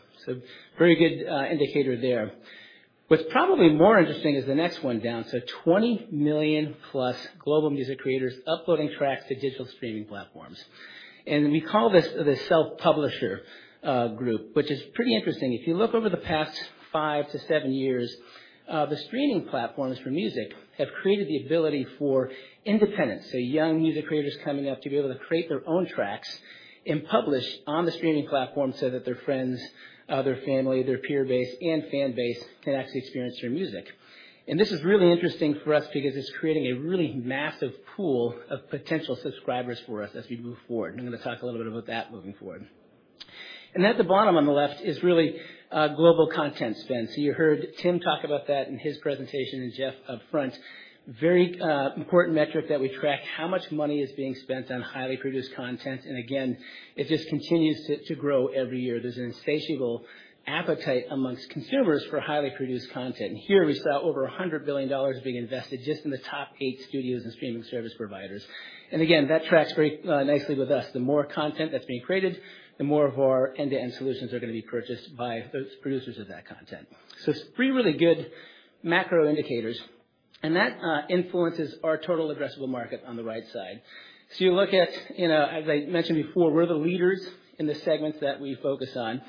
Very good indicator there. What's probably more interesting is the next one down. 20 million+ global music creators uploading tracks to digital streaming platforms. We call this the self-publisher group, which is pretty interesting. If you look over the past five to seven years, the streaming platforms for music have created the ability for independents, so young music creators coming up to be able to create their own tracks and publish on the streaming platform so that their friends, their family, their peer base and fan base can actually experience their music. This is really interesting for us because it's creating a really massive pool of potential subscribers for us as we move forward. I'm gonna talk a little bit about that moving forward. At the bottom on the left is really global content spend. You heard Tim talk about that in his presentation, and Jeff up front. Very important metric that we track, how much money is being spent on highly produced content. Again, it just continues to grow every year. There's an insatiable appetite amongst consumers for highly produced content. Here we saw over $100 billion being invested just in the top eight studios and streaming service providers. Again, that tracks very nicely with us. The more content that's being created, the more of our end-to-end solutions are gonna be purchased by those producers of that content. It's three really good macro indicators, and that influences our total addressable market on the right side. You look at, as I mentioned before, we're the leaders in the segments that we focus on,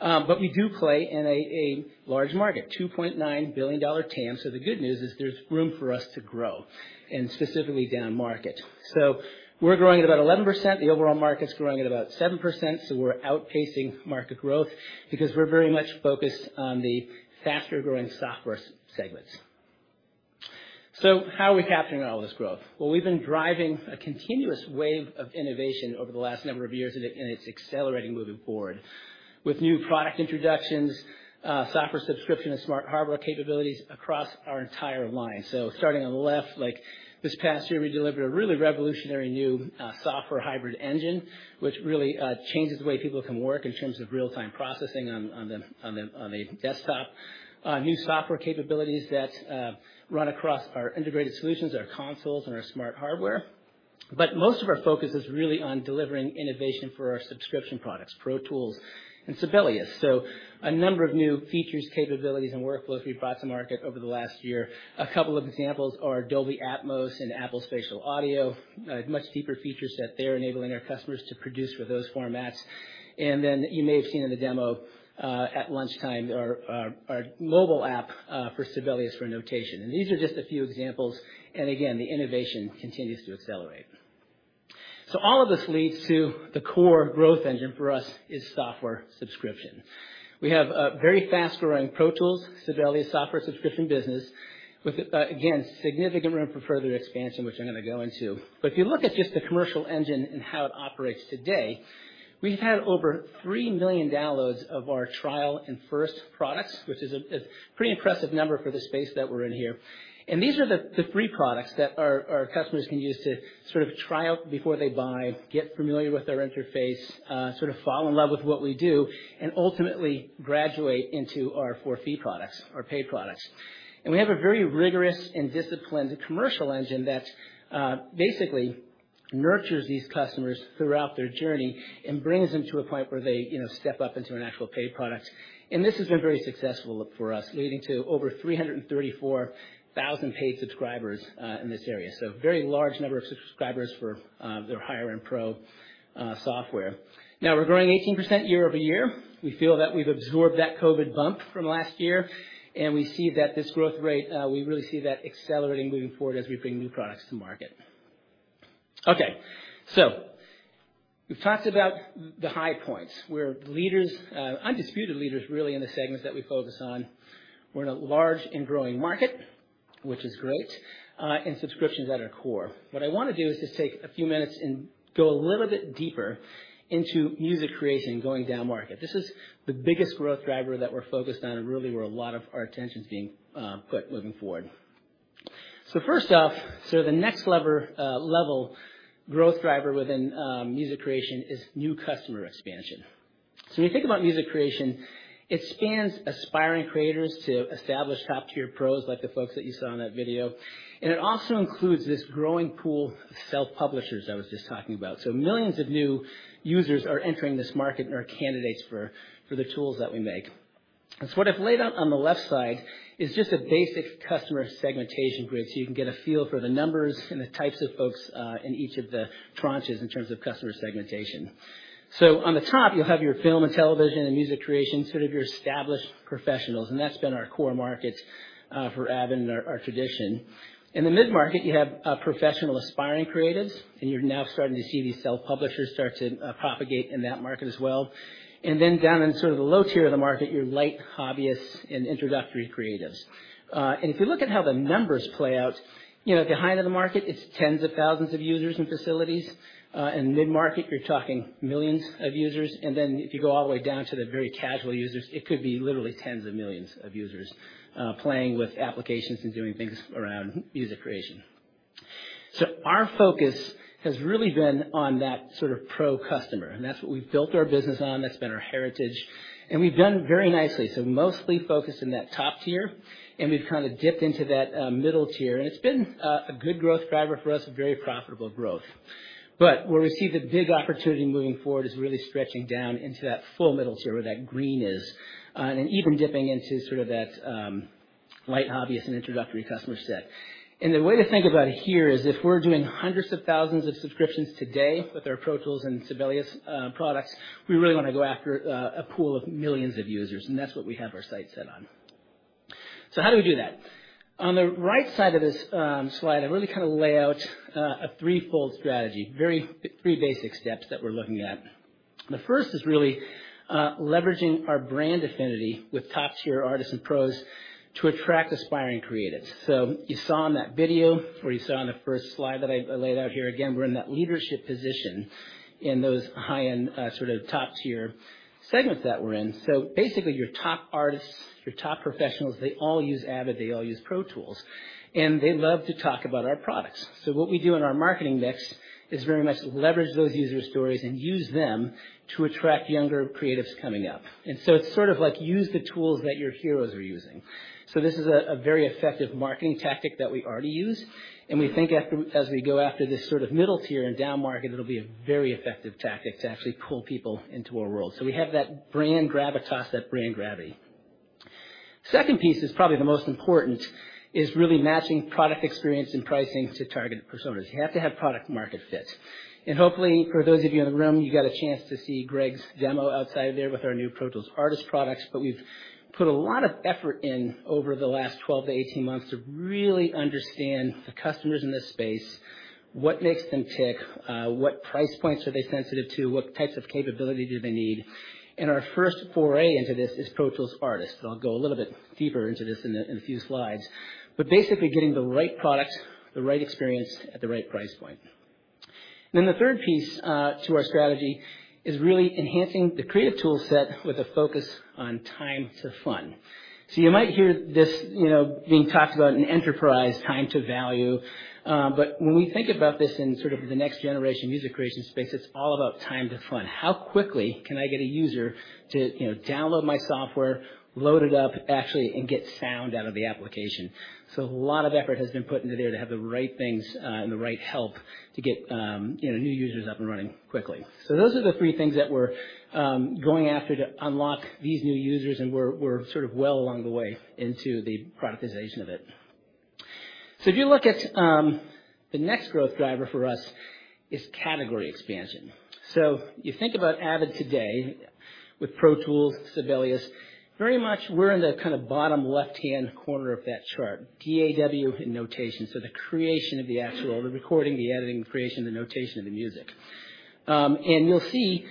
but we do play in a large market, $2.9 billion TAM. The good news is there's room for us to grow and specifically downmarket. We're growing at about 11%. The overall market's growing at about 7%. We're outpacing market growth because we're very much focused on the faster-growing software segments. How are we capturing all this growth? Well, we've been driving a continuous wave of innovation over the last number of years, and it's accelerating moving forward. With new product introductions, software subscription and smart hardware capabilities across our entire line. Starting on the left, like, this past year, we delivered a really revolutionary new software hybrid engine, which really changes the way people can work in terms of real-time processing on a desktop. New software capabilities that run across our integrated solutions, our consoles, and our smart hardware. Most of our focus is really on delivering innovation for our subscription products, Pro Tools and Sibelius. A number of new features, capabilities, and workflows we've brought to market over the last year. A couple of examples are Dolby Atmos and Apple Spatial Audio, much deeper feature set there, enabling our customers to produce with those formats. You may have seen in the demo at lunchtime our mobile app for Sibelius for notation. These are just a few examples. Again, the innovation continues to accelerate. All of this leads to the core growth engine for us is software subscription. We have a very fast-growing Pro Tools, Sibelius software subscription business with, again, significant room for further expansion, which I'm gonna go into. If you look at just the commercial engine and how it operates today, we've had over three million downloads of our trial and first products, which is a pretty impressive number for the space that we're in here. These are the free products that our customers can use to sort of try out before they buy, get familiar with our interface, sort of fall in love with what we do, and ultimately graduate into our for-fee products, our paid products. We have a very rigorous and disciplined commercial engine that's basically nurtures these customers throughout their journey and brings them to a point where they step up into an actual paid product. This has been very successful for us, leading to over 334,000 paid subscribers in this area. Very large number of subscribers for their higher end pro software. We're growing 18% year-over-year. We feel that we've absorbed that COVID bump from last year, and we see that this growth rate, we really see that accelerating moving forward as we bring new products to market. Okay. We've talked about the high points. We're leaders, undisputed leaders, really, in the segments that we focus on. We're in a large and growing market, which is great, and subscription's at our core. What I wanna do is just take a few minutes and go a little bit deeper into music creation going downmarket. This is the biggest growth driver that we're focused on and really where a lot of our attention's being put looking forward. First off, the next level growth driver within music creation is new customer expansion. When you think about music creation, it spans aspiring creators to established top-tier pros, like the folks that you saw in that video. It also includes this growing pool of self-publishers I was just talking about. Millions of new users are entering this market and are candidates for the tools that we make. What I've laid out on the left side is just a basic customer segmentation grid, so you can get a feel for the numbers and the types of folks in each of the tranches in terms of customer segmentation. On the top, you'll have your film and television and music creation, sort of your established professionals, and that's been our core market for Avid and our tradition. In the mid-market, you have professional aspiring creatives, and you're now starting to see these self-publishers start to propagate in that market as well. Down in sort of the low tier of the market, your light hobbyists and introductory creatives. If you look at how the numbers play out, at the high end of the market, it's tens of thousands of users and facilities. In mid-market, you're talking millions of users. If you go all the way down to the very casual users, it could be literally tens of millions of users playing with applications and doing things around music creation. Our focus has really been on that sort of pro customer, and that's what we've built our business on. That's been our heritage. We've done very nicely. Mostly focused in that top tier, and we've kind of dipped into that middle tier. It's been a good growth driver for us, a very profitable growth. Where we see the big opportunity moving forward is really stretching down into that full middle tier where that green is, and even dipping into sort of that light hobbyist and introductory customer set. The way to think about it here is if we're doing hundreds of thousands of subscriptions today with our Pro Tools and Sibelius products, we really wanna go after a pool of millions of users, and that's what we have our sights set on. How do we do that? On the right side of this slide, I really kind of lay out a threefold strategy, three basic steps that we're looking at. The first is really leveraging our brand affinity with top-tier artists and pros to attract aspiring creatives. You saw in that video, or you saw on the first slide that I laid out here, again, we're in that leadership position in those high-end sort of top-tier segments that we're in. Basically, your top artists, your top professionals, they all use Avid, they all use Pro Tools, and they love to talk about our products. What we do in our marketing mix is very much leverage those user stories and use them to attract younger creatives coming up. It's sort of like use the tools that your heroes are using. This is a very effective marketing tactic that we already use, and we think after. As we go after this sort of middle tier and downmarket, it'll be a very effective tactic to actually pull people into our world. We have that brand gravitas, that brand gravity. Second piece is probably the most important, is really matching product experience and pricing to targeted personas. You have to have product market fit. Hopefully, for those of you in the room, you got a chance to see Greg's demo outside of there with our new Pro Tools Artist products. We've put a lot of effort in over the last 12-18 months to really understand the customers in this space, what makes them tick, what price points are they sensitive to, what types of capability do they need. Our first foray into this is Pro Tools Artist, and I'll go a little bit deeper into this in a few slides. Basically getting the right product, the right experience at the right price point. The third piece to our strategy is really enhancing the creative tool set with a focus on time to fun. You might hear this being talked about in enterprise time to value, but when we think about this in sort of the next generation music creation space, it's all about time to fun. How quickly can I get a user to, you know, download my software, load it up actually, and get sound out of the application? A lot of effort has been put into there to have the right things, and the right help to get new users up and running quickly. Those are the three things that we're going after to unlock these new users, and we're sort of well along the way into the productization of it. If you look at, the next growth driver for us is category expansion. You think about Avid today with Pro Tools, Sibelius, very much we're in the kind of bottom left-hand corner of that chart, DAW and Notation, so the creation of the actual the recording, the editing, the creation, the notation of the music. You'll see,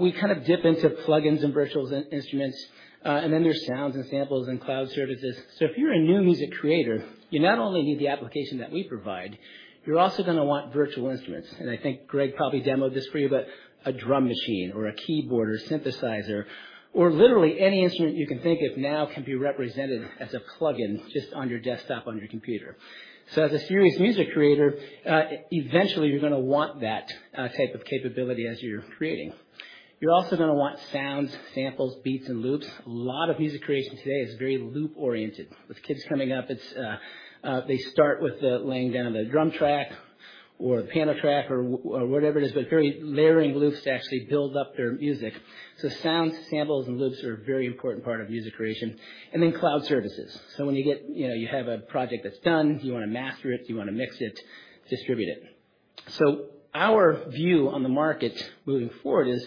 we kind of dip into plugins and virtual instruments, and then there's sounds and samples and cloud services. If you're a new music creator, you not only need the application that we provide, you're also gonna want virtual instruments, and I think Greg probably demoed this for you. A drum machine or a keyboard or synthesizer or literally any instrument you can think of now can be represented as a plugin just on your desktop on your computer. As a serious music creator, eventually you're gonna want that type of capability as you're creating. You're also gonna want sounds, samples, beats, and loops. A lot of music creation today is very loop-oriented. With kids coming up, it's they start with the laying down of the drum track or the piano track or whatever it is, but very layering loops to actually build up their music. Sounds, samples, and loops are a very important part of music creation. Then cloud services. When you have a project that's done, you wanna master it, you wanna mix it, distribute it. Our view on the market moving forward is,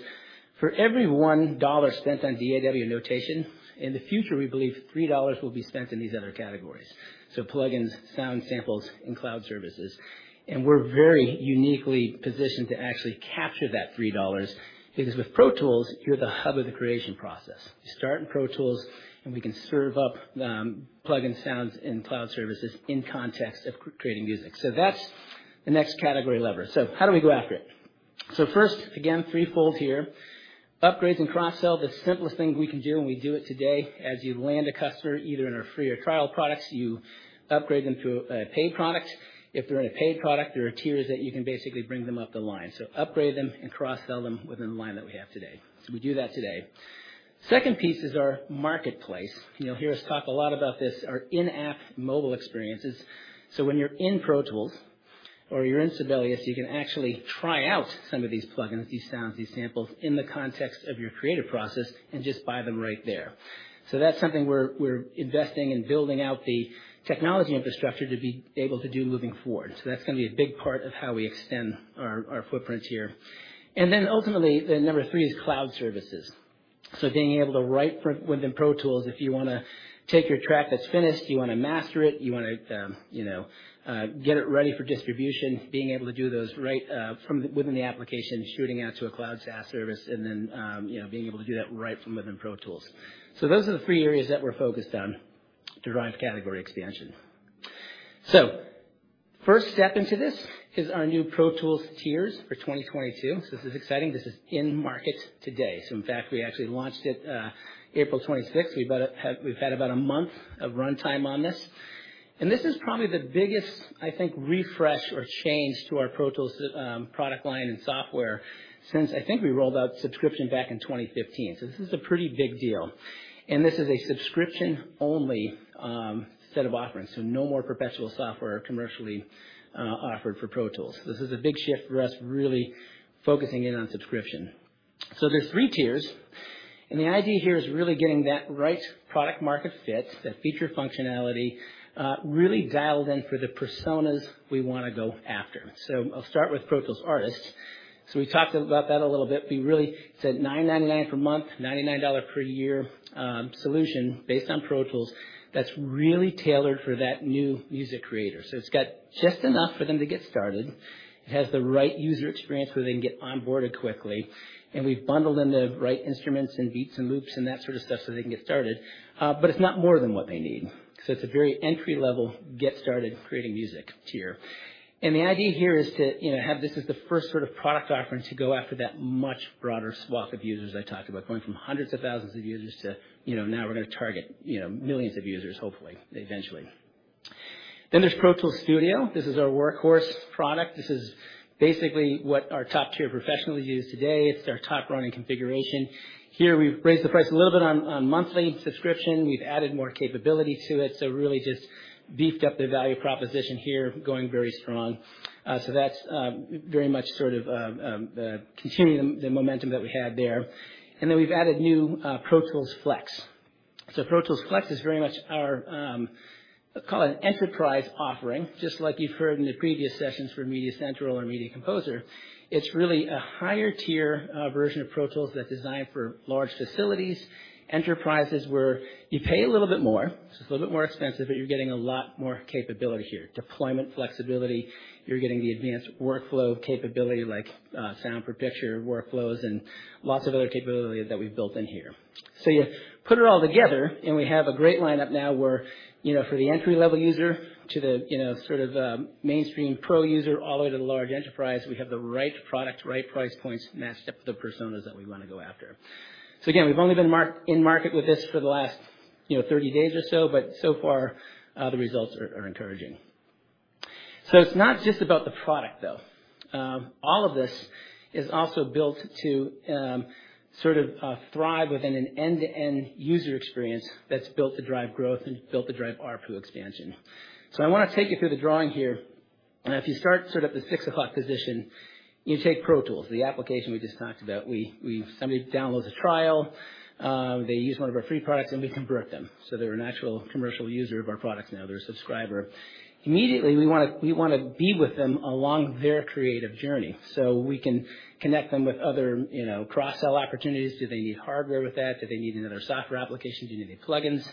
for every $1 spent on DAW and notation, in the future, we believe $3 will be spent in these other categories, so plug-ins, sound samples, and cloud services. We're very uniquely positioned to actually capture that $3, because with Pro Tools, you're the hub of the creation process. You start in Pro Tools, and we can serve up plug-in sounds and cloud services in context of creating music. That's the next category lever. How do we go after it? First, again, threefold here. Upgrades and cross-sell, the simplest thing we can do, and we do it today. As you land a customer, either in our free or trial products, you upgrade them to a paid product. If they're in a paid product, there are tiers that you can basically bring them up the line. Upgrade them and cross-sell them within the line that we have today. We do that today. Second piece is our marketplace. You'll hear us talk a lot about this, our in-app mobile experiences. When you're in Pro Tools or you're in Sibelius, you can actually try out some of these plugins, these sounds, these samples, in the context of your creative process and just buy them right there. That's something we're investing in building out the technology infrastructure to be able to do moving forward. That's gonna be a big part of how we extend our footprint here. Ultimately, the number three is cloud services. Being able to write from within Pro Tools, if you wanna take your track that's finished, you wanna master it, you wanna get it ready for distribution, being able to do those right from within the application, shooting out to a cloud SaaS service, and then being able to do that right from within Pro Tools. Those are the three areas that we're focused on to drive category expansion. First step into this is our new Pro Tools tiers for 2022. This is exciting. This is in market today. In fact, we actually launched it April 26th. We've had about a month of runtime on this. This is probably the biggest, I think, refresh or change to our Pro Tools product line and software since I think we rolled out subscription back in 2015. This is a pretty big deal. This is a subscription-only set of offerings, so no more perpetual software commercially offered for Pro Tools. This is a big shift for us, really focusing in on subscription. There's three tiers, and the idea here is really getting that right product market fit, that feature functionality really dialed in for the personas we wanna go after. I'll start with Pro Tools Artist. We talked about that a little bit. We really said $9.99 per month, $99 per year, solution based on Pro Tools that's really tailored for that new music creator. It's got just enough for them to get started. It has the right user experience where they can get onboarded quickly, and we've bundled in the right instruments and beats and loops and that sort of stuff so they can get started, but it's not more than what they need. It's a very entry-level, get started creating music tier. The idea here is to have this as the first sort of product offering to go after that much broader swath of users I talked about, going from hundreds of thousands of users to now we're gonna target millions of users, hopefully, eventually. There's Pro Tools Studio. This is our workhorse product. This is basically what our top-tier professionals use today. It's our top running configuration. Here, we've raised the price a little bit on monthly subscription. We've added more capability to it, so really just beefed up the value proposition here, going very strong. That's continuing the momentum that we had there. We've added new Pro Tools Flex. Pro Tools Flex is very much our, let's call it an enterprise offering. Just like you've heard in the previous sessions for MediaCentral or Media Composer, it's really a higher-tier version of Pro Tools that's designed for large facilities, enterprises where you pay a little bit more, it's just a little bit more expensive, but you're getting a lot more capability here, deployment flexibility. You're getting the advanced workflow capability like sound for picture workflows and lots of other capabilities that we've built in here. You put it all together, and we have a great lineup now where, for the entry-level user to the mainstream pro user, all the way to the large enterprise, we have the right product, right price points matched up with the personas that we wanna go after. Again, we've only been in market with this for the last 30 days or so, but so far, the results are encouraging. It's not just about the product, though. All of this is also built to, sort of, thrive within an end-to-end user experience that's built to drive growth and built to drive ARPU expansion. I wanna take you through the drawing here, and if you start sort of the six o'clock position, you take Pro Tools, the application we just talked about. Somebody downloads a trial, they use one of our free products, and we convert them, so they're a natural commercial user of our products now. They're a subscriber. Immediately, we wanna be with them along their creative journey, so we can connect them with other cross-sell opportunities. Do they need hardware with that? Do they need another software application? Do they need plugins?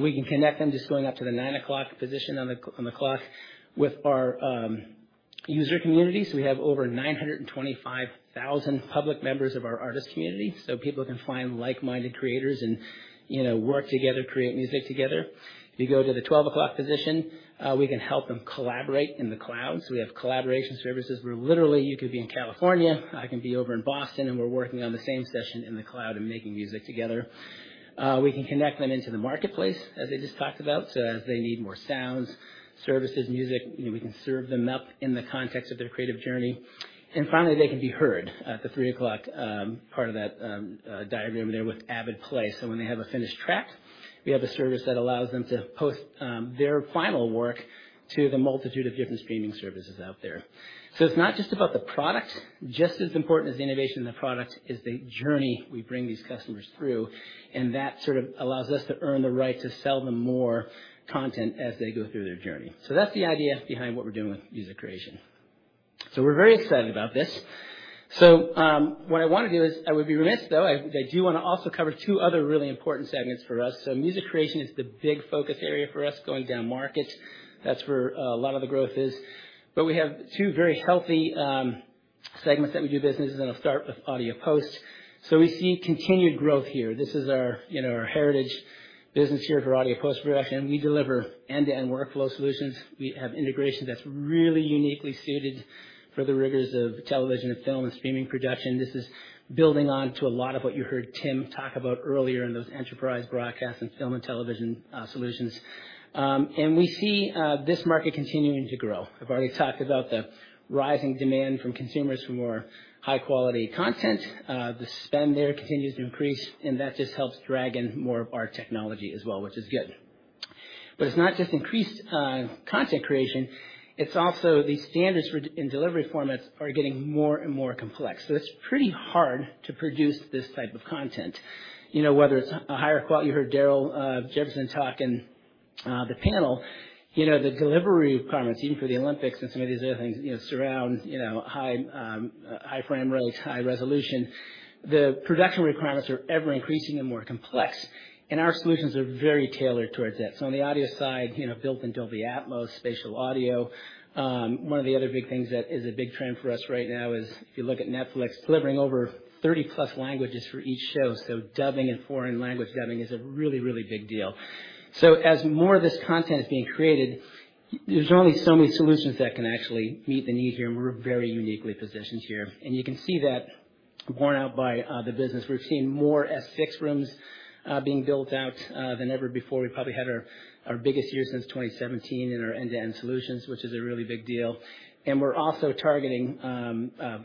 We can connect them just going up to the nine o'clock position on the clock with our user communities. We have over 925,000 public members of our artist community, so people can find like-minded creators and work together, create music together. If you go to the 12 o'clock position, we can help them collaborate in the cloud. We have collaboration services where literally you could be in California, I can be over in Boston, and we're working on the same session in the cloud and making music together. We can connect them into the marketplace, as I just talked about, so as they need more sounds, services, music, we can serve them up in the context of their creative journey. Finally, they can be heard at the three o'clock part of that diagram there with AvidPlay. When they have a finished track, we have a service that allows them to post their final work to the multitude of different streaming services out there. It's not just about the product. Just as important as the innovation in the product is the journey we bring these customers through, and that sort of allows us to earn the right to sell them more content as they go through their journey. That's the idea behind what we're doing with music creation. We're very excited about this. What I wanna do is I would be remiss, though, I do wanna also cover two other really important segments for us. Music creation is the big focus area for us going down market. That's where a lot of the growth is. We have two very healthy, segments that we do business in, and I'll start with audio post. We see continued growth here. This is our heritage business here for audio post-production. We deliver end-to-end workflow solutions. We have integrations that's really uniquely suited for the rigors of television and film and streaming production. This is building on to a lot of what you heard Tim talk about earlier in those enterprise broadcast and film and television solutions. We see this market continuing to grow. I've already talked about the rising demand from consumers for more high-quality content. The spend there continues to increase, and that just helps drag in more of our technology as well, which is good. It's not just increased content creation, it's also the standards for delivery formats are getting more and more complex. It's pretty hard to produce this type of content, whether it's a higher quality. You heard Darryl Jefferson talk on the panel. The delivery requirements even for the Olympics and some of these other things, surround, high frame rates, high resolution. The production requirements are ever increasing and more complex, and our solutions are very tailored towards that. On the audio side, built in Dolby Atmos, spatial audio. One of the other big things that is a big trend for us right now is if you look at Netflix delivering over 30+ languages for each show, dubbing and foreign language dubbing is a really, really big deal. As more of this content is being created, there's only so many solutions that can actually meet the need here, and we're very uniquely positioned here. You can see that borne out by the business. We're seeing more S6 rooms being built out than ever before. We probably had our biggest year since 2017 in our end-to-end solutions, which is a really big deal. We're also targeting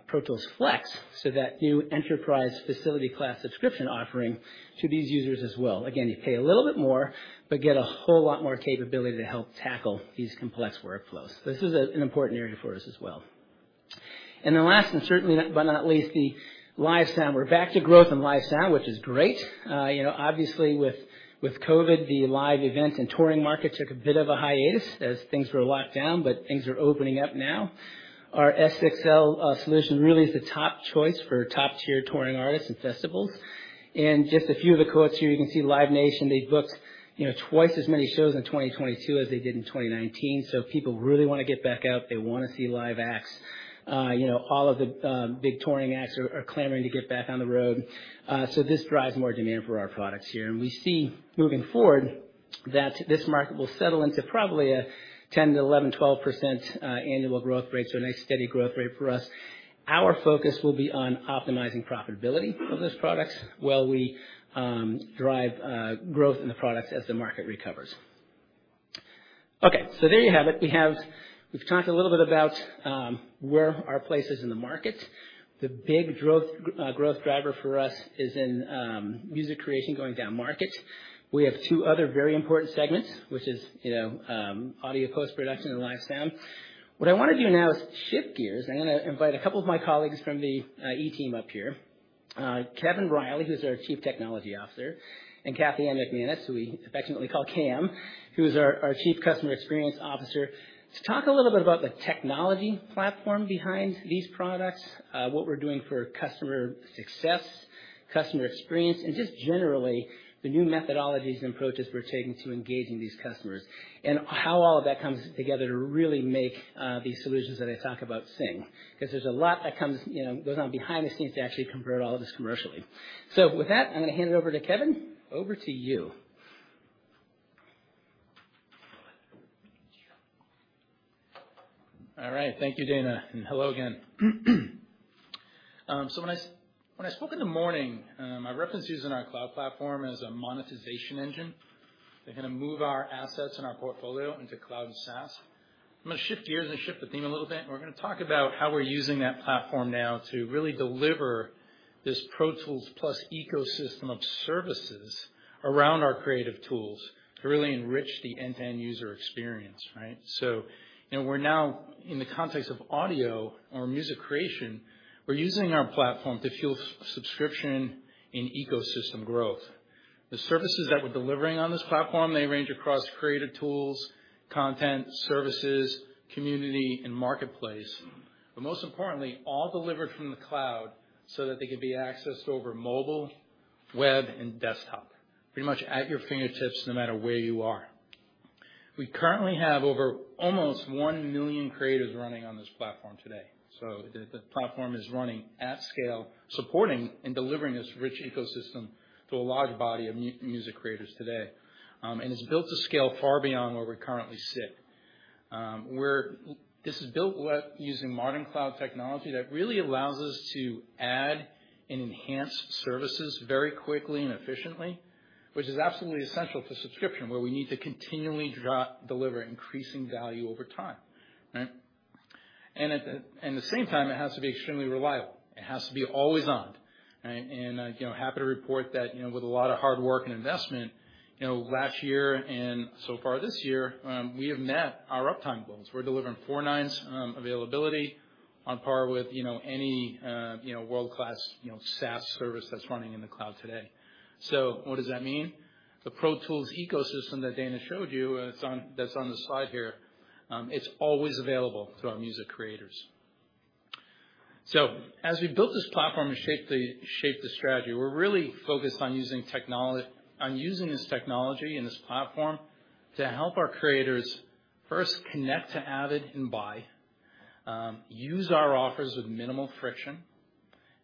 Pro Tools Flex, so that new enterprise facility class subscription offering to these users as well. Again, you pay a little bit more, but get a whole lot more capability to help tackle these complex workflows. This is an important area for us as well. Last, and certainly, but not least, the live sound. We're back to growth in live sound, which is great. You know, obviously with COVID, the live event and touring market took a bit of a hiatus as things were locked down, but things are opening up now. Our S6L solution really is the top choice for top-tier touring artists and festivals. Just a few of the quotes here, you can see Live Nation, they booked twice as many shows in 2022 as they did in 2019. People really wanna get back out. They wanna see live acts. All of the big touring acts are clamoring to get back on the road. This drives more demand for our products here. We see moving forward that this market will settle into probably a 10%-12% annual growth rate, so a nice steady growth rate for us. Our focus will be on optimizing profitability of those products while we drive growth in the products as the market recovers. Okay, there you have it. We've talked a little bit about where our place is in the market. The big growth driver for us is in music creation going down market. We have two other very important segments, which is audio post-production and live sound. What I wanna do now is shift gears. I'm gonna invite a couple of my colleagues from the executive team up here, Kevin Riley, who's our Chief Technology Officer, and Kathy-Anne McManus, who we affectionately call KAM, who is our Chief Customer Experience Officer, to talk a little bit about the technology platform behind these products, what we're doing for customer success, customer experience, and just generally the new methodologies and approaches we're taking to engaging these customers, and how all of that comes together to really make these solutions that I talk about sing. Because there's a lot that goes on behind the scenes to actually convert all of this commercially. With that, I'm gonna hand it over to Kevin. Over to you. All right. Thank you, Dana, and hello again. So when I spoke in the morning, I referenced using our cloud platform as a monetization engine. They're gonna move our assets and our portfolio into cloud and SaaS. I'm gonna shift gears and shift the theme a little bit, and we're gonna talk about how we're using that platform now to really deliver this Pro Tools plus ecosystem of services around our creative tools to really enrich the end-to-end user experience, righht? We're now in the context of audio or music creation. We're using our platform to fuel subscription and ecosystem growth. The services that we're delivering on this platform, they range across creative tools, content, services, community, and marketplace. Most importantly, all delivered from the cloud so that they can be accessed over mobile, web, and desktop. Pretty much at your fingertips, no matter where you are. We currently have over almost one million creators running on this platform today. The platform is running at scale, supporting and delivering this rich ecosystem to a large body of music creators today. It's built to scale far beyond where we currently sit. This is built using modern cloud technology that really allows us to add and enhance services very quickly and efficiently, which is absolutely essential to subscription, where we need to continually deliver increasing value over time. Right? At the same time, it has to be extremely reliable. It has to be always on. Right? Happy to report that with a lot of hard work and investment, last year and so far this year, we have met our uptime goals. We're delivering 99.99%, availability on par with any world-class SaaS service that's running in the cloud today. What does that mean? The Pro Tools ecosystem that Dana showed you, that's on the slide here, it's always available to our music creators. As we built this platform to shape the strategy, we're really focused on using this technology and this platform to help our creators first connect to Avid and buy, use our offers with minimal friction,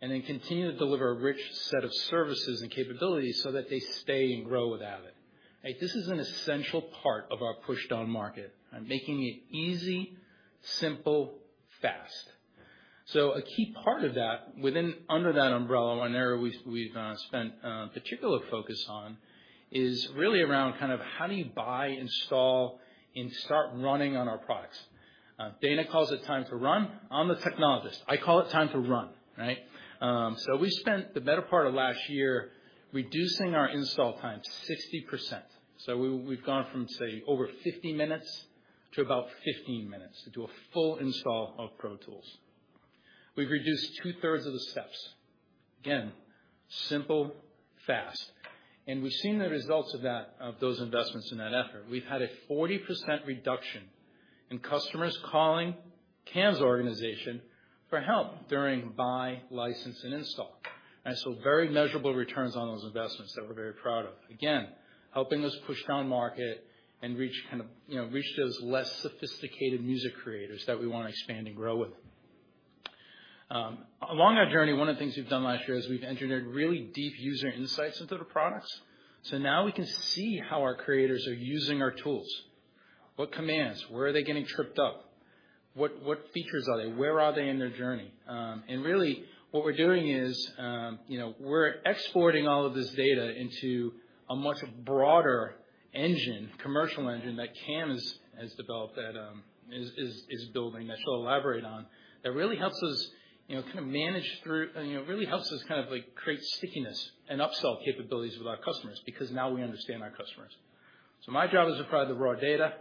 and then continue to deliver a rich set of services and capabilities so that they stay and grow with Avid. This is an essential part of our push-down market and making it easy, simple, fast. A key part of that under that umbrella, one area we've spent particular focus on is really around kind of how do you buy, install, and start running on our products. Dana calls it time to run. I'm the technologist, I call it time to run, right. We spent the better part of last year reducing our install time to 60%. We've gone from, say, over 50 minutes to about 15 minutes to do a full install of Pro Tools. We've reduced two-thirds of the steps. Again, simple, fast. We've seen the results of that, of those investments in that effort. We've had a 40% reduction in customers calling KAM’s organization for help during buy, license, and install. Very measurable returns on those investments that we're very proud of. Again, helping us push down market and reach those less sophisticated music creators that we wanna expand and grow with. Along our journey, one of the things we've done last year is we've engineered really deep user insights into the products. Now we can see how our creators are using our tools. What commands, where are they getting tripped up? What features are they? Where are they in their journey? Really what we're doing is, we're exporting all of this data into a much broader engine, commercial engine that KAM is building that she'll elaborate on. That really helps us manage through, really helps us kind of like create stickiness and upsell capabilities with our customers because now we understand our customers. My job is to provide the raw data.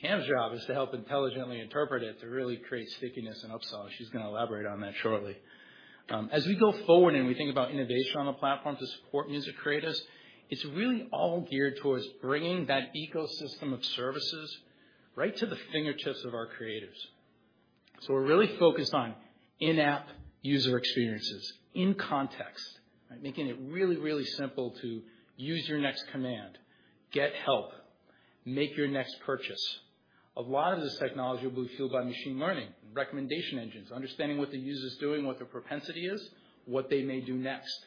KAM’s job is to help intelligently interpret it, to really create stickiness and upsell. She's gonna elaborate on that shortly. As we go forward and we think about innovation on the platform to support music creators, it's really all geared towards bringing that ecosystem of services right to the fingertips of our creators. We're really focused on in-app user experiences in context. Making it really, really simple to use your next command, get help, make your next purchase. A lot of this technology will be fueled by machine learning, recommendation engines, understanding what the user is doing, what their propensity is, what they may do next.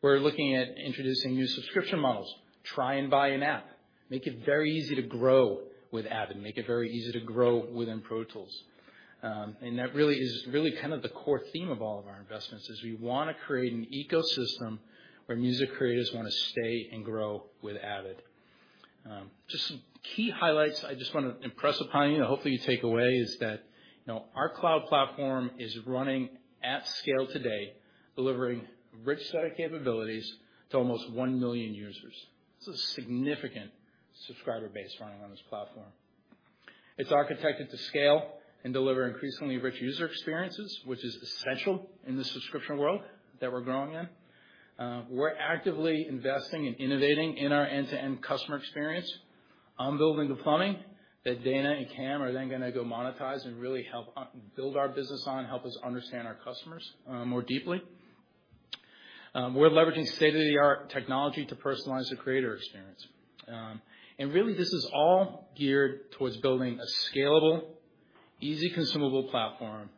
We're looking at introducing new subscription models, try and buy an app, make it very easy to grow with Avid, make it very easy to grow within Pro Tools. That really is kind of the core theme of all of our investments. We wanna create an ecosystem where music creators wanna stay and grow with Avid. Just some key highlights I just wanna impress upon you and hopefully you take away is that our cloud platform is running at scale today, delivering rich set of capabilities to almost one million users. This is a significant subscriber base running on this platform. It's architected to scale and deliver increasingly rich user experiences, which is essential in this subscription world that we're growing in. We're actively investing and innovating in our end-to-end customer experience. I'm building the plumbing that Dana and KAM are then gonna go monetize and really help build our business on and help us understand our customers more deeply. We're leveraging state-of-the-art technology to personalize the creator experience. Really this is all geared towards building a scalable, easy consumable platform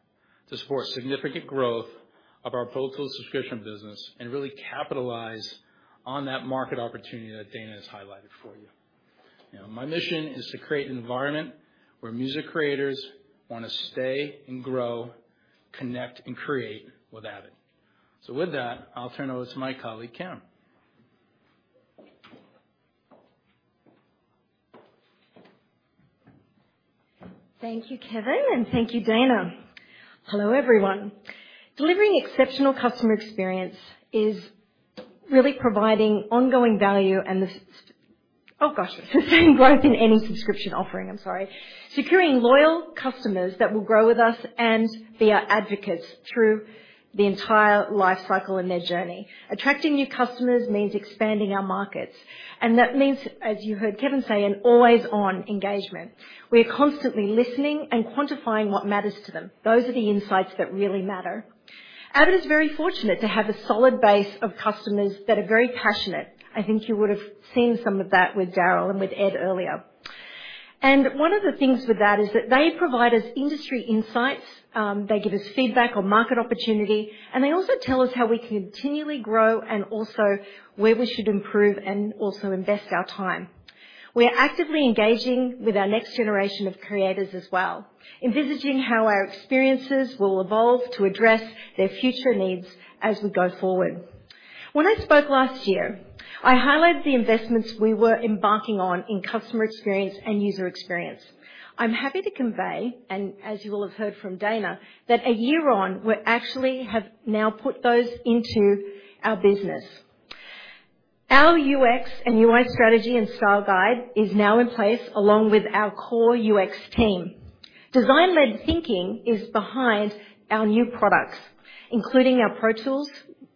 to support significant growth of our Pro Tools subscription business and really capitalize on that market opportunity that Dana has highlighted for you. My mission is to create an environment where music creators wanna stay and grow, connect, and create with Avid. With that, I'll turn it over to my colleague, KAM. Thank you, Kevin, and thank you, Dana. Hello, everyone. Delivering exceptional customer experience is really providing ongoing value and sustaining growth in any subscription offering. Securing loyal customers that will grow with us and be our advocates through the entire life cycle and their journey. Attracting new customers means expanding our markets, and that means, as you heard Kevin say, an always on engagement. We're constantly listening and quantifying what matters to them. Those are the insights that really matter. Avid is very fortunate to have a solid base of customers that are very passionate. I think you would have seen some of that with Darryl and with Ed earlier. One of the things with that is that they provide us industry insights, they give us feedback on market opportunity, and they also tell us how we continually grow and also where we should improve and also invest our time. We are actively engaging with our next generation of creators as well, envisaging how our experiences will evolve to address their future needs as we go forward. When I spoke last year, I highlighted the investments we were embarking on in customer experience and user experience. I'm happy to convey, and as you will have heard from Dana, that a year on, we actually have now put those into our business. Our UX and UI strategy and style guide is now in place along with our core UX team. Design-led thinking is behind our new products, including our Pro Tools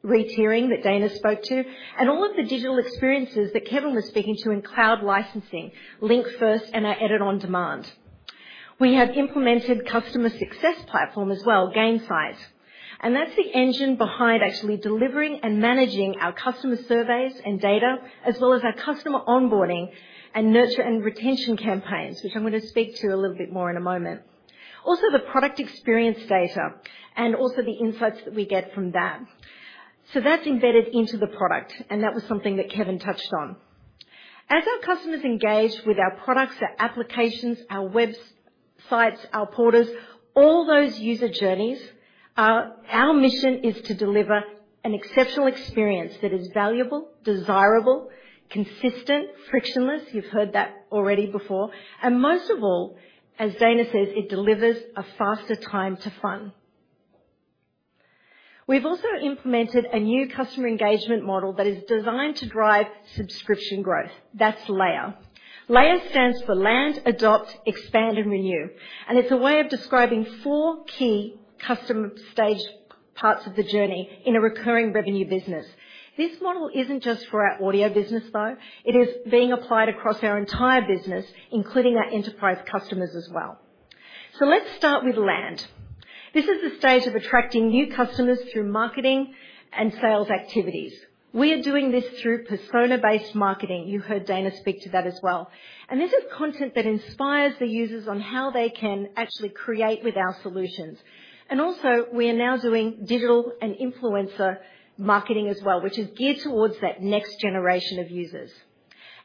re-tiering that Dana spoke to and all of the digital experiences that Kevin was speaking to in cloud licensing, Avid Link and our Edit On Demand. We have implemented customer success platform as well, Gainsight, and that's the engine behind actually delivering and managing our customer surveys and data as well as our customer onboarding and nurture and retention campaigns, which I'm going to speak to a little bit more in a moment. Also, the product experience data and also the insights that we get from that. That's embedded into the product, and that was something that Kevin touched on. As our customers engage with our products, our applications, our websites, our portals, all those user journeys, our mission is to deliver an exceptional experience that is valuable, desirable, consistent, frictionless, you've heard that already before, and most of all, as Dana says, it delivers a faster time to fun. We've also implemented a new customer engagement model that is designed to drive subscription growth. That's LAER. LAER stands for land, adopt, expand, and renew, and it's a way of describing four key customer stage parts of the journey in a recurring revenue business. This model isn't just for our audio business though. It is being applied across our entire business, including our enterprise customers as well. Let's start with land. This is the stage of attracting new customers through marketing and sales activities. We are doing this through persona-based marketing. You heard Dana speak to that as well. This is content that inspires the users on how they can actually create with our solutions. We are now doing digital and influencer marketing as well, which is geared towards that next generation of users.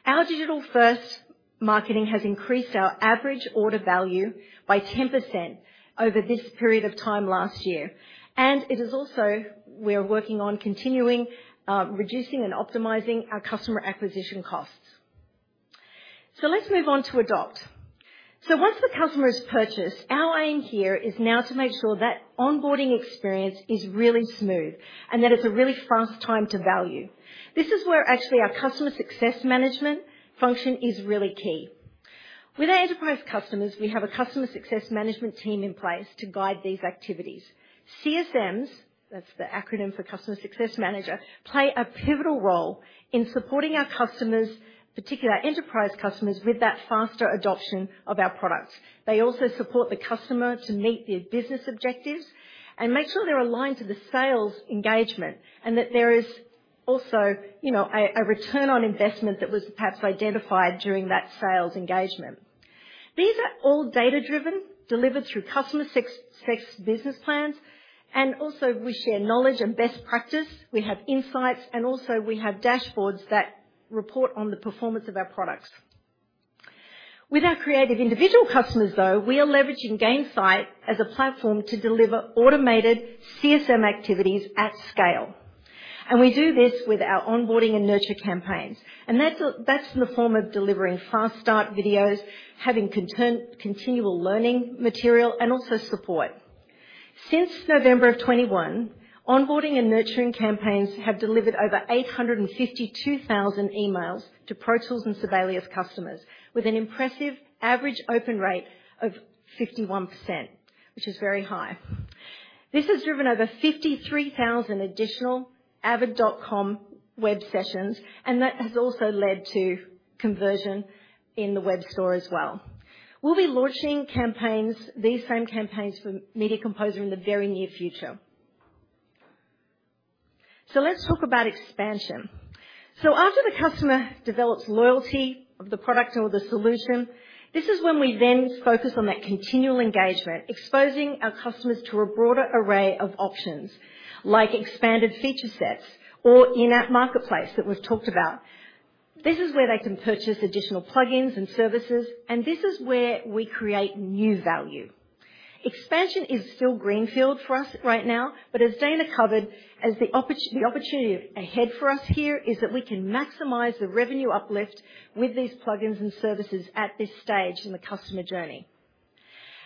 Our digital-first marketing has increased our average order value by 10% over this period of time last year. It is also we are working on continuing reducing and optimizing our customer acquisition costs. Let's move on to adopt. Once the customer has purchased, our aim here is now to make sure that onboarding experience is really smooth and that it's a really fast time to value. This is where actually our customer success management function is really key. With our enterprise customers, we have a customer success management team in place to guide these activities. CSMs, that's the acronym for Customer Success Manager, play a pivotal role in supporting our customers, particularly our enterprise customers, with that faster adoption of our products. They also support the customer to meet their business objectives and make sure they're aligned to the sales engagement and that there is also a return on investment that was perhaps identified during that sales engagement. These are all data-driven, delivered through customer success business plans, and also we share knowledge and best practice. We have insights, and also we have dashboards that report on the performance of our products. With our creative individual customers, though, we are leveraging Gainsight as a platform to deliver automated CSM activities at scale. We do this with our onboarding and nurture campaigns. That's in the form of delivering fast start videos, having continual learning material, and also support. Since November 2021, onboarding and nurturing campaigns have delivered over 852,000 emails to Pro Tools and Sibelius customers with an impressive average open rate of 51%, which is very high. This has driven over 53,000 additional avid.com web sessions, and that has also led to conversion in the web store as well. We'll be launching campaigns, these same campaigns for Media Composer in the very near future. Let's talk about expansion. After the customer develops loyalty of the product or the solution, this is when we then focus on that continual engagement, exposing our customers to a broader array of options like expanded feature sets or in-app marketplace that we've talked about. This is where they can purchase additional plugins and services, and this is where we create new value. Expansion is still greenfield for us right now, but as Dana covered, the opportunity ahead for us here is that we can maximize the revenue uplift with these plugins and services at this stage in the customer journey.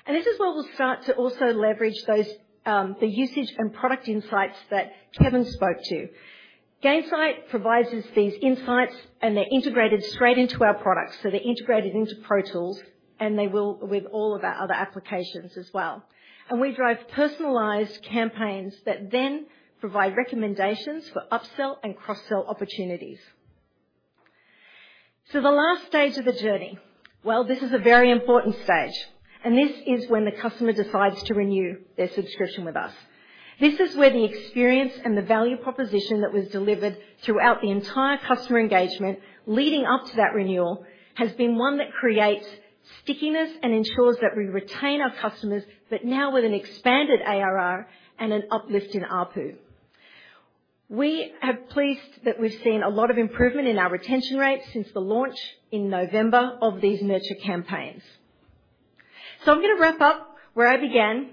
This is where we'll start to also leverage those, the usage and product insights that Kevin spoke to. Gainsight provides us these insights, and they're integrated straight into our products. They're integrated into Pro Tools, and they will with all of our other applications as well. We drive personalized campaigns that then provide recommendations for upsell and cross-sell opportunities. The last stage of the journey. This is a very important stage, and this is when the customer decides to renew their subscription with us. This is where the experience and the value proposition that was delivered throughout the entire customer engagement leading up to that renewal has been one that creates stickiness and ensures that we retain our customers, but now with an expanded ARR and an uplift in ARPU. We are pleased that we've seen a lot of improvement in our retention rates since the launch in November of these nurture campaigns. I'm gonna wrap up where I began.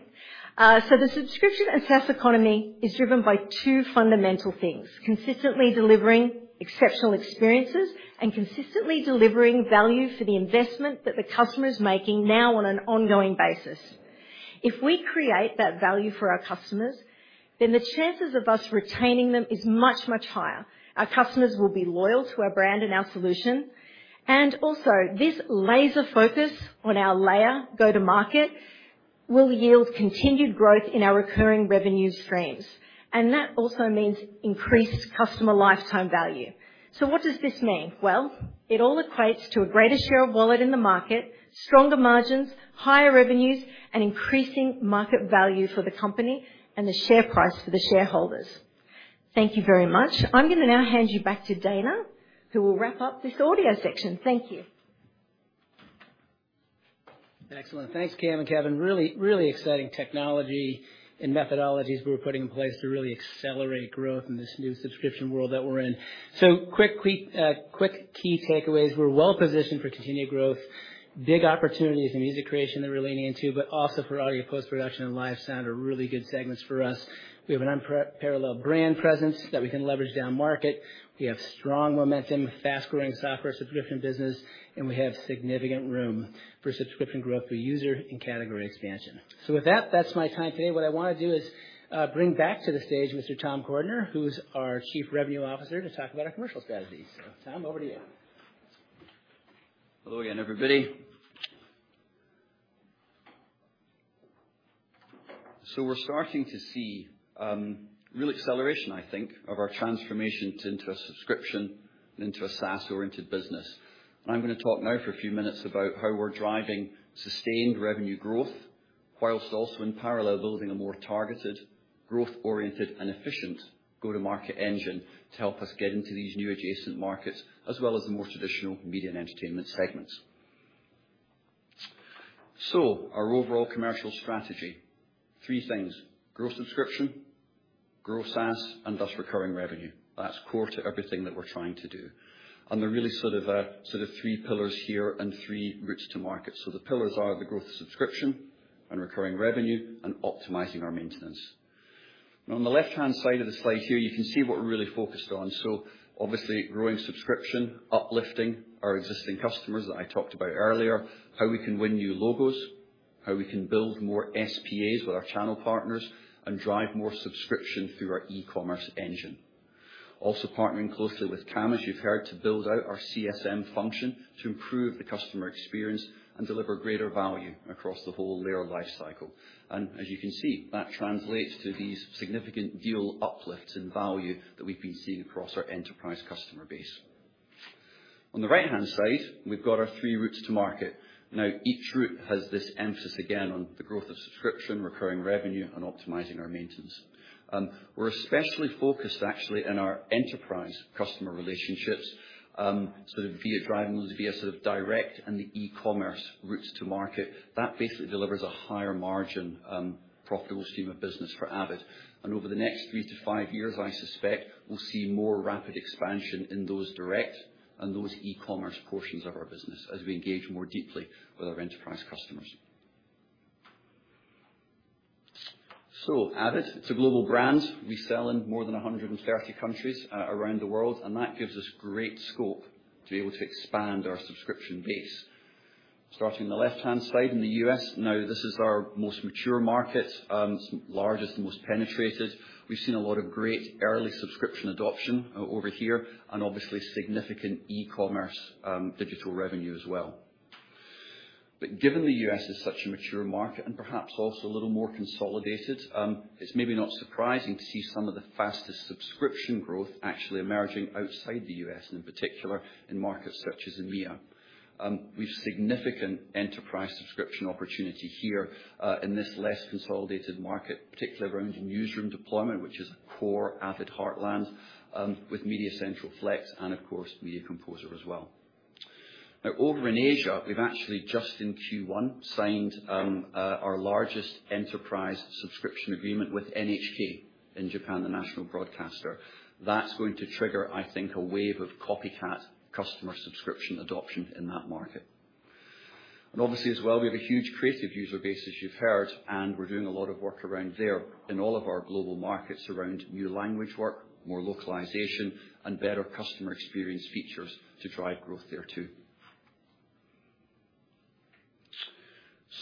The subscription and SaaS economy is driven by two fundamental things, consistently delivering exceptional experiences and consistently delivering value for the investment that the customer's making now on an ongoing basis. If we create that value for our customers, then the chances of us retaining them is much, much higher. Our customers will be loyal to our brand and our solution. Also this laser focus on our LAER go-to-market will yield continued growth in our recurring revenue streams. That also means increased customer lifetime value. What does this mean? Well, it all equates to a greater share of wallet in the market, stronger margins, higher revenues, and increasing market value for the company and the share price for the shareholders. Thank you, very much. I'm gonna now hand you back to Dana, who will wrap up this audio section. Thank you. Excellent. Thanks, KAM and Kevin. Really exciting technology and methodologies we're putting in place to really accelerate growth in this new subscription world that we're in. Quick key takeaways. We're well positioned for continued growth. Big opportunities in music creation that we're leaning into, but also for audio post-production and live sound are really good segments for us. We have an unparalleled brand presence that we can leverage down market. We have strong momentum with fast-growing software subscription business, and we have significant room for subscription growth through user and category expansion. With that's my time today. What I wanna do is, bring back to the stage Mr. Tom Cordiner, who's our Chief Revenue Officer, to talk about our commercial strategies. Tom, over to you. Hello again, everybody. We're starting to see real acceleration, I think, of our transformation into a subscription and into a SaaS-oriented business. I'm gonna talk now for a few minutes about how we're driving sustained revenue growth while also in parallel building a more targeted growth-oriented and efficient go-to-market engine to help us get into these new adjacent markets, as well as the more traditional media and entertainment segments. Our overall commercial strategy, three things, grow subscription, grow SaaS, and thus recurring revenue. That's core to everything that we're trying to do. There are really sort of three pillars here and three routes to market. The pillars are the growth of subscription and recurring revenue and optimizing our maintenance. On the left-hand side of the slide here, you can see what we're really focused on. Obviously, growing subscription, uplifting our existing customers that I talked about earlier, how we can win new logos, how we can build more SPAs with our channel partners, and drive more subscription through our e-commerce engine. Also partnering closely with KAM, as you've heard, to build out our CSM function to improve the customer experience and deliver greater value across the whole LAER lifecycle. As you can see, that translates to these significant deal uplifts in value that we've been seeing across our enterprise customer base. On the right-hand side, we've got our three routes to market. Each route has this emphasis again on the growth of subscription, recurring revenue, and optimizing our maintenance. We're especially focused actually on our enterprise customer relationships, sort of via driving those direct and the e-commerce routes to market. That basically delivers a higher margin, profitable stream of business for Avid. Over the next three to five years, I suspect, we'll see more rapid expansion in those direct and those e-commerce portions of our business as we engage more deeply with our enterprise customers. Avid, it's a global brand. We sell in more than 130 countries, around the world, and that gives us great scope to be able to expand our subscription base. Starting on the left-hand side in the U.S., now this is our most mature market, largest and most penetrated. We've seen a lot of great early subscription adoption, over here, and obviously, significant e-commerce, digital revenue as well. Given the U.S. is such a mature market and perhaps also a little more consolidated, it's maybe not surprising to see some of the fastest subscription growth actually emerging outside the U.S., and in particular, in markets such as EMEA. We've significant enterprise subscription opportunity here, in this less consolidated market, particularly around newsroom deployment, which is a core Avid heartland, with MediaCentral Flex and of course Media Composer as well. Now over in Asia, we've actually, just in Q1, signed our largest enterprise subscription agreement with NHK in Japan, the national broadcaster. That's going to trigger, I think, a wave of copycat customer subscription adoption in that market. Obviously, as well, we have a huge creative user base, as you've heard, and we're doing a lot of work around there in all of our global markets around new language work, more localization, and better customer experience features to drive growth there too.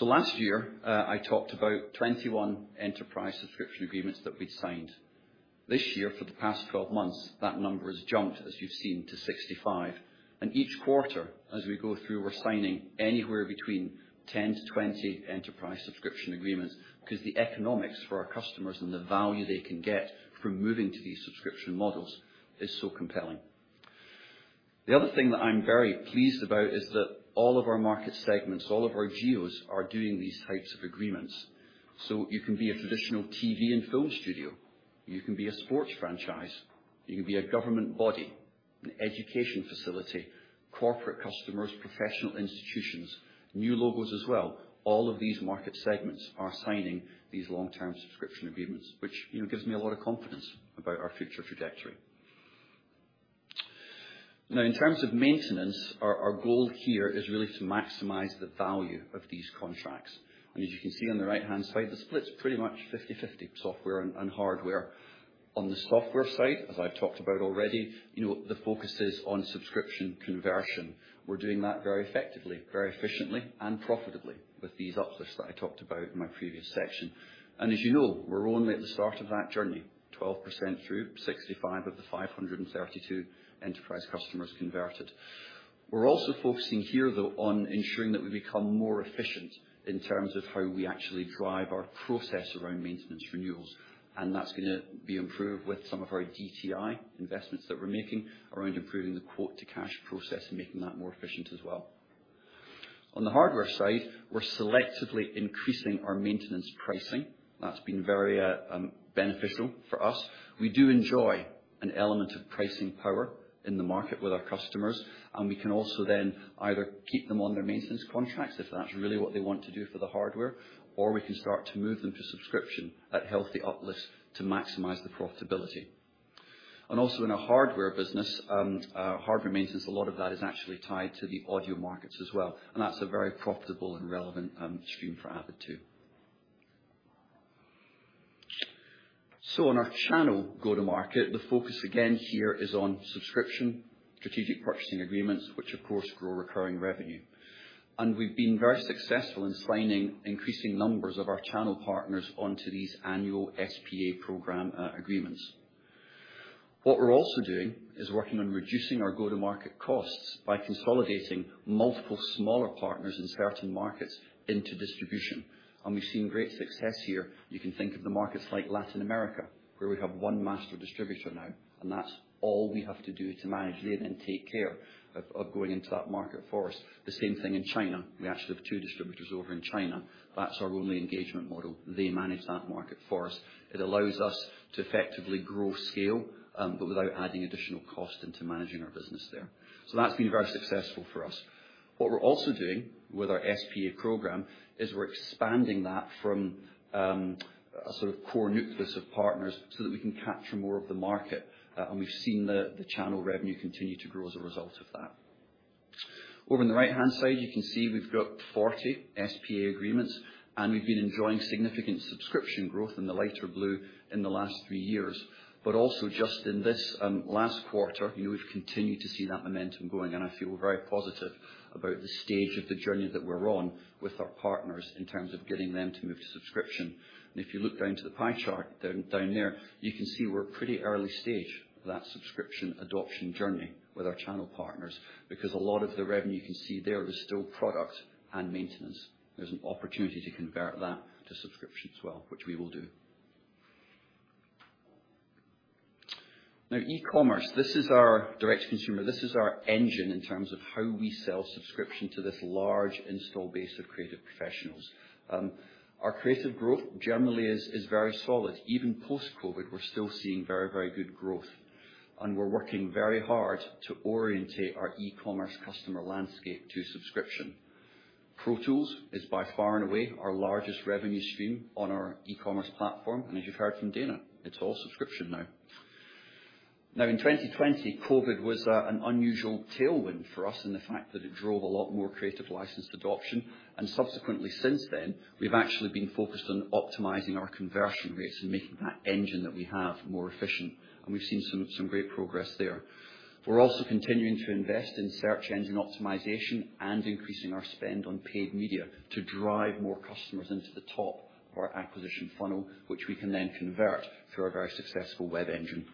Last year, I talked about 21 enterprise subscription agreements that we'd signed. This year, for the past 12 months, that number has jumped, as you've seen, to 65. Each quarter as we go through, we're signing anywhere between 10–20 enterprise subscription agreements 'cause the economics for our customers and the value they can get from moving to these subscription models is so compelling. The other thing that I'm very pleased about is that all of our market segments, all of our geos are doing these types of agreements. You can be a traditional TV and film studio, you can be a sports franchise, you can be a government body, an education facility, corporate customers, professional institutions, new logos as well. All of these market segments are signing these long-term subscription agreements, which gives me a lot of confidence about our future trajectory. Now, in terms of maintenance, our goal here is really to maximize the value of these contracts. As you can see on the right-hand side, the split's pretty much 50-50, software and hardware. On the software side, as I've talked about already, the focus is on subscription conversion. We're doing that very effectively, very efficiently, and profitably, with these uplifts that I talked about in my previous section. As you know, we're only at the start of that journey, 12% through 65 of the 532 enterprise customers converted. We're also focusing here though on ensuring that we become more efficient in terms of how we actually drive our process around maintenance renewals. That's gonna be improved with some of our DTI investments that we're making around improving the quote-to-cash process and making that more efficient as well. On the hardware side, we're selectively increasing our maintenance pricing. That's been very beneficial for us. We do enjoy an element of pricing power in the market with our customers, and we can also then either keep them on their maintenance contracts if that's really what they want to do for the hardware, or we can start to move them to subscription at healthy uplifts to maximize the profitability. Also in our hardware business, our hardware maintenance, a lot of that is actually tied to the audio markets as well, and that's a very profitable and relevant stream for Avid too. On our channel go-to-market, the focus again here is on subscription, strategic purchasing agreements, which of course grow recurring revenue. We've been very successful in signing increasing numbers of our channel partners onto these annual SPA program agreements. What we're also doing is working on reducing our go-to-market costs by consolidating multiple smaller partners in certain markets into distribution, and we've seen great success here. You can think of the markets like Latin America, where we have one master distributor now, and that's all we have to do to manage them and take care of going into that market for us. The same thing in China. We actually have two distributors over in China. That's our only engagement model. They manage that market for us. It allows us to effectively grow scale, but without adding additional cost into managing our business there. That's been very successful for us. What we're also doing with our SPA program is we're expanding that from a sort of core nucleus of partners so that we can capture more of the market, and we've seen the channel revenue continue to grow as a result of that. Over on the right-hand side, you can see we've got 40 SPA agreements, and we've been enjoying significant subscription growth in the lighter blue in the last three years. Also, just in this last quarter, you would continue to see that momentum going, and I feel very positive about the stage of the journey that we're on with our partners in terms of getting them to move to subscription. If you look down to the pie chart down there, you can see we're pretty early stage of that subscription adoption journey with our channel partners because a lot of the revenue you can see there is still product and maintenance. There's an opportunity to convert that to subscription as well, which we will do. Now, e-commerce, this is our direct consumer. This is our engine in terms of how we sell subscription to this large install base of creative professionals. Our creative growth generally is very solid. Even post-COVID, we're still seeing very, very good growth, and we're working very hard to orientate our e-commerce customer landscape to subscription. Pro Tools is by far and away our largest revenue stream on our e-commerce platform, and as you've heard from Dana, it's all subscription now. Now, in 2020, COVID was an unusual tailwind for us, and the fact that it drove a lot more creative license adoption. Subsequently, since then, we've actually been focused on optimizing our conversion rates and making that engine that we have more efficient, and we've seen some great progress there. We're also continuing to invest in search engine optimization and increasing our spend on paid media to drive more customers into the top of our acquisition funnel, which we can then convert through our very successful web engine.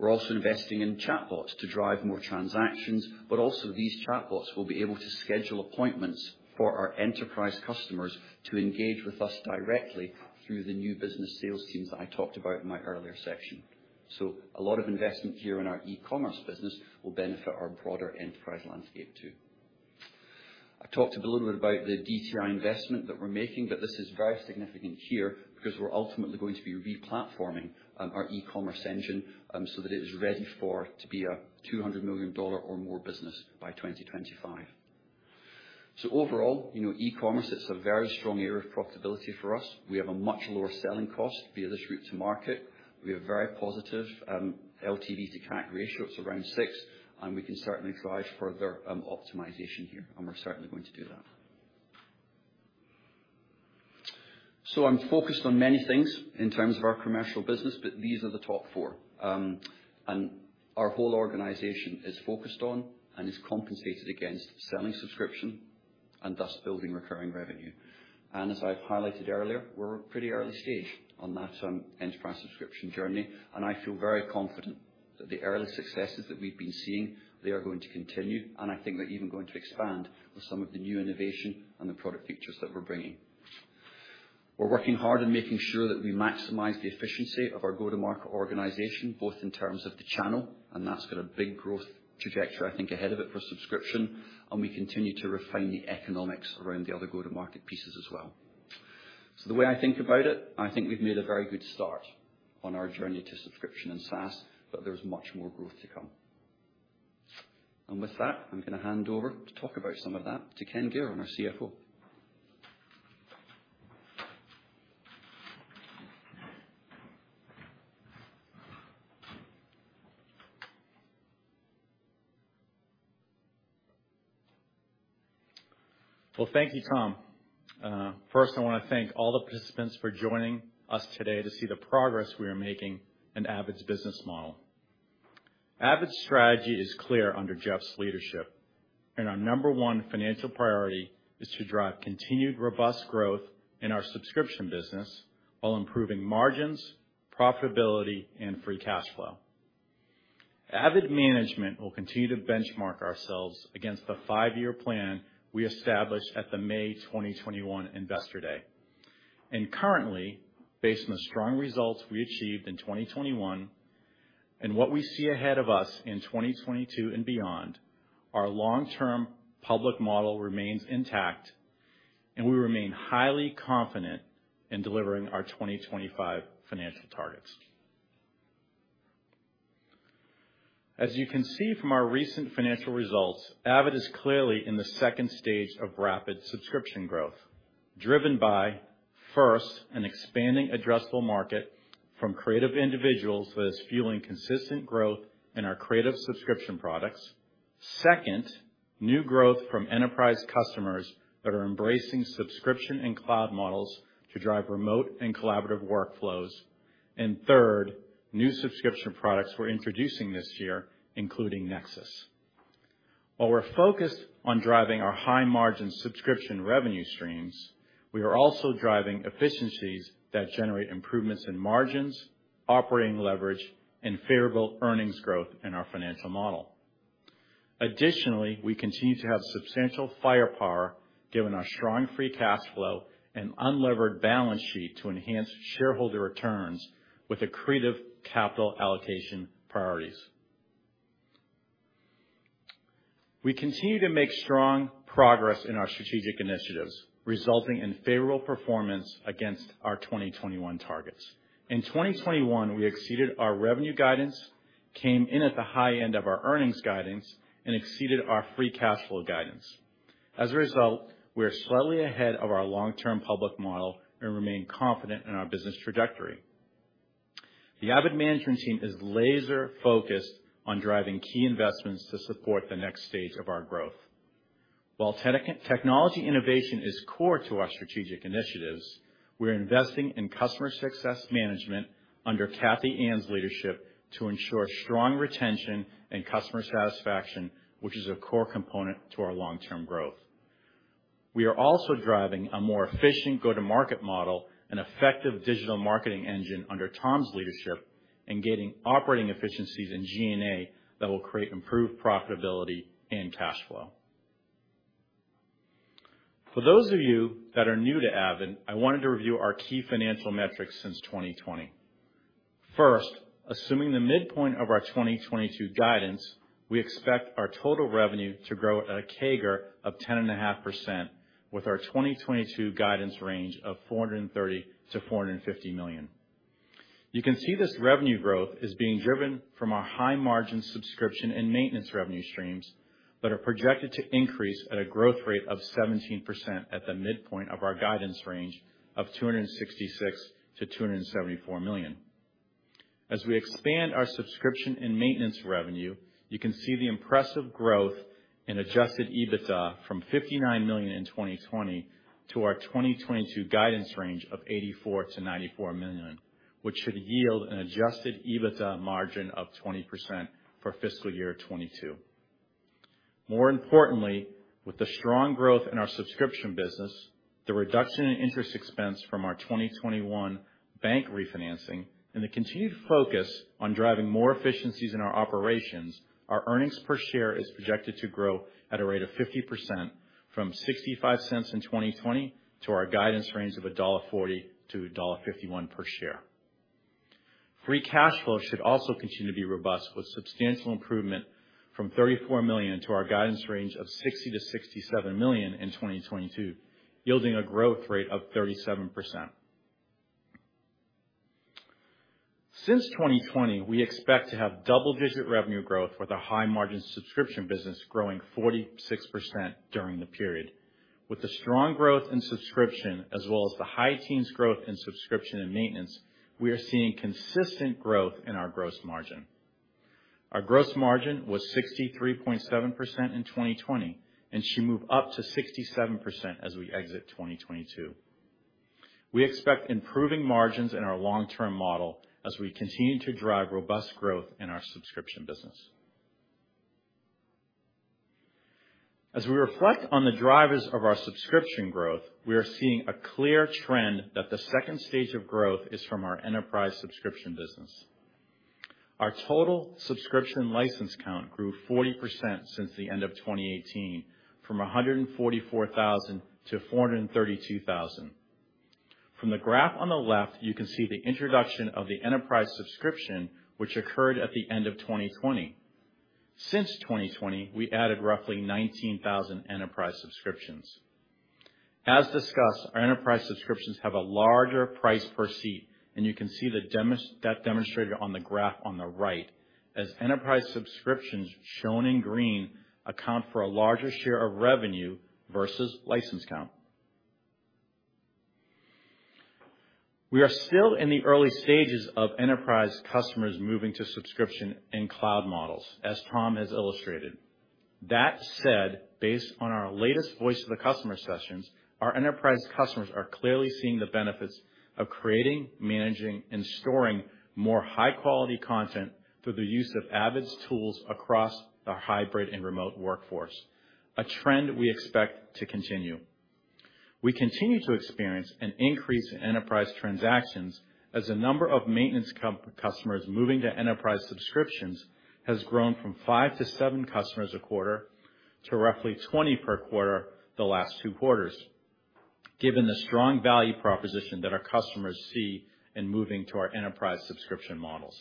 We're also investing in chatbots to drive more transactions, but also these chatbots will be able to schedule appointments for our enterprise customers to engage with us directly through the new business sales teams that I talked about in my earlier section. A lot of investment here in our e-commerce business will benefit our broader enterprise landscape too. I talked a little bit about the DTI investment that we're making, but this is very significant here because we're ultimately going to be re-platforming our e-commerce engine so that it is ready for it to be a $200 million or more business by 2025. Overall, you know, e-commerce, it's a very strong area of profitability for us. We have a much lower selling cost via this route to market. We have very positive LTV to CAC ratio. It's around 6, and we can certainly drive further optimization here, and we're certainly going to do that. I'm focused on many things in terms of our commercial business, but these are the top four. Our whole organization is focused on and is compensated against selling subscription and thus building recurring revenue. As I've highlighted earlier, we're pretty early stage on that, enterprise subscription journey, and I feel very confident that the early successes that we've been seeing, they are going to continue, and I think they're even going to expand with some of the new innovation and the product features that we're bringing. We're working hard in making sure that we maximize the efficiency of our go-to-market organization, both in terms of the channel, and that's got a big growth trajectory, I think, ahead of it for subscription, and we continue to refine the economics around the other go-to-market pieces as well. The way I think about it, I think we've made a very good start on our journey to subscription and SaaS, but there's much more growth to come. With that, I'm gonna hand over to talk about some of that to Ken Gayron, our CFO. Well, thank you, Tom. First I wanna thank all the participants for joining us today to see the progress we are making in Avid's business model. Avid's strategy is clear under Jeff's leadership, and our number one financial priority is to drive continued robust growth in our subscription business while improving margins, profitability, and free cash flow. Avid management will continue to benchmark ourselves against the five-year plan we established at the May 2021 Investor Day. Currently, based on the strong results we achieved in 2021 and what we see ahead of us in 2022 and beyond, our long-term public model remains intact, and we remain highly confident in delivering our 2025 financial targets. As you can see from our recent financial results, Avid is clearly in the second stage of rapid subscription growth, driven by, first, an expanding addressable market from creative individuals that is fueling consistent growth in our creative subscription products. Second, new growth from enterprise customers that are embracing subscription and cloud models to drive remote and collaborative workflows. Third, new subscription products we're introducing this year, including NEXIS. While we're focused on driving our high-margin subscription revenue streams, we are also driving efficiencies that generate improvements in margins, operating leverage, and favorable earnings growth in our financial model. Additionally, we continue to have substantial firepower given our strong free cash flow and unlevered balance sheet to enhance shareholder returns with accretive capital allocation priorities. We continue to make strong progress in our strategic initiatives, resulting in favorable performance against our 2021 targets. In 2021, we exceeded our revenue guidance, came in at the high end of our earnings guidance, and exceeded our free cash flow guidance. As a result, we are slightly ahead of our long-term public model and remain confident in our business trajectory. The Avid management team is laser-focused on driving key investments to support the next stage of our growth. While technology innovation is core to our strategic initiatives, we're investing in customer success management under Kathy-Anne's leadership to ensure strong retention and customer satisfaction, which is a core component to our long-term growth. We are also driving a more efficient go-to-market model and effective digital marketing engine under Tom's leadership, and gaining operating efficiencies in G&A that will create improved profitability and cash flow. For those of you that are new to Avid, I wanted to review our key financial metrics since 2020. First, assuming the midpoint of our 2022 guidance, we expect our total revenue to grow at a CAGR of 10.5% with our 2022 guidance range of $430 million-$450 million. You can see this revenue growth is being driven from our high-margin subscription and maintenance revenue streams that are projected to increase at a growth rate of 17% at the midpoint of our guidance range of $266 million-$274 million. As we expand our subscription and maintenance revenue, you can see the impressive growth in adjusted EBITDA from $59 million in 2020 to our 2022 guidance range of $84 million-$94 million, which should yield an adjusted EBITDA margin of 20% for fiscal year 2022. More importantly, with the strong growth in our subscription business, the reduction in interest expense from our 2021 bank refinancing, and the continued focus on driving more efficiencies in our operations, our earnings per share is projected to grow at a rate of 50% from $0.65 in 2020 to our guidance range of $1.40-$1.51 per share. Free cash flow should also continue to be robust, with substantial improvement from $34 million to our guidance range of $60 million-$67 million in 2022, yielding a growth rate of 37%. Since 2020, we expect to have double-digit revenue growth with a high-margin subscription business growing 46% during the period. With the strong growth in subscription as well as the high teens growth in subscription and maintenance, we are seeing consistent growth in our gross margin. Our gross margin was 63.7% in 2020 and should move up to 67% as we exit 2022. We expect improving margins in our long-term model as we continue to drive robust growth in our subscription business. As we reflect on the drivers of our subscription growth, we are seeing a clear trend that the second stage of growth is from our enterprise subscription business. Our total subscription license count grew 40% since the end of 2018, from 144,000 to 432,000. From the graph on the left, you can see the introduction of the enterprise subscription, which occurred at the end of 2020. Since 2020, we added roughly 19,000 enterprise subscriptions. As discussed, our enterprise subscriptions have a larger price per seat, and you can see that demonstrated on the graph on the right as enterprise subscriptions shown in green account for a larger share of revenue versus license count. We are still in the early stages of enterprise customers moving to subscription and cloud models, as Tom has illustrated. That said, based on our latest voice of the customer sessions, our enterprise customers are clearly seeing the benefits of creating, managing, and storing more high-quality content through the use of Avid's tools across the hybrid and remote workforce, a trend we expect to continue. We continue to experience an increase in enterprise transaction, as the number of maintenance customers moving to enterprise subscriptions has grown from five to seven customers a quarter to roughly 20 per quarter the last two quarters, given the strong value proposition that our customers see in moving to our enterprise subscription models.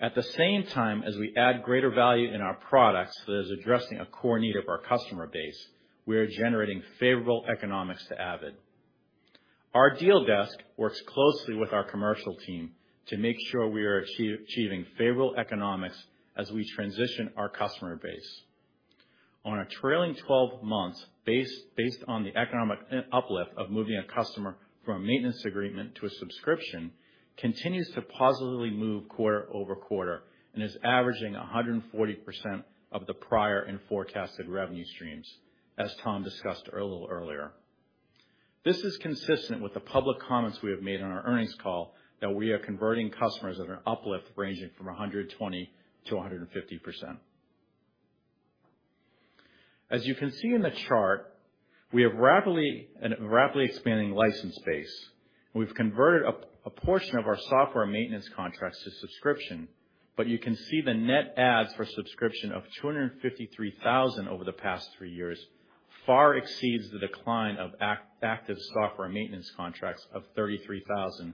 At the same time, as we add greater value in our products that is addressing a core need of our customer base, we are generating favorable economics to Avid. Our deal desk works closely with our commercial team to make sure we are achieving favorable economics as we transition our customer base. On a trailing 12 months, based on the economic uplift of moving a customer from a maintenance agreement to a subscription continues to positively move quarter-over-quarter and is averaging 140% of the prior and forecasted revenue streams, as Tom discussed a little earlier. This is consistent with the public comments we have made on our earnings call that we are converting customers at an uplift ranging from 120%-150%. As you can see in the chart, we have a rapidly expanding license base. We've converted a portion of our software maintenance contracts to subscription, but you can see the net adds for subscription of 253,000 over the past three years far exceeds the decline of active software maintenance contracts of 33,000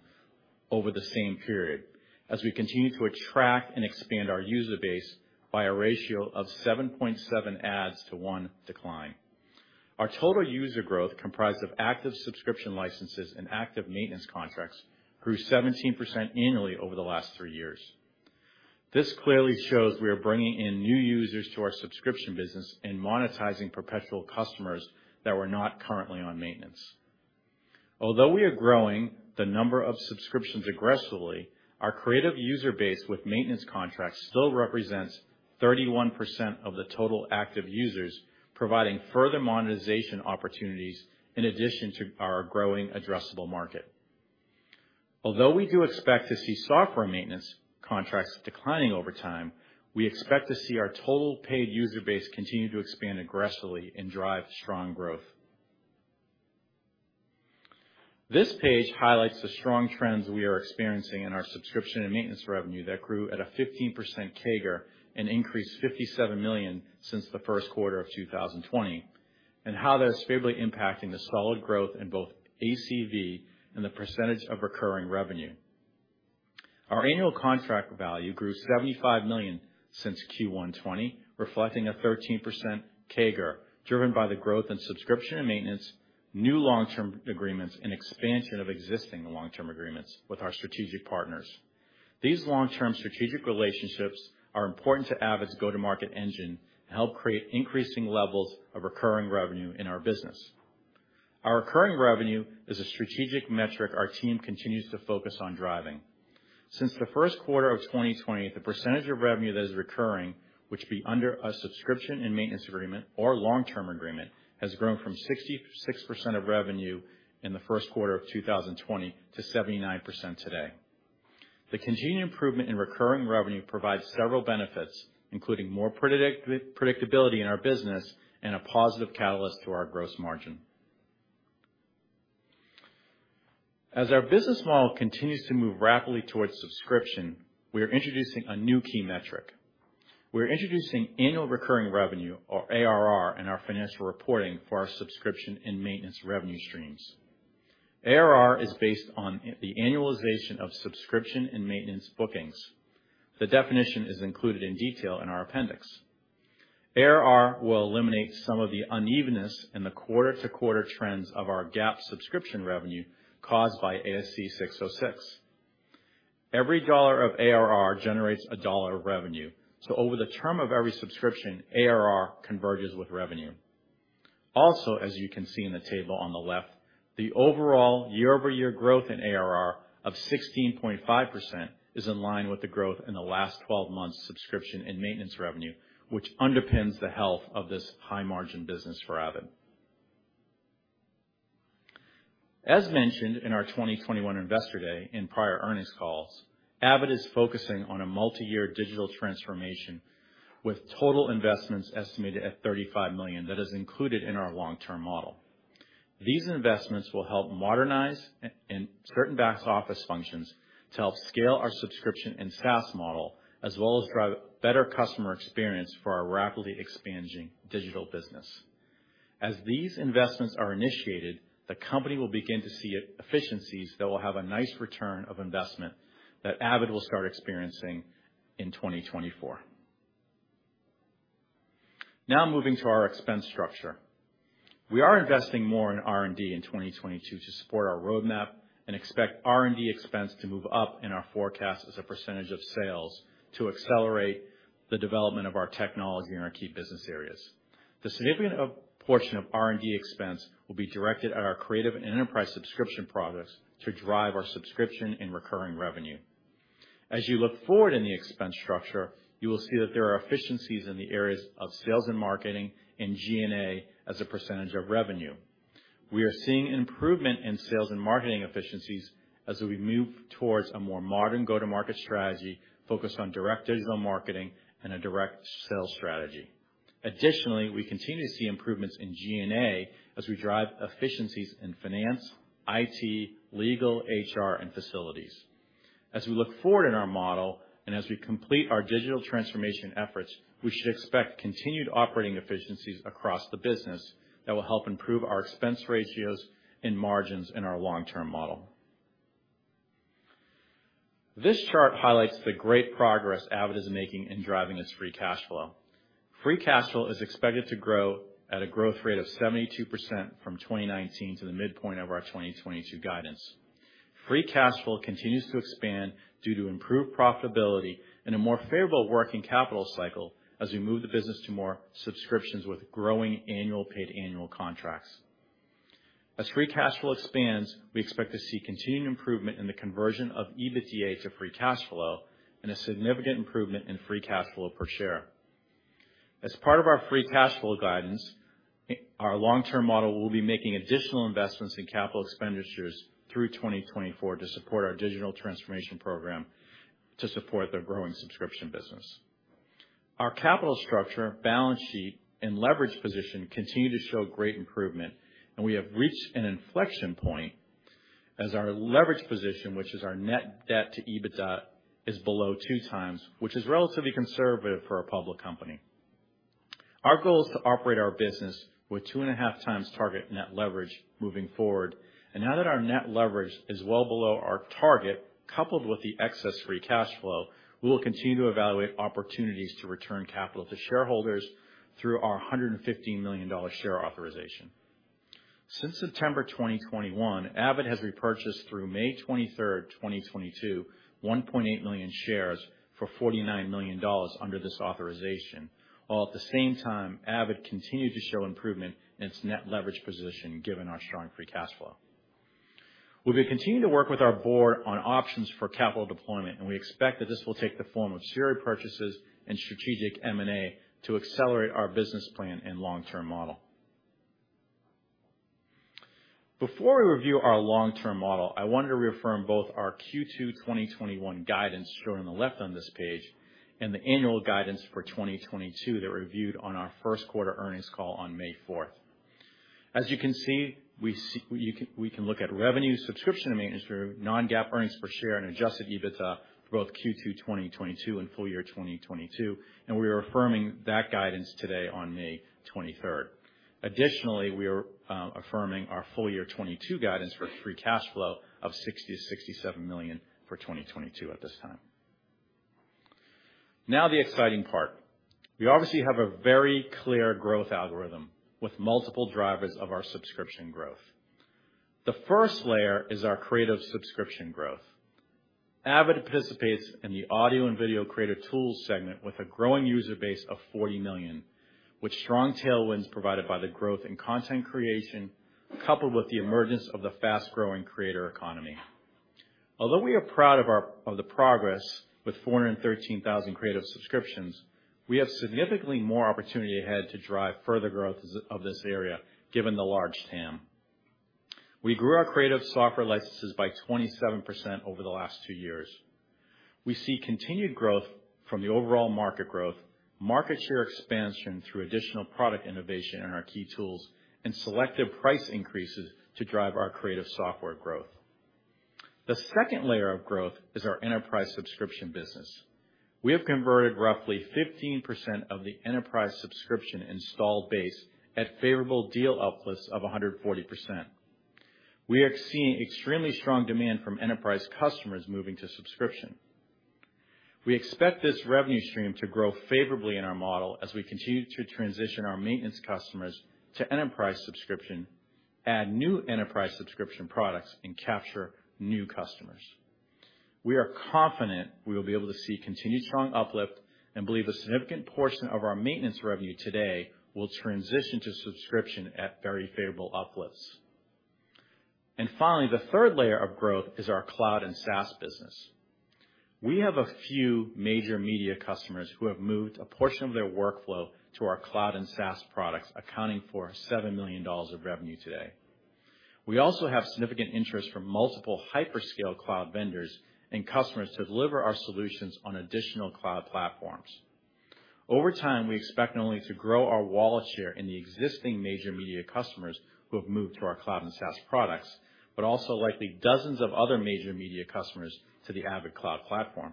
over the same period as we continue to attract and expand our user base by a ratio of 7.7 adds to one decline. Our total user growth comprised of active subscription licenses and active maintenance contracts grew 17% annually over the last three years. This clearly shows we are bringing in new users to our subscription business and monetizing perpetual customers that were not currently on maintenance. Although we are growing the number of subscriptions aggressively, our creative user base with maintenance contracts still represents 31% of the total active users, providing further monetization opportunities in addition to our growing addressable market. Although we do expect to see software maintenance contracts declining over time, we expect to see our total paid user base continue to expand aggressively and drive strong growth. This page highlights the strong trends we are experiencing in our subscription and maintenance revenue that grew at a 15% CAGR and increased $57 million since the first quarter of 2020, and how that's favorably impacting the solid growth in both ACV and the percentage of recurring revenue. Our annual contract value grew $75 million since Q1 2020, reflecting a 13% CAGR driven by the growth in subscription and maintenance, new long-term agreements, and expansion of existing long-term agreements with our strategic partners. These long-term strategic relationships are important to Avid's go-to-market engine and help create increasing levels of recurring revenue in our business. Our recurring revenue is a strategic metric our team continues to focus on driving. Since the first quarter of 2020, the percentage of revenue that is recurring, which is under a subscription and maintenance agreement or long-term agreement, has grown from 66% of revenue in the first quarter of 2020 to 79% today. The continued improvement in recurring revenue provides several benefits, including more predictability in our business and a positive catalyst to our gross margin. As our business model continues to move rapidly towards subscription, we are introducing a new key metric. We're introducing annual recurring revenue, or ARR, in our financial reporting for our subscription and maintenance revenue streams. ARR is based on the annualization of subscription and maintenance bookings. The definition is included in detail in our appendix. ARR will eliminate some of the unevenness in the quarter-to-quarter trends of our GAAP subscription revenue caused by ASC 606. Every dollar of ARR generates a dollar of revenue, so over the term of every subscription, ARR converges with revenue. Also, as you can see in the table on the left, the overall year-over-year growth in ARR of 16.5% is in line with the growth in the last twelve months subscription and maintenance revenue, which underpins the health of this high margin business for Avid. As mentioned in our 2021 Investor Day and prior earnings calls, Avid is focusing on a multiyear digital transformation with total investments estimated at $35 million that is included in our long-term model. These investments will help modernize certain back office functions to help scale our subscription and SaaS model, as well as drive better customer experience for our rapidly expanding digital business. As these investments are initiated, the company will begin to see efficiencies that will have a nice return on investment that Avid will start experiencing in 2024. Now, moving to our expense structure. We are investing more in R&D in 2022 to support our roadmap and expect R&D expense to move up in our forecast as a percentage of sales to accelerate the development of our technology in our key business areas. A significant portion of R&D expense will be directed at our creative and enterprise subscription products to drive our subscription and recurring revenue. As you look forward in the expense structure, you will see that there are efficiencies in the areas of sales and marketing and G&A as a percentage of revenue. We are seeing improvement in sales and marketing efficiencies as we move towards a more modern go-to-market strategy focused on direct digital marketing and a direct sales strategy. Additionally, we continue to see improvements in G&A as we drive efficiencies in finance, IT, legal, HR, and facilities. As we look forward in our model and as we complete our digital transformation efforts, we should expect continued operating efficiencies across the business that will help improve our expense ratios and margins in our long-term model. This chart highlights the great progress Avid is making in driving its free cash flow. Free cash flow is expected to grow at a growth rate of 72% from 2019 to the midpoint of our 2022 guidance. Free cash flow continues to expand due to improved profitability and a more favorable working capital cycle as we move the business to more subscriptions with growing annual paid annual contracts. As free cash flow expands, we expect to see continued improvement in the conversion of EBITDA to free cash flow and a significant improvement in free cash flow per share. As part of our free cash flow guidance, our long-term model will be making additional investments in capital expenditures through 2024 to support our digital transformation program to support the growing subscription business. Our capital structure, balance sheet, and leverage position continue to show great improvement, and we have reached an inflection point as our leverage position, which is our net debt to EBITDA, is below 2x, which is relatively conservative for a public company. Our goal is to operate our business with 2.5x target net leverage moving forward. Now that our net leverage is well below our target, coupled with the excess free cash flow, we will continue to evaluate opportunities to return capital to shareholders through our $115 million share authorization. Since September 2021, Avid has repurchased through May 23rd, 2022, 1.8 million shares for $49 million under this authorization. While at the same time, Avid continued to show improvement in its net leverage position given our strong free cash flow. We will continue to work with our board on options for capital deployment, and we expect that this will take the form of share repurchases and strategic M&A to accelerate our business plan and long-term model. Before we review our long-term model, I wanted to reaffirm both our Q2 2021 guidance shown on the left on this page and the annual guidance for 2022 that we reviewed on our first quarter earnings call on May 4. As you can see, we can look at revenue, subscription and maintenance, non-GAAP earnings per share, and adjusted EBITDA for both Q2 2022 and full year 2022, and we are affirming that guidance today on May 23. Additionally, we are affirming our full year 2022 guidance for free cash flow of $60 million-$67 million for 2022 at this time. Now the exciting part. We obviously have a very clear growth algorithm with multiple drivers of our subscription growth. The first layer is our creative subscription growth. Avid participates in the audio and video creative tools segment with a growing user base of 40 million, with strong tailwinds provided by the growth in content creation, coupled with the emergence of the fast-growing creator economy. Although we are proud of the progress with 413,000 creative subscriptions, we have significantly more opportunity ahead to drive further growth of this area given the large TAM. We grew our creative software licenses by 27% over the last two years. We see continued growth from the overall market growth, market share expansion through additional product innovation in our key tools, and selective price increases to drive our creative software growth. The second layer of growth is our enterprise subscription business. We have converted roughly 15% of the enterprise subscription installed base at favorable deal uplifts of 140%. We are seeing extremely strong demand from enterprise customers moving to subscription. We expect this revenue stream to grow favorably in our model as we continue to transition our maintenance customers to enterprise subscription, add new enterprise subscription products, and capture new customers. We are confident we will be able to see continued strong uplift and believe a significant portion of our maintenance revenue today will transition to subscription at very favorable uplifts. Finally, the third layer of growth is our cloud and SaaS business. We have a few major media customers who have moved a portion of their workflow to our cloud and SaaS products, accounting for $7 million of revenue today. We also have significant interest from multiple hyperscale cloud vendors and customers to deliver our solutions on additional cloud platforms. Over time, we expect not only to grow our wallet share in the existing major media customers who have moved to our cloud and SaaS products, but also likely dozens of other major media customers to the Avid Cloud platform.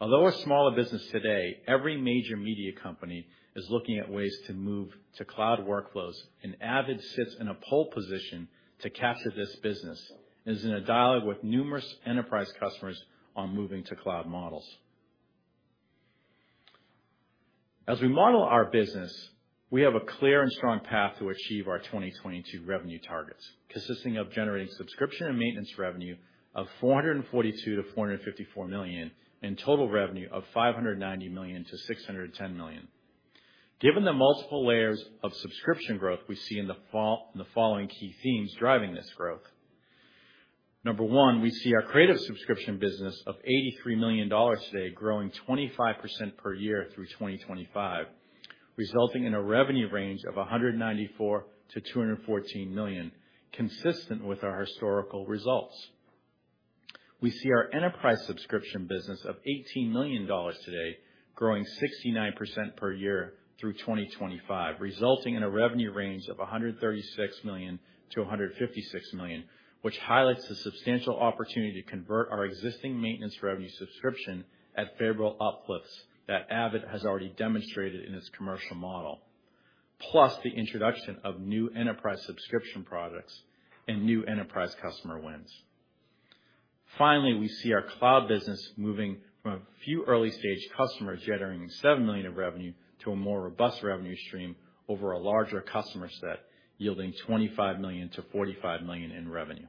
Although a smaller business today, every major media company is looking at ways to move to cloud workflows, and Avid sits in a pole position to capture this business, and is in a dialogue with numerous enterprise customers on moving to cloud models. As we model our business, we have a clear and strong path to achieve our 2022 revenue targets, consisting of generating subscription and maintenance revenue of $442 million-$454 million, and total revenue of $590 million-$610 million. Given the multiple layers of subscription growth we see in th following key themes driving this growth. Number one, we see our creative subscription business of $83 million today growing 25% per year through 2025, resulting in a revenue range of $194 million-$214 million, consistent with our historical results. We see our enterprise subscription business of $18 million today growing 69% per year through 2025, resulting in a revenue range of $136 million-$156 million, which highlights the substantial opportunity to convert our existing maintenance revenue subscription at favorable uplifts that Avid has already demonstrated in its commercial model, plus the introduction of new enterprise subscription products and new enterprise customer wins. Finally, we see our cloud business moving from a few early-stage customers generating $7 million in revenue to a more robust revenue stream over a larger customer set, yielding $25 million-$45 million in revenue.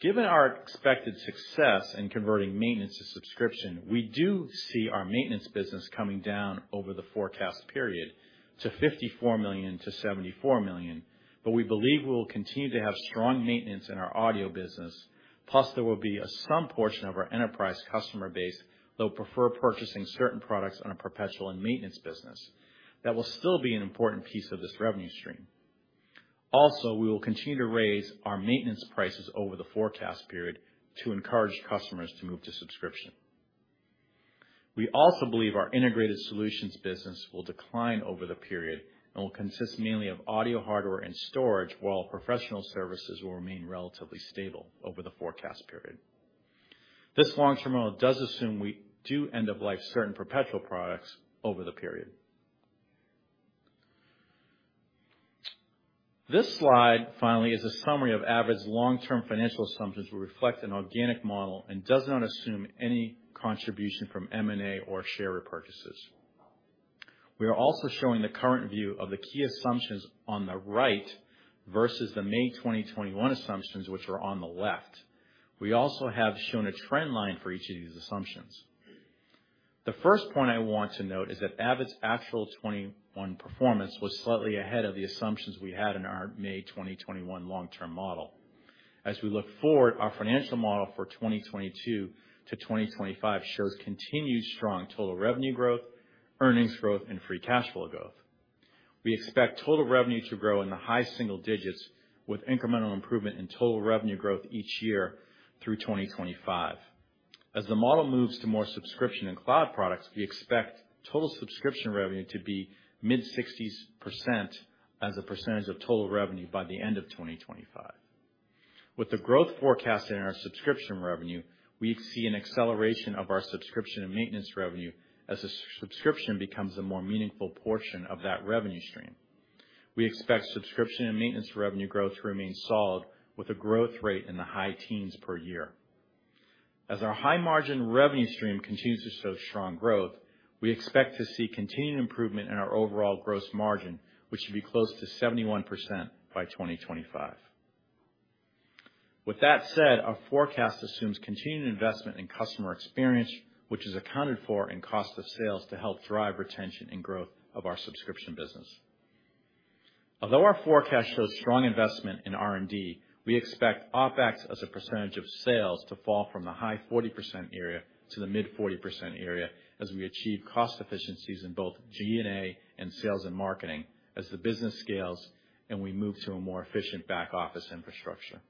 Given our expected success in converting maintenance to subscription, we do see our maintenance business coming down over the forecast period to $54 million-$74 million. We believe we will continue to have strong maintenance in our audio business plus there will be some portion of our enterprise customer base that will prefer purchasing certain products on a perpetual and maintenance business. That will still be an important piece of this revenue stream. Also, we will continue to raise our maintenance prices over the forecast period to encourage customers to move to subscription. We also believe our integrated solutions business will decline over the period and will consist mainly of audio hardware and storage, while professional services will remain relatively stable over the forecast period. This long-term model does assume we do end of life certain perpetual products over the period. This slide, finally, is a summary of Avid's long-term financial assumptions. It will reflect an organic model and does not assume any contribution from M&A or share repurchases. We are also showing the current view of the key assumptions on the right versus the May 2021 assumptions which are on the left. We also have shown a trend line for each of these assumptions. The first point I want to note is that Avid's actual 2021 performance was slightly ahead of the assumptions we had in our May 2021 long-term model. As we look forward, our financial model for 2022-2025 shows continued strong total revenue growth, earnings growth, and free cash flow growth. We expect total revenue to grow in the high single digits with incremental improvement in total revenue growth each year through 2025. As the model moves to more subscription and cloud products, we expect total subscription revenue to be mid-60s% as a percentage of total revenue by the end of 2025. With the growth forecast in our subscription revenue, we see an acceleration of our subscription and maintenance revenue as the subscription becomes a more meaningful portion of that revenue stream. We expect subscription and maintenance revenue growth to remain solid with a growth rate in the high teens per year. As our high margin revenue stream continues to show strong growth, we expect to see continued improvement in our overall gross margin, which should be close to 71% by 2025. With that said, our forecast assumes continued investment in customer experience, which is accounted for in cost of sales to help drive retention and growth of our subscription business. Although our forecast shows strong investment in R&D, we expect OpEx as a percentage of sales to fall from the high 40% area to the mid 40% area as we achieve cost efficiencies in both G&A and sales and marketing as the business scales and we move to a more efficient back-office infrastructure.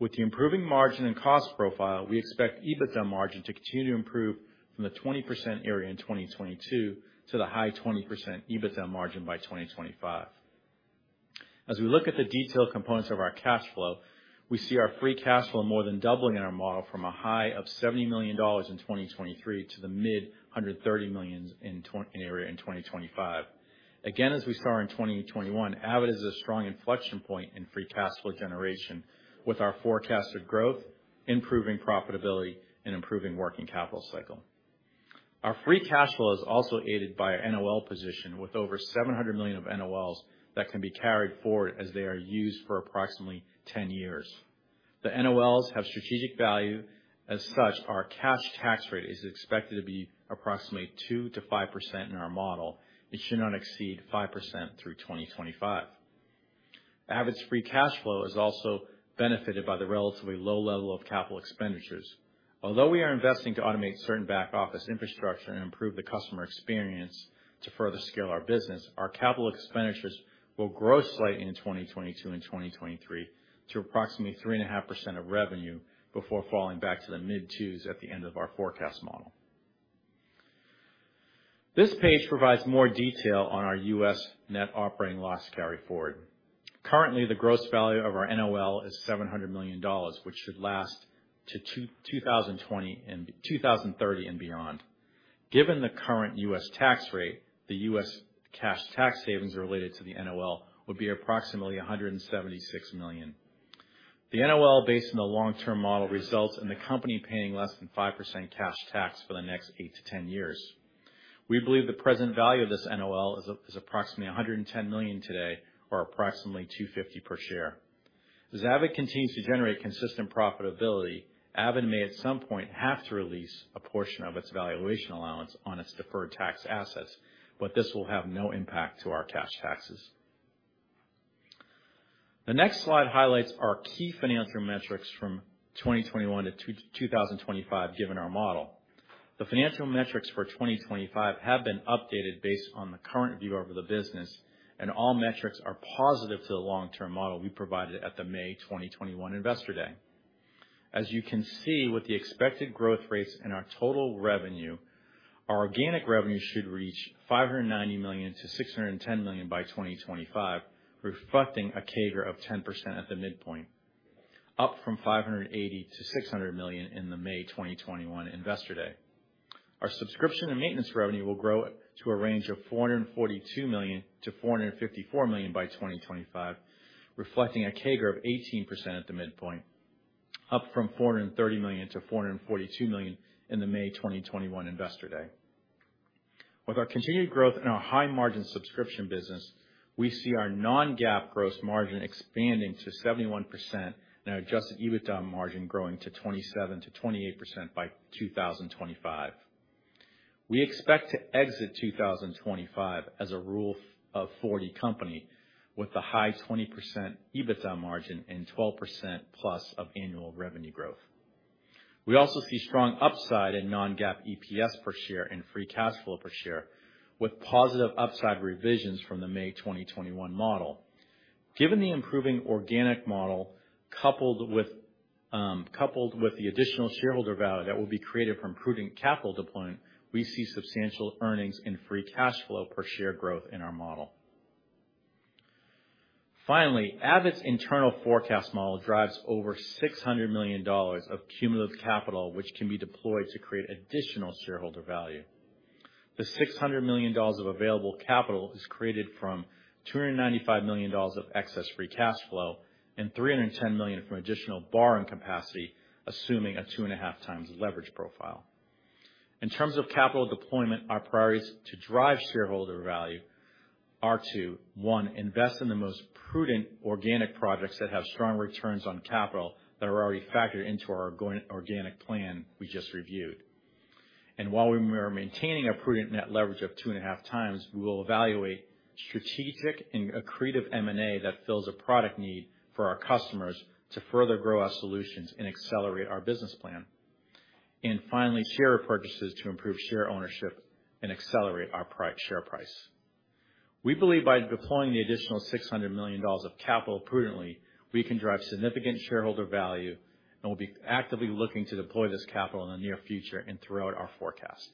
With the improving margin and cost profile, we expect EBITDA margin to continue to improve from the 20% area in 2022 to the high 20% EBITDA margin by 2025. As we look at the detailed components of our cash flow, we see our free cash flow more than doubling in our model from a high of $70 million in 2023 to the mid $130 million area in 2025. Again, as we saw in 2021, Avid is a strong inflection point in free cash flow generation with our forecasted growth, improving profitability, and improving working capital cycle. Our free cash flow is also aided by our NOL position with over $700 million of NOLs that can be carried forward as they are used for approximately 10 years. The NOLs have strategic value. As such, our cash tax rate is expected to be approximately 2%-5% in our model. It should not exceed 5% through 2025. Avid's free cash flow is also benefited by the relatively low level of capital expenditures. Although we are investing to automate certain back-office infrastructure and improve the customer experience to further scale our business, our capital expenditures will grow slightly in 2022 and 2023 to approximately 3.5% of revenue before falling back to the mid-twos at the end of our forecast model. This page provides more detail on our U.S. net operating loss carryforward. Currently, the gross value of our NOL is $700 million, which should last to 2030 and beyond. Given the current U.S. tax rate, the U.S. cash tax savings related to the NOL will be approximately $176 million. The NOL based on the long-term model results in the company paying less than 5% cash tax for the next eight to 10 years. We believe the present value of this NOL is approximately $110 million today or approximately $2.50 per share. As Avid continues to generate consistent profitability, Avid may at some point have to release a portion of its valuation allowance on its deferred tax assets, but this will have no impact to our cash taxes. The next slide highlights our key financial metrics from 2021 to 2025, given our model. The financial metrics for 2025 have been updated based on the current view of the business, and all metrics are positive to the long-term model we provided at the May 2021 Investor Day. As you can see, with the expected growth rates in our total revenue, our organic revenue should reach $590 million-$610 million by 2025, reflecting a CAGR of 10% at the midpoint, up from $580 million-$600 million in the May 2021 Investor Day. Our subscription and maintenance revenue will grow to a range of $442 million-$454 million by 2025, reflecting a CAGR of 18% at the midpoint, up from $430 million-$442 million in the May 2021 Investor Day. With our continued growth in our high-margin subscription business, we see our non-GAAP gross margin expanding to 71% and our adjusted EBITDA margin growing to 27%-28% by 2025. We expect to exit 2025 as a Rule of 40 company with a high 20% EBITDA margin and 12%+ of annual revenue growth. We also see strong upside in non-GAAP EPS per share and free cash flow per share with positive upside revisions from the May 2021 model. Given the improving organic model coupled with the additional shareholder value that will be created from prudent capital deployment, we see substantial earnings in free cash flow per share growth in our model. Finally, Avid's internal forecast model drives over $600 million of cumulative capital, which can be deployed to create additional shareholder value. The $600 million of available capital is created from $295 million of excess free cash flow and $310 million from additional borrowing capacity, assuming a 2.5x leverage profile. In terms of capital deployment, our priorities to drive shareholder value are to one, invest in the most prudent organic projects that have strong returns on capital that are already factored into our organic plan we just reviewed. While we're maintaining a prudent net leverage of 2.5x, we will evaluate strategic and accretive M&A that fills a product need for our customers to further grow our solutions and accelerate our business plan. Finally, share repurchases to improve share ownership and accelerate our share price. We believe by deploying the additional $600 million of capital prudently, we can drive significant shareholder value, and we'll be actively looking to deploy this capital in the near future and throughout our forecast.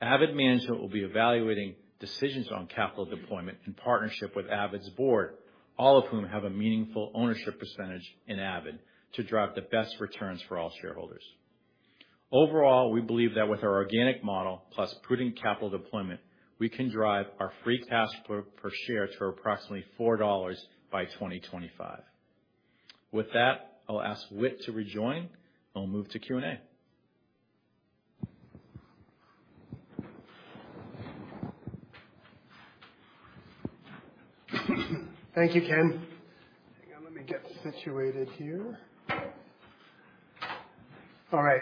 Avid management will be evaluating decisions on capital deployment in partnership with Avid's board, all of whom have a meaningful ownership percentage in Avid, to drive the best returns for all shareholders. Overall, we believe that with our organic model plus prudent capital deployment, we can drive our free cash flow per share to approximately $4 by 2025. With that, I'll ask Whit to rejoin, and we'll move to Q&A. Thank you, Ken. Hang on, let me get situated here. All right,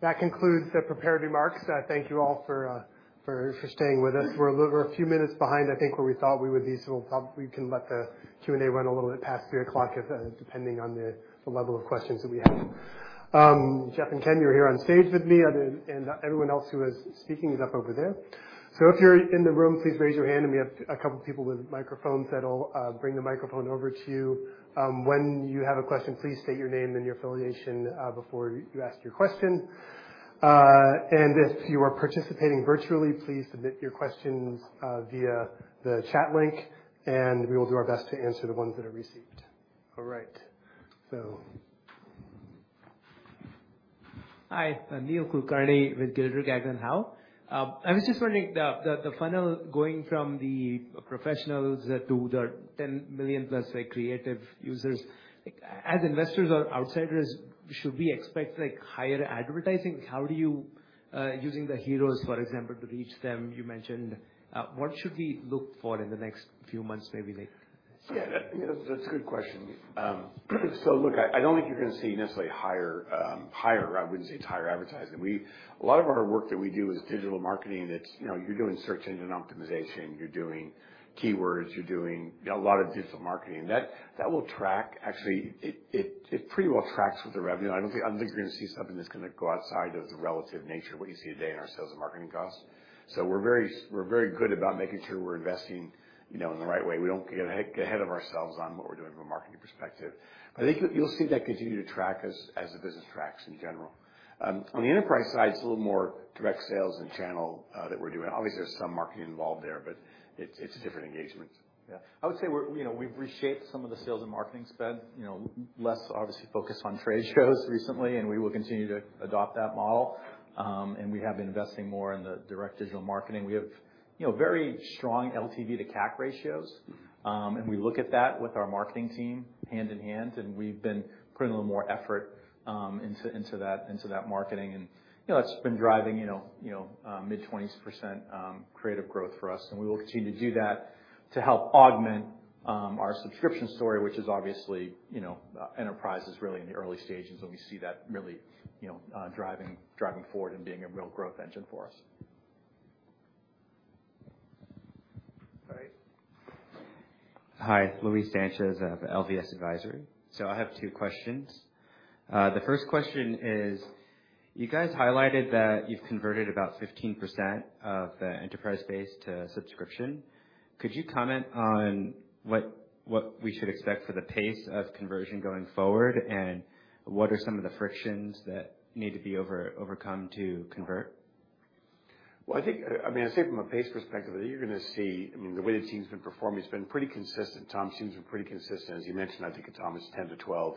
that concludes the prepared remarks. Thank you all for staying with us. We're a few minutes behind, I think, where we thought we would be, so we can let the Q&A run a little bit past 3:00 P.M. if, depending on the level of questions that we have. Jeff and Ken, you're here on stage with me, and everyone else who is speaking is up over there. If you're in the room, please raise your hand, and we have a couple people with microphones that'll bring the microphone over to you. When you have a question, please state your name and your affiliation before you ask your question. If you are participating virtually, please submit your questions via the chat link, and we will do our best to answer the ones that are received. All right. Hi, Nehal Chokshi with Northland Capital Markets. I was just wondering the funnel going from the professionals to the 10 million+, like, creative users. As investors or outsiders, should we expect, like, higher advertising? How do you using the heroes, for example, to reach them, you mentioned. What should we look for in the next few months, maybe, like Yeah, that's a good question. So look, I don't think you're gonna see necessarily higher. I wouldn't say it's higher advertising. A lot of our work that we do is digital marketing. That's, you're doing search engine optimization, you're doing keywords, you're doing a lot of digital marketing. That will track. Actually, it pretty well tracks with the revenue. I don't think you're gonna see something that's gonna go outside of the relative nature of what you see today in our sales and marketing costs. We're very good about making sure we're investing in the right way. We don't get ahead of ourselves on what we're doing from a marketing perspective. I think you'll see that continue to track as the business tracks in general. On the enterprise side, it's a little more direct sales and channel that we're doing. Obviously, there's some marketing involved there, but it's a different engagement. Yeah. I would say we've reshaped some of the sales and marketing spend. Obviously, less focused on trade shows recently, and we will continue to adopt that model. We have been investing more in the direct digital marketing. We have very strong LTV to CAC ratios. We look at that with our marketing team hand in hand, and we've been putting a little more effort into that marketing. That's been driving mid-20s percent creative growth for us. We will continue to do that to help augment our subscription story, which is obviously, enterprise is really in the early stages, and we see that really driving forward and being a real growth engine for us. All right. Hi. Luis Sanchez of LVS Advisory. I have two questions. The first question is, you guys highlighted that you've converted about 15% of the enterprise base to subscription. Could you comment on what we should expect for the pace of conversion going forward, and what are some of the frictions that need to be overcome to convert? Well, I'd say from a pace perspective, you're gonna see the way the team's been performing, it's been pretty consistent. Tom's teams are pretty consistent. As you mentioned, I think, Tom, it's 10-12,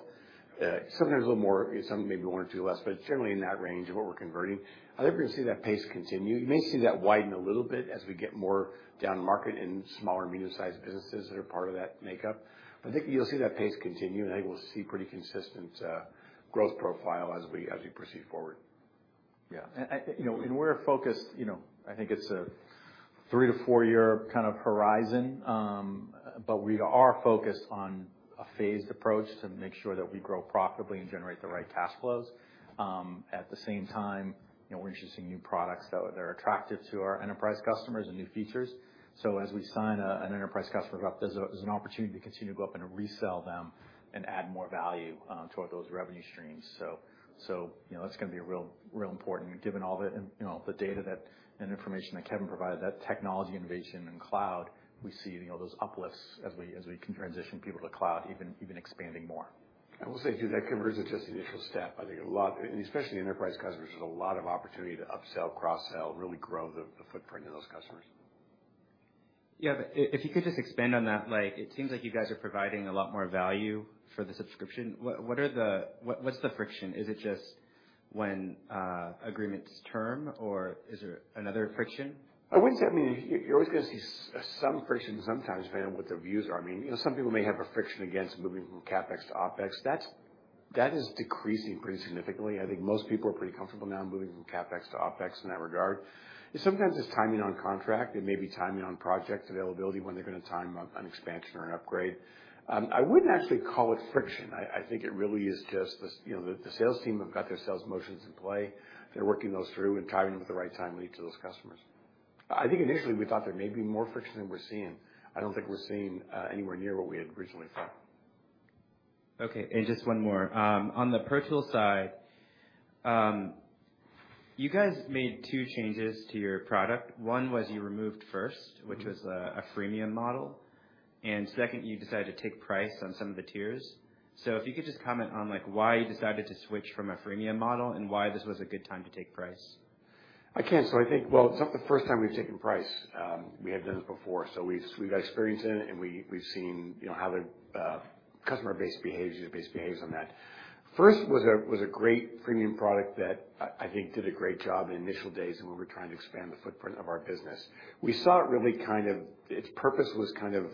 sometimes a little more, some maybe one or two less, but generally in that range of what we're converting. I think we're gonna see that pace continue. You may see that widen a little bit as we get more down market in smaller medium-sized businesses that are part of that makeup. I think you'll see that pace continue, and I think we'll see pretty consistent growth profile as we proceed forward. Yeah. We're focused. I think it's a three to four year kind of horizon. We are focused on a phased approach to make sure that we grow profitably and generate the right cash flows. At the same time, we're introducing new products that are attractive to our enterprise customers and new features. As we sign an enterprise customer up, there's an opportunity to continue to go up and resell them and add more value toward those revenue streams. That’s gonna be real important given all the data and information that Kevin provided, that technology innovation and cloud. We see those uplifts as we can transition people to cloud, even expanding more. I will say, too, that conversion is just the initial step. I think a lot, and especially enterprise customers, there's a lot of opportunity to upsell, cross-sell, really grow the footprint of those customers. Yeah. If you could just expand on that, like, it seems like you guys are providing a lot more value for the subscription. What's the friction? Is it just when agreements term, or is there another friction? I wouldn't say. You're always gonna see some friction sometimes depending on what their views are. Some people may have a friction against moving from CapEx to OpEx. That is decreasing pretty significantly. I think most people are pretty comfortable now moving from CapEx to OpEx in that regard. Sometimes it's timing on contract. It may be timing on project availability when they're gonna time an expansion or an upgrade. I wouldn't actually call it friction. I think it really is just the sales team have got their sales motions in play. They're working those through and timing them at the right time lead to those customers. I think initially we thought there may be more friction than we're seeing. I don't think we're seeing anywhere near what we had originally thought. Okay. Just one more. On the personal side, you guys made two changes to your product. One was you removed First, which was a freemium model. Second, you decided to take price on some of the tiers. If you could just comment on, like, why you decided to switch from a freemium model and why this was a good time to take price? I can. I think, well, it's not the first time we've taken price. We have done this before. We've got experience in it, and we've seen how the customer base behaves, user base behaves on that. First was a great freemium product that I think did a great job in the initial days and when we were trying to expand the footprint of our business. We saw it really kind of. Its purpose was kind of,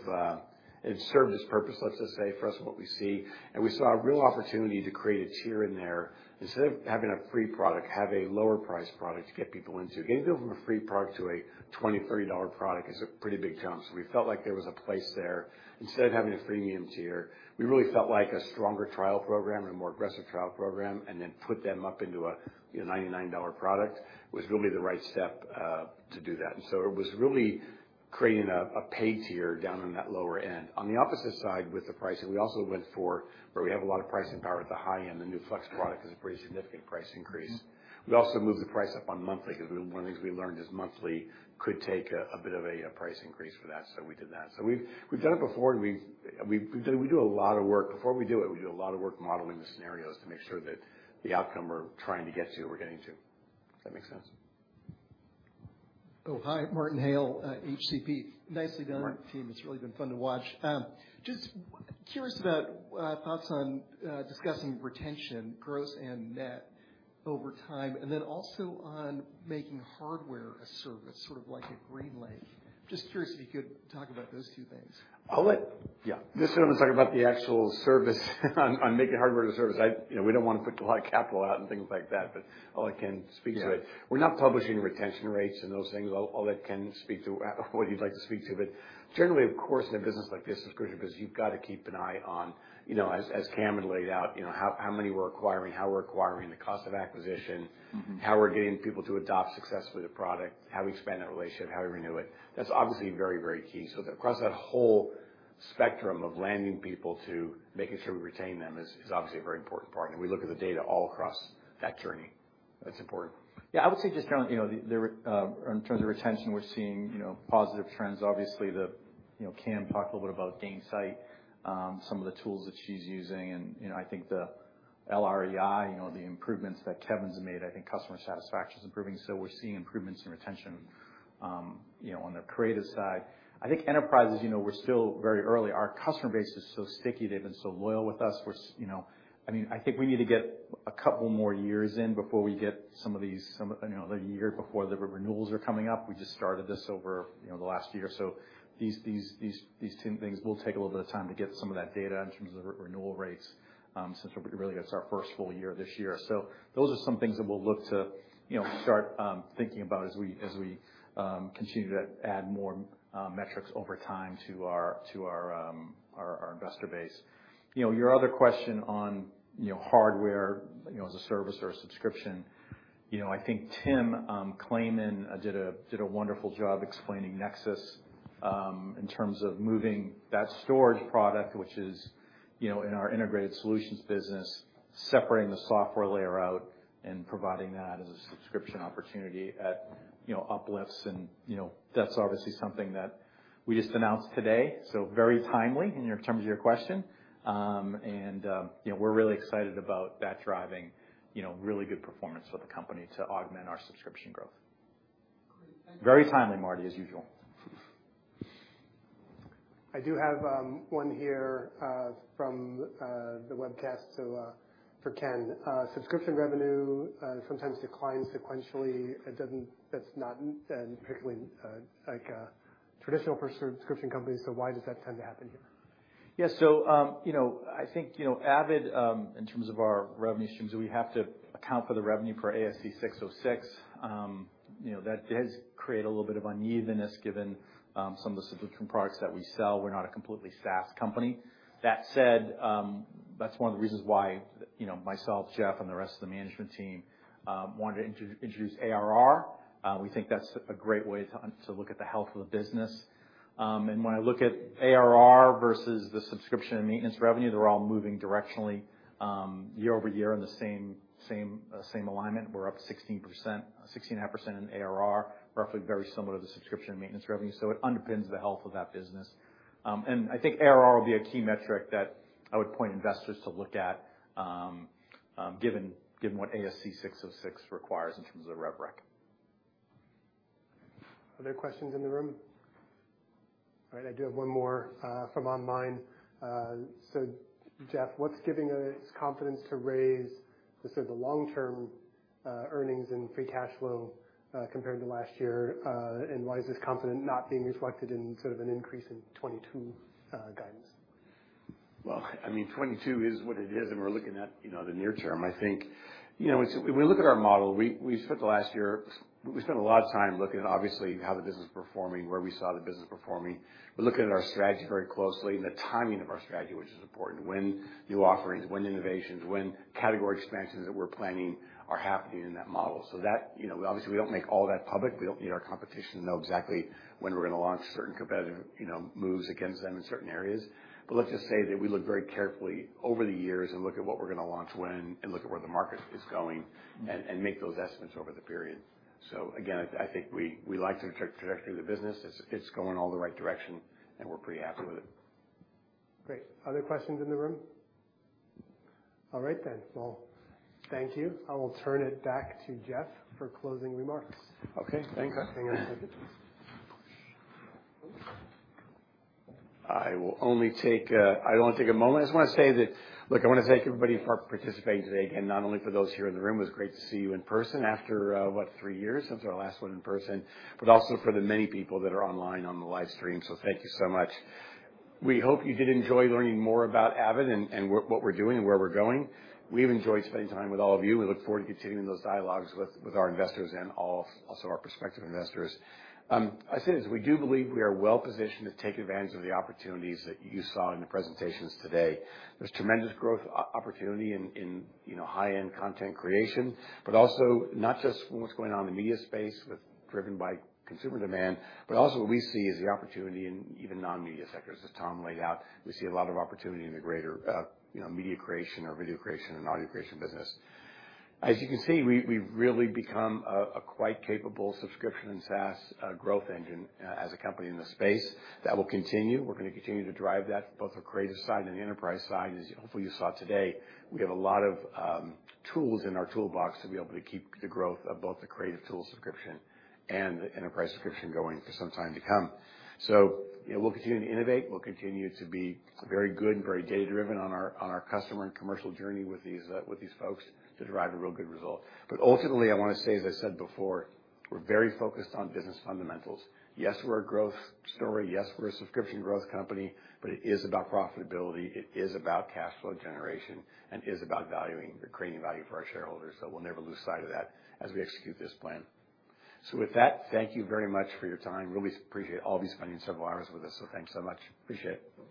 it served its purpose, let's just say, for us and what we see. We saw a real opportunity to create a tier in there. Instead of having a free product, have a lower priced product to get people into. Getting people from a free product to a $20-$30 product is a pretty big jump, so we felt like there was a place there. Instead of having a freemium tier, we really felt like a stronger trial program and a more aggressive trial program and then put them up into a, you know, $99 product was gonna be the right step to do that. It was really creating a paid tier down on that lower end. On the opposite side with the pricing, we also went for where we have a lot of pricing power at the high end. The new Flex product is a pretty significant price increase. We also moved the price up on monthly 'cause one of the things we learned is monthly could take a bit of a price increase for that, so we did that. We've done it before, and we do a lot of work. Before we do it, we do a lot of work modeling the scenarios to make sure that the outcome we're trying to get to, we're getting to. Does that make sense? Oh, hi. Martin Hale, HCP. Nicely done, team. Martin. It's really been fun to watch. Just curious about thoughts on discussing retention, gross and net over time, and then also on making hardware a service, sort of like a GreenLake. Just curious if you could talk about those two things. Yeah. This sort of talk about the actual service on making hardware a service. We don't wanna put a lot of capital out and things like that, but Ole can speak to it. Yeah. We're not publishing retention rates and those things. Ole can speak to what you'd like to speak to, but generally, of course, in a business like this, it's crucial 'cause you've gotta keep an eye on, as KAM laid out, how many we're acquiring, how we're acquiring, the cost of acquisition. How we're getting people to adopt successfully the product, how do we expand that relationship? How do we renew it? That's obviously very, very key. Across that whole spectrum of landing people to making sure we retain them is obviously a very important part, and we look at the data all across that journey. That's important. Yeah, I would say just generally, the in terms of retention, we're seeing positive trends. Obviously, KAM talked a little bit about Gainsight, some of the tools that she's using, and I think the LAER, the improvements that Kevin's made, I think customer satisfaction is improving, so we're seeing improvements in retention on the creative side. I think enterprises we're still very early. Our customer base is so sticky. They've been so loyal with us. I mean, I think we need to get a couple more years in before we get some of these, the year before the renewals are coming up. We just started this over, the last year. These same things will take a little bit of time to get some of that data in terms of renewal rates, since it really is our first full year this year. Those are some things that we'll look to start thinking about as we continue to add more metrics over time to our investor base. Your other question on hardware as a service or a subscription, I think Tim Claman did a wonderful job explaining NEXIS in terms of moving that storage product, which is in our integrated solutions business, separating the software layer out and providing that as a subscription opportunity at uplifts. That's obviously something that we just announced today, so very timely in terms of your question. We're really excited about that driving really good performance for the company to augment our subscription growth. Great. Thank you. Very timely, Martin, as usual. I do have one here from the webcast. For Ken Gayron, subscription revenue sometimes declines sequentially. That's not particularly like a traditional for subscription companies, so why does that tend to happen here? Yeah. You know, I think, you know, Avid, in terms of our revenue streams, we have to account for the revenue for ASC 606, you know, that does create a little bit of unevenness given, some of the subscription products that we sell. We're not a completely SaaS company. That said, that's one of the reasons why, you know, myself, Jeff, and the rest of the management team, wanted to introduce ARR. We think that's a great way to look at the health of the business. When I look at ARR versus the subscription and maintenance revenue, they're all moving directionally, year-over-year in the same alignment. We're up 16%, 16.5% in ARR, roughly very similar to the subscription and maintenance revenue. It underpins the health of that business. I think ARR will be a key metric that I would point investors to look at, given what ASC 606 requires in terms of the rev rec. Other questions in the room? All right. I do have one more from online. Jeff, what's giving us confidence to raise the sort of long-term earnings and free cash flow compared to last year, and why is this confidence not being reflected in sort of an increase in 2022 guidance? Well, I mean, 2022 is what it is, and we're looking at, you know, the near term. I think, you know, we look at our model, we spent the last year. We spent a lot of time looking at, obviously, how the business is performing, where we saw the business performing. We're looking at our strategy very closely and the timing of our strategy, which is important. When new offerings, when innovations, when category expansions that we're planning are happening in that model. That, you know, obviously, we don't make all that public. We don't need our competition to know exactly when we're gonna launch certain competitive, you know, moves against them in certain areas. Let's just say that we look very carefully over the years and look at what we're gonna launch when and look at where the market is going and make those estimates over the period. Again, I think we like the trajectory of the business. It's going all the right direction, and we're pretty happy with it. Great. Other questions in the room? All right then. Well, thank you. I will turn it back to Jeff for closing remarks. Okay, thanks. Hang on one second please. I will only take a moment. I just wanna say that, look, I wanna thank everybody for participating today. Again, not only for those here in the room, it was great to see you in person after what, three years since our last one in person, but also for the many people that are online on the live stream. Thank you so much. We hope you did enjoy learning more about Avid and what we're doing and where we're going. We've enjoyed spending time with all of you. We look forward to continuing those dialogues with our investors and all, also our prospective investors. I say this, we do believe we are well-positioned to take advantage of the opportunities that you saw in the presentations today. There's tremendous growth opportunity in, you know, high-end content creation, but also not just from what's going on in the media space, driven by consumer demand, but also what we see is the opportunity in even non-media sectors. As Tom laid out, we see a lot of opportunity in the greater, you know, media creation or video creation and audio creation business. As you can see, we've really become a quite capable subscription and SaaS growth engine as a company in the space. That will continue. We're gonna continue to drive that both the creative side and the enterprise side. As hopefully you saw today, we have a lot of tools in our toolbox to be able to keep the growth of both the creative tool subscription and the enterprise subscription going for some time to come. You know, we'll continue to innovate. We'll continue to be very good and very data-driven on our customer and commercial journey with these folks to derive a real good result. Ultimately, I wanna say, as I said before, we're very focused on business fundamentals. Yes, we're a growth story. Yes, we're a subscription growth company, but it is about profitability. It is about cash flow generation, and it is about valuing or creating value for our shareholders, so we'll never lose sight of that as we execute this plan. With that, thank you very much for your time. Really appreciate all of you spending several hours with us, so thanks so much. Appreciate it.